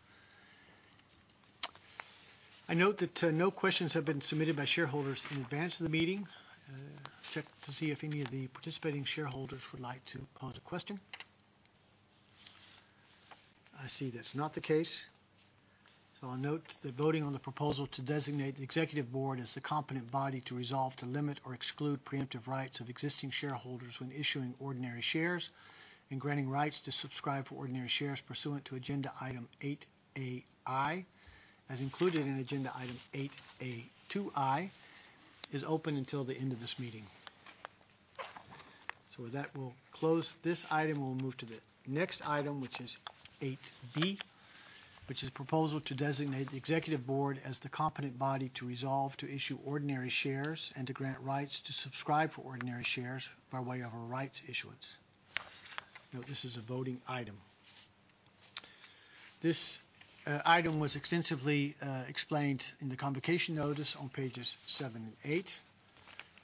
I note that no questions have been submitted by shareholders in advance of the meeting. Check to see if any of the participating shareholders would like to pose a question. I see that's not the case. So I'll note the voting on the proposal to designate the Executive Board as the competent body to resolve to limit or exclude preemptive rights of existing shareholders when issuing ordinary shares and granting rights to subscribe for ordinary shares pursuant to agenda item 8A I, as included in agenda item 8A 2 I, is open until the end of this meeting. So with that, we'll close this item and we'll move to the next item, which is 8B, which is a proposal to designate the Executive Board as the competent body to resolve to issue ordinary shares and to grant rights to subscribe for ordinary shares by way of a rights issuance. Note this is a voting item. This item was extensively explained in the convocation notice on pages 7 and 8.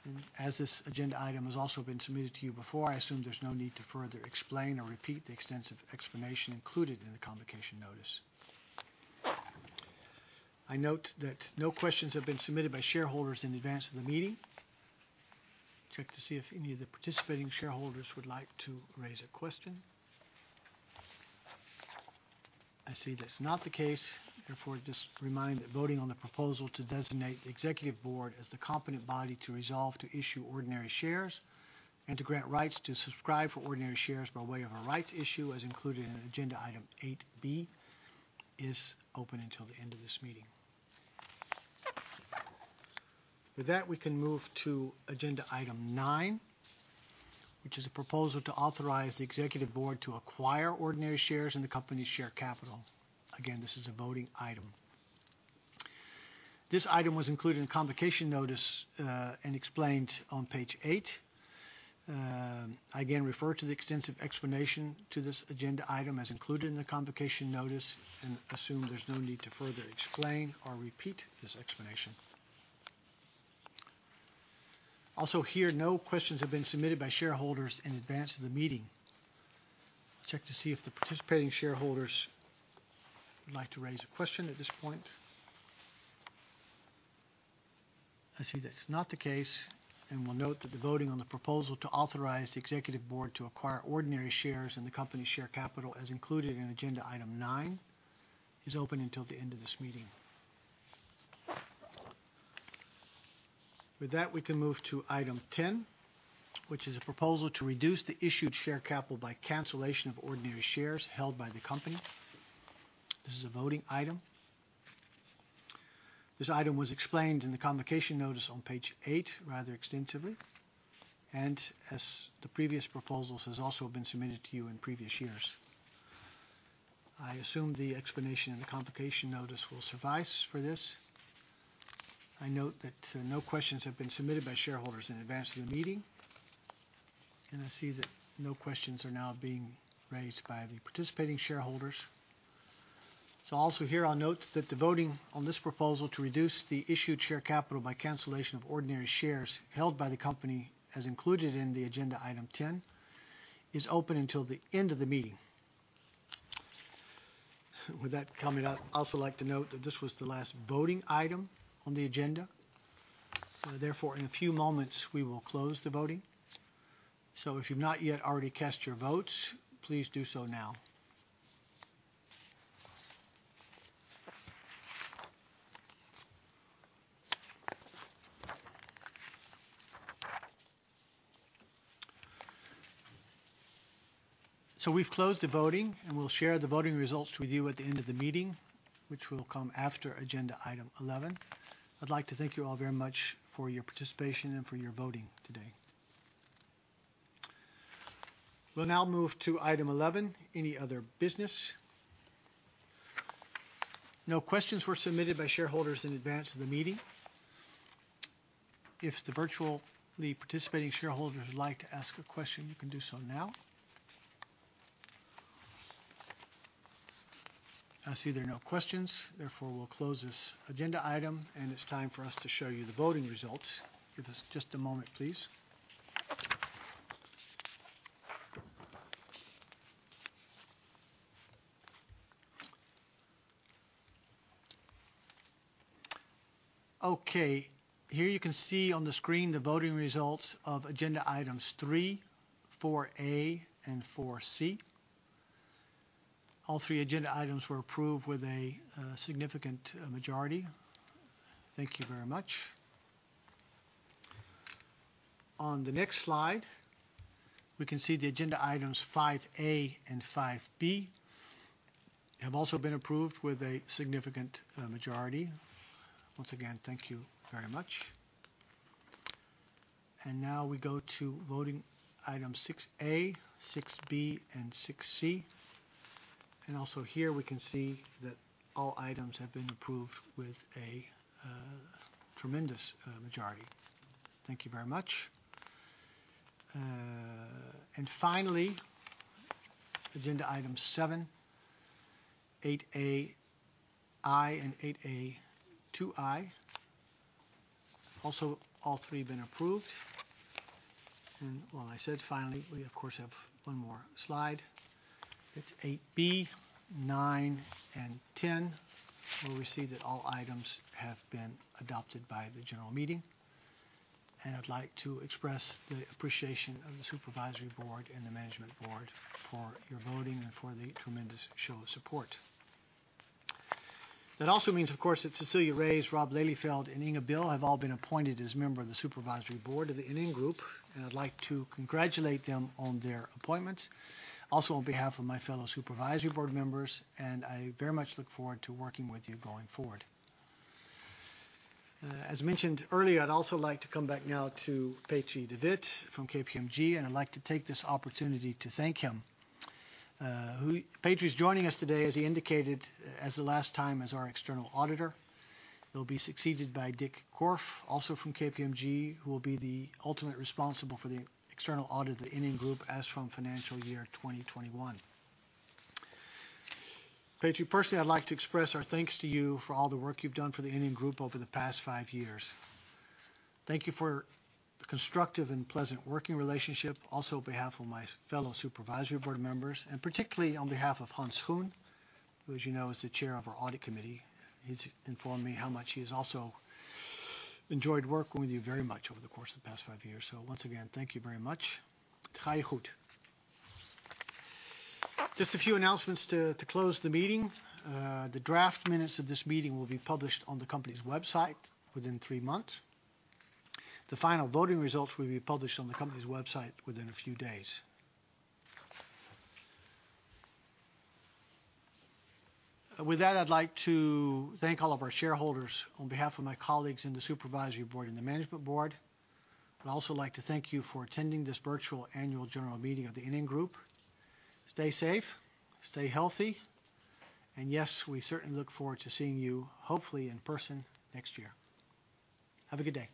And as this agenda item has also been submitted to you before, I assume there's no need to further explain or repeat the extensive explanation included in the convocation notice. I note that no questions have been submitted by shareholders in advance of the meeting. Check to see if any of the participating shareholders would like to raise a question. I see that's not the case. Therefore, just remind that voting on the proposal to designate the Executive Board as the competent body to resolve to issue ordinary shares and to grant rights to subscribe for ordinary shares by way of a rights issue, as included in agenda item 8B, is open until the end of this meeting. With that, we can move to agenda item 9, which is a proposal to authorize the Executive Board to acquire ordinary shares in the company's share capital. Again, this is a voting item. This item was included in the convocation notice and explained on page eight. I again refer to the extensive explanation to this agenda item as included in the convocation notice and assume there's no need to further explain or repeat this explanation. Also here, no questions have been submitted by shareholders in advance of the meeting. Check to see if the participating shareholders would like to raise a question at this point. I see that's not the case. And we'll note that the voting on the proposal to authorize the Executive Board to acquire ordinary shares in the company's share capital as included in agenda item nine is open until the end of this meeting. With that, we can move to item 10, which is a proposal to reduce the issued share capital by cancellation of ordinary shares held by the company. This is a voting item. This item was explained in the convocation notice on page eight rather extensively. And as the previous proposals have also been submitted to you in previous years. I assume the explanation in the convocation notice will suffice for this. I note that no questions have been submitted by shareholders in advance of the meeting. And I see that no questions are now being raised by the participating shareholders. So also here, I'll note that the voting on this proposal to reduce the issued share capital by cancellation of ordinary shares held by the company as included in the agenda item 10 is open until the end of the meeting. With that coming up, I'd also like to note that this was the last voting item on the agenda. Therefore, in a few moments, we will close the voting. If you've not yet already cast your votes, please do so now. We've closed the voting, and we'll share the voting results with you at the end of the meeting, which will come after agenda item 11. I'd like to thank you all very much for your participation and for your voting today. We'll now move to item 11, any other business. No questions were submitted by shareholders in advance of the meeting. If the virtually participating shareholders would like to ask a question, you can do so now. I see there are no questions. Therefore, we'll close this agenda item, and it's time for us to show you the voting results. Give us just a moment, please. Okay. Here you can see on the screen the voting results of agenda items 3, 4A, and 4C. All three agenda items were approved with a significant majority. Thank you very much. On the next slide, we can see the agenda items 5A and 5B have also been approved with a significant majority. Once again, thank you very much. And now we go to voting items 6A, 6B, and 6C. And also here, we can see that all items have been approved with a tremendous majority. Thank you very much. And finally, agenda items 7, 8A(i), and 8A(ii). Also, all three have been approved. And while I said finally, we, of course, have one more slide. It's 8B, 9, and 10. We can see that all items have been adopted by the general meeting. And I'd like to express the appreciation of the Supervisory Board and the Management Board for your voting and for the tremendous show of support. That also means, of course, that Cecilia Reyes, Rob Lelieveld, and Inga Beale have all been appointed as members of the Supervisory Board of NN Group. I'd like to congratulate them on their appointments, also on behalf of my fellow Supervisory Board members. I very much look forward to working with you going forward. As mentioned earlier, I'd also like to come back now to Peter de Wit from KPMG. I'd like to take this opportunity to thank him. Peter de Wit is joining us today, as he indicated, for the last time as our external auditor. He'll be succeeded by Dick Korf, also from KPMG, who will be ultimately responsible for the external audit of NN Group as from financial year 2021. Paige, personally, I'd like to express our thanks to you for all the work you've done for the NN Group over the past five years. Thank you for the constructive and pleasant working relationship, also on behalf of my fellow Supervisory Board members, and particularly on behalf of Hans Schoen, who, as you know, is the chair of our Audit Committee. He's informed me how much he has also enjoyed working with you very much over the course of the past five years. So once again, thank you very much. Het ga je goed. Just a few announcements to close the meeting. The draft minutes of this meeting will be published on the company's website within three months. The final voting results will be published on the company's website within a few days. With that, I'd like to thank all of our shareholders on behalf of my colleagues in the Supervisory Board and the Management Board. I'd also like to thank you for attending this virtual Annual General Meeting of the NN Group. Stay safe, stay healthy. And yes, we certainly look forward to seeing you, hopefully, in person next year. Have a good day.